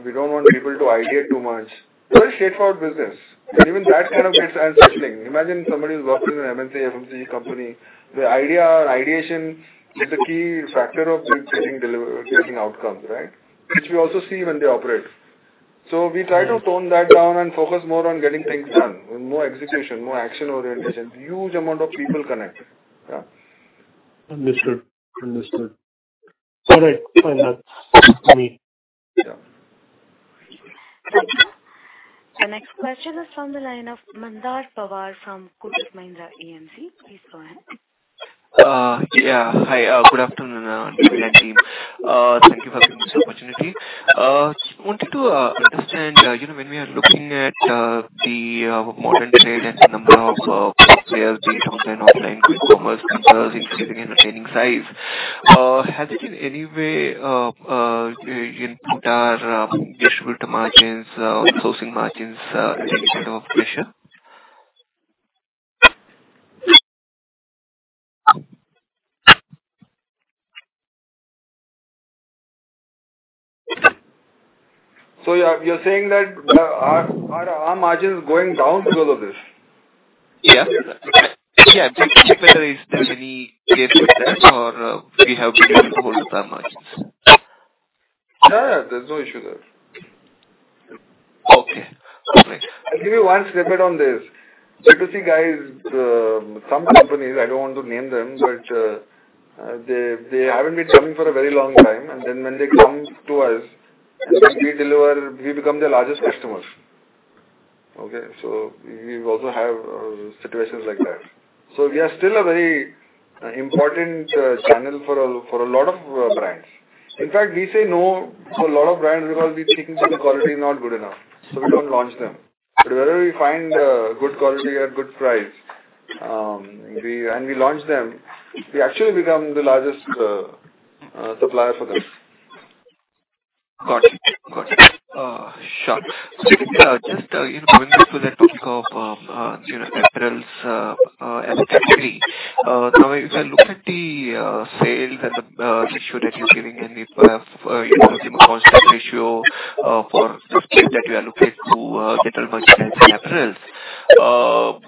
we don't want people to idea too much. We're a straightforward business. Even that kind of gets unsettling. Imagine somebody who's working in an MNC, FMCG company, ideation is the key factor of getting outcomes, right? Which we also see when they operate. We try to tone that down and focus more on getting things done, more execution, more action orientation, huge amount of people connect. Yeah. Understood. Understood. All right, fine. That's me. Yeah. The next question is from the line of Mandar Pawar f.om Kotak Mahindra AMC. Please go ahead. Yeah. Hi, good afternoon, Neville and team. Thank you for giving this opportunity. Wanted to understand, you know, when we are looking at the modern trade and the number of players based on and offline with commerce increasing and obtaining size, has it in any way input our distributor margins or sourcing margins under pressure? You're saying that, our margin is going down because of all of this? Yeah. Yeah. Just whether is there any case for that or, we have to hold our margins? No, there's no issue there. Okay. I'll give you one snippet on this. To see guys, some companies, I don't want to name them, but they haven't been coming for a very long time, and then when they come to us, we deliver, we become their largest customers. Okay. We also have situations like that. We are still a very important channel for a lot of brands. In fact, we say no to a lot of brands because we think the quality is not good enough, so we don't launch them. Wherever we find good quality at good price, we launch them, we actually become the largest supplier for them. Got it. Got it. Sure. Just, you know, going back to that topic of, you know, apparels as a category, now, if I look at the sales and the ratio that you're giving in the, you know, cost ratio for 15 that we allocate to general merchandise and apparels, it approx out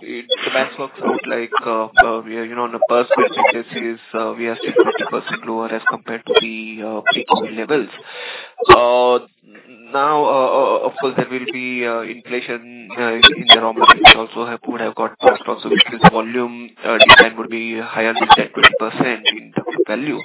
like, you know, on the first percentages, we are still 20% lower as compared to the pre-COVID levels. Now, of course, there will be inflation in the raw materials also have, would have got passed also, because volume demand would be higher than 20% in terms of value.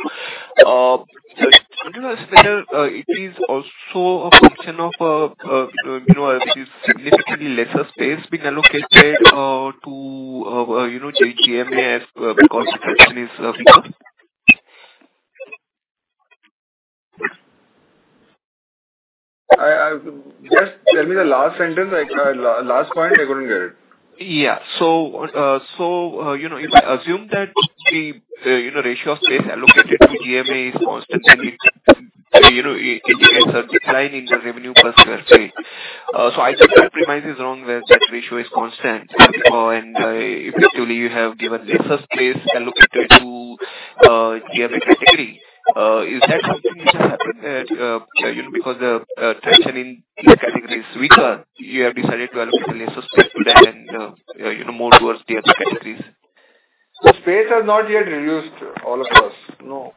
It is also a function of, you know, which is significantly lesser space been allocated, to, you know, GGMA as a consequence is. I Just tell me the last sentence, like, last point. I couldn't get it. Yeah. You know, if I assume that the, you know, ratio of space allocated to GMA is constant, then, you know, it is a decline in the revenue per sq ft. I just want to remind this wrong, where that ratio is constant, and, effectively, you have given lesser space allocated to, GMA category. Is that something, you know, because the traction in this category is weaker, you have decided to allocate less space to that and, you know, more towards the other categories? The space has not yet reduced, all of us. No.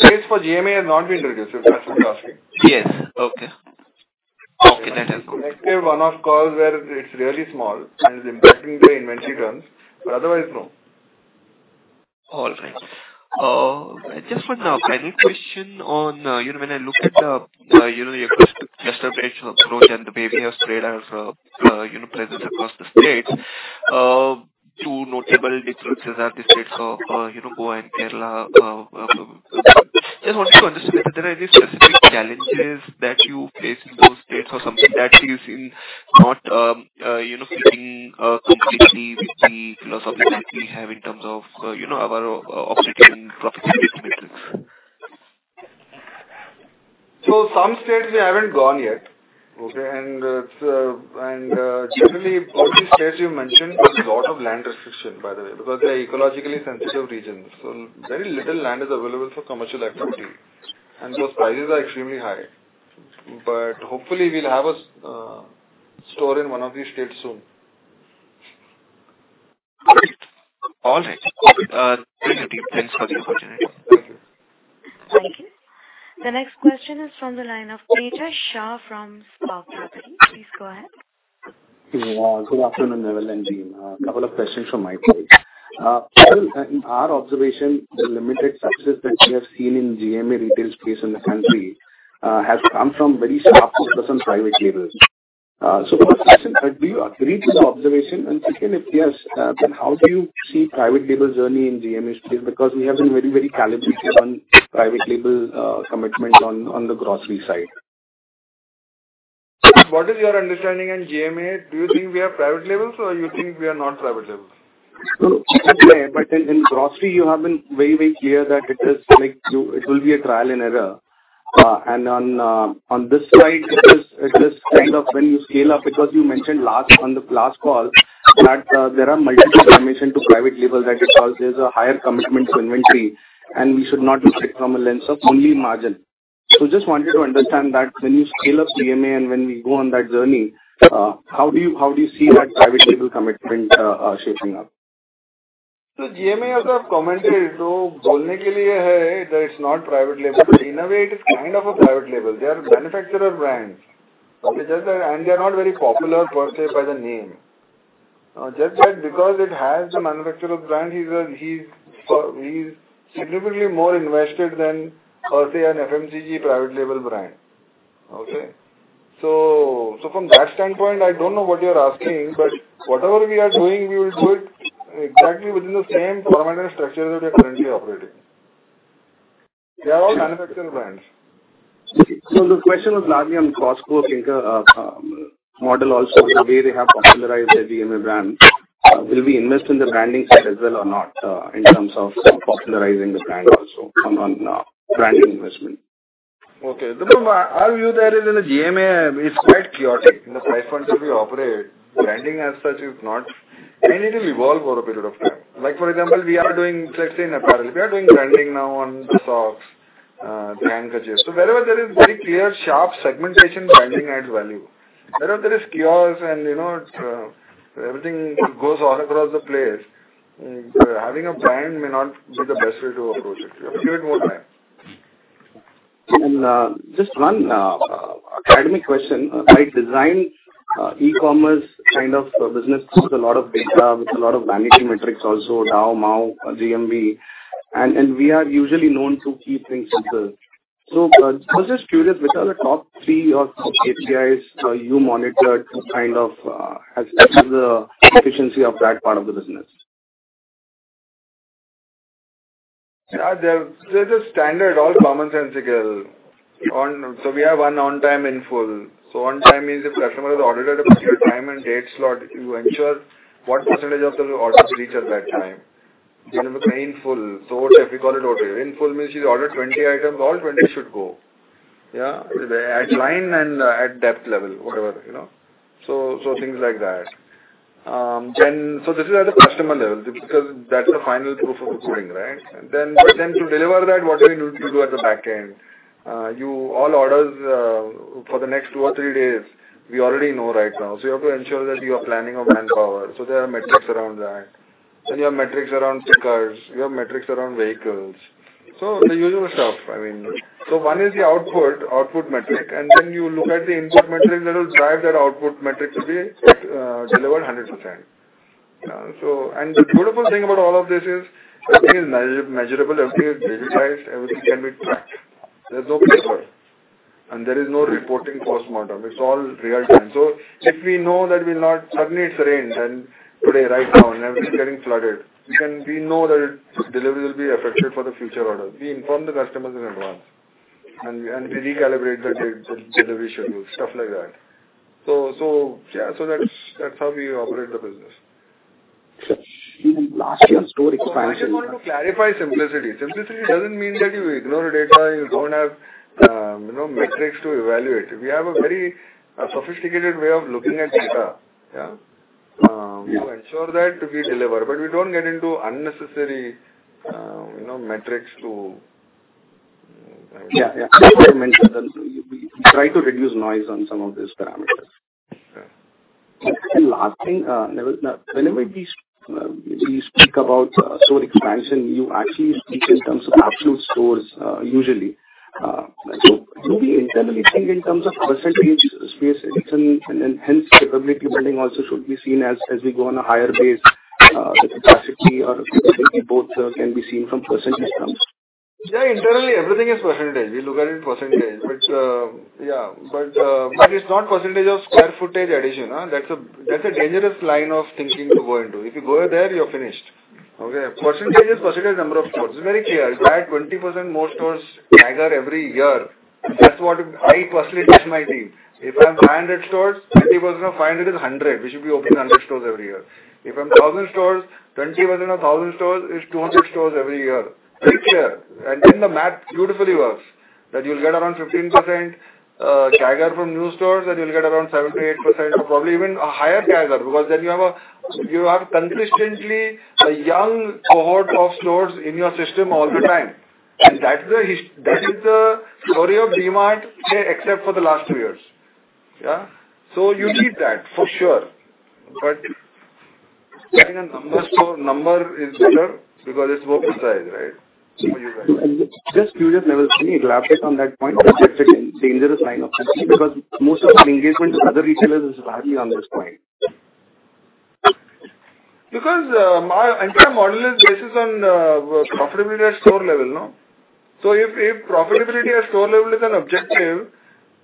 Space for GMA has not been reduced, if that's what you're asking. Yes. Okay. Okay, that is good. Next year, one-off call where it's really small and it's impacting the inventory terms, but otherwise, no. All right. Just one final question on, you know, when I look at the, you know, your cluster base approach and the way we have spread our, you know, presence across the states, two notable differences are the states of, you know, Goa and Kerala. Just wanted to understand, that there are any specific challenges that you face in those states or something that is in not, you know, fitting completely with the philosophy that we have in terms of, you know, our operating profitability metrics? Some states we haven't gone yet. Okay, generally, all the states you mentioned, there's a lot of land restriction, by the way, because they're ecologically sensitive regions, so very little land is available for commercial activity, and those prices are extremely high. Hopefully we'll have a store in one of these states soon. All right. great. Thanks for the opportunity. Thank you. Thank you. The next question is from the line of Tejas Shah from Spark Capital. Please go ahead. Yeah, good afternoon, Neville and team. A couple of questions from my side. In our observation, the limited success that we have seen in GMA retail space in the country, has come from very sharp focus on private labels. First question, do you agree to the observation? Second, if yes, then how do you see private label journey in GMA space? We have been very, very calibrated on private label, commitment on the grocery side. What is your understanding in GMA? Do you think we are private labels or you think we are not private labels? In grocery, you have been very, very clear that it is like you, it will be a trial and error. On this side, it is kind of when you scale up, because you mentioned last, on the last call, that there are multiple dimension to private label, that there's a higher commitment to inventory, and we should not look it from a lens of only margin. Just wanted to understand that when you scale up GMA and when we go on that journey, how do you, how do you see that private label commitment shaping up? GMA, as I've commented, so bolne ke liye hai that it's not private label, but in a way it is kind of a private label. They are manufacturer brands. They are not very popular per se by the name. Just that because it has a manufacturer of brand, he's significantly more invested than per se, an FMCG private label brand. Okay? From that standpoint, I don't know what you're asking, but whatever we are doing, we will do it exactly within the same parameter structure that we are currently operating. They are all manufacturer brands. The question was largely on Costco, Kirkland model also, the way they have popularized the GMA brand. Will we invest in the branding side as well or not, in terms of popularizing the brand also on brand investment? Okay. The, our view there is in the GMA is quite chaotic. In the price points that we operate, branding as such is not. I need to evolve over a period of time. Like, for example, we are doing, let's say, in apparel, we are doing branding now on the socks, handkerchief. Wherever there is very clear, sharp segmentation, branding adds value. Wherever there is chaos and, you know, it's, everything goes all across the place, having a brand may not be the best way to approach it. You have to get more time. Just one academic question. Like design e-commerce kind of business with a lot of data, with a lot of vanity metrics, also DAU, MAU, DMB, and we are usually known to keep things simple. I was just curious, what are the top three or top KPIs you monitor to kind of as the efficiency of that part of the business? Yeah, they're just standard, all commonsensical. We have one on time in full. On time means if customer has ordered at a particular time and date slot, you ensure what percentage of the orders reach at that time. Deliver in full, so what if we call it order? In full means you ordered 20 items, all 20 should go. Yeah. At line and at depth level, whatever, you know. Things like that. This is at the customer level, because that's the final proof of the pudding, right? To deliver that, what do you do at the back end? All orders for the next 2 or 3 days, we already know right now. You have to ensure that you are planning of manpower. There are metrics around that. You have metrics around pickers, you have metrics around vehicles. The usual stuff, I mean. One is the output metric, and then you look at the input metric that will drive that output metric to be delivered 100%. The beautiful thing about all of this is, everything is measurable, everything is digitized, everything can be tracked. There's no paper, and there is no reporting postmortem. It's all real time. If we know that suddenly it's rained, and today, right now, and everything is getting flooded, then we know that delivery will be affected for the future orders. We inform the customers in advance, and we recalibrate the date, the delivery schedule, stuff like that. Yeah, so that's how we operate the business. Even last year, store expansion— I just want to clarify simplicity. Simplicity doesn't mean that you ignore data, you don't have, you know, metrics to evaluate. We have a very sophisticated way of looking at data. Yeah. We ensure that we deliver, we don't get into unnecessary, you know, metrics. Yeah. You try to reduce noise on some of these parameters. Okay. Last thing, Neville, whenever we speak about store expansion, you actually speak in terms of absolute stores, usually. Do we internally think in terms of percentage, space addition, and then hence profitability building also should be seen as we go on a higher base, the capacity or both, can be seen from percentage terms? Internally, everything is percentage. We look at it in percentage. It's not percentage of square footage addition, that's a dangerous line of thinking to go into. If you go there, you're finished. Okay? Percentage is percentage number of stores. It's very clear. If I add 20% more stores CAGR every year, that's what I personally teach my team. If I have 500 stores, 20% of 500 is 100. We should be opening 100 stores every year. If I'm 1,000 stores, 20% of 1,000 stores is 200 stores every year. Very clear. Then the math beautifully works, that you'll get around 15% CAGR from new stores, and you'll get around 7%-8% or probably even a higher CAGR, because then you have consistently a young cohort of stores in your system all the time. That is the story of DMart, except for the last two years. Yeah. You need that for sure. Getting a number, so number is better because it's more precise, right. Just curious, Neville, can you elaborate on that point, projected in dangerous line of thinking, because most of the engagement with other retailers is largely on this point. Our entire model is based on profitability at store level, no? If, if profitability at store level is an objective,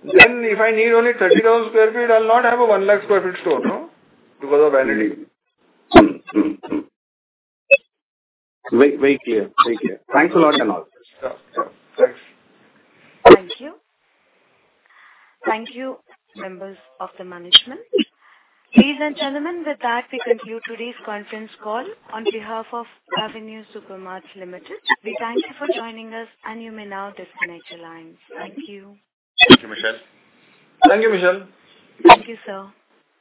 then if I need only 30,000 sq ft, I'll not have a 1 lakh sq ft store, no? Because of vanity. Very clear. Very clear. Thanks a lot, and all. Yeah. Thanks. Thank you. Thank you, members of the management. Ladies and gentlemen, with that, we conclude today's conference call. On behalf of Avenue Supermarts Limited, we thank you for joining us, and you may now disconnect your lines. Thank you. Thank you, Michelle. Thank you, Michelle. Thank you, sir.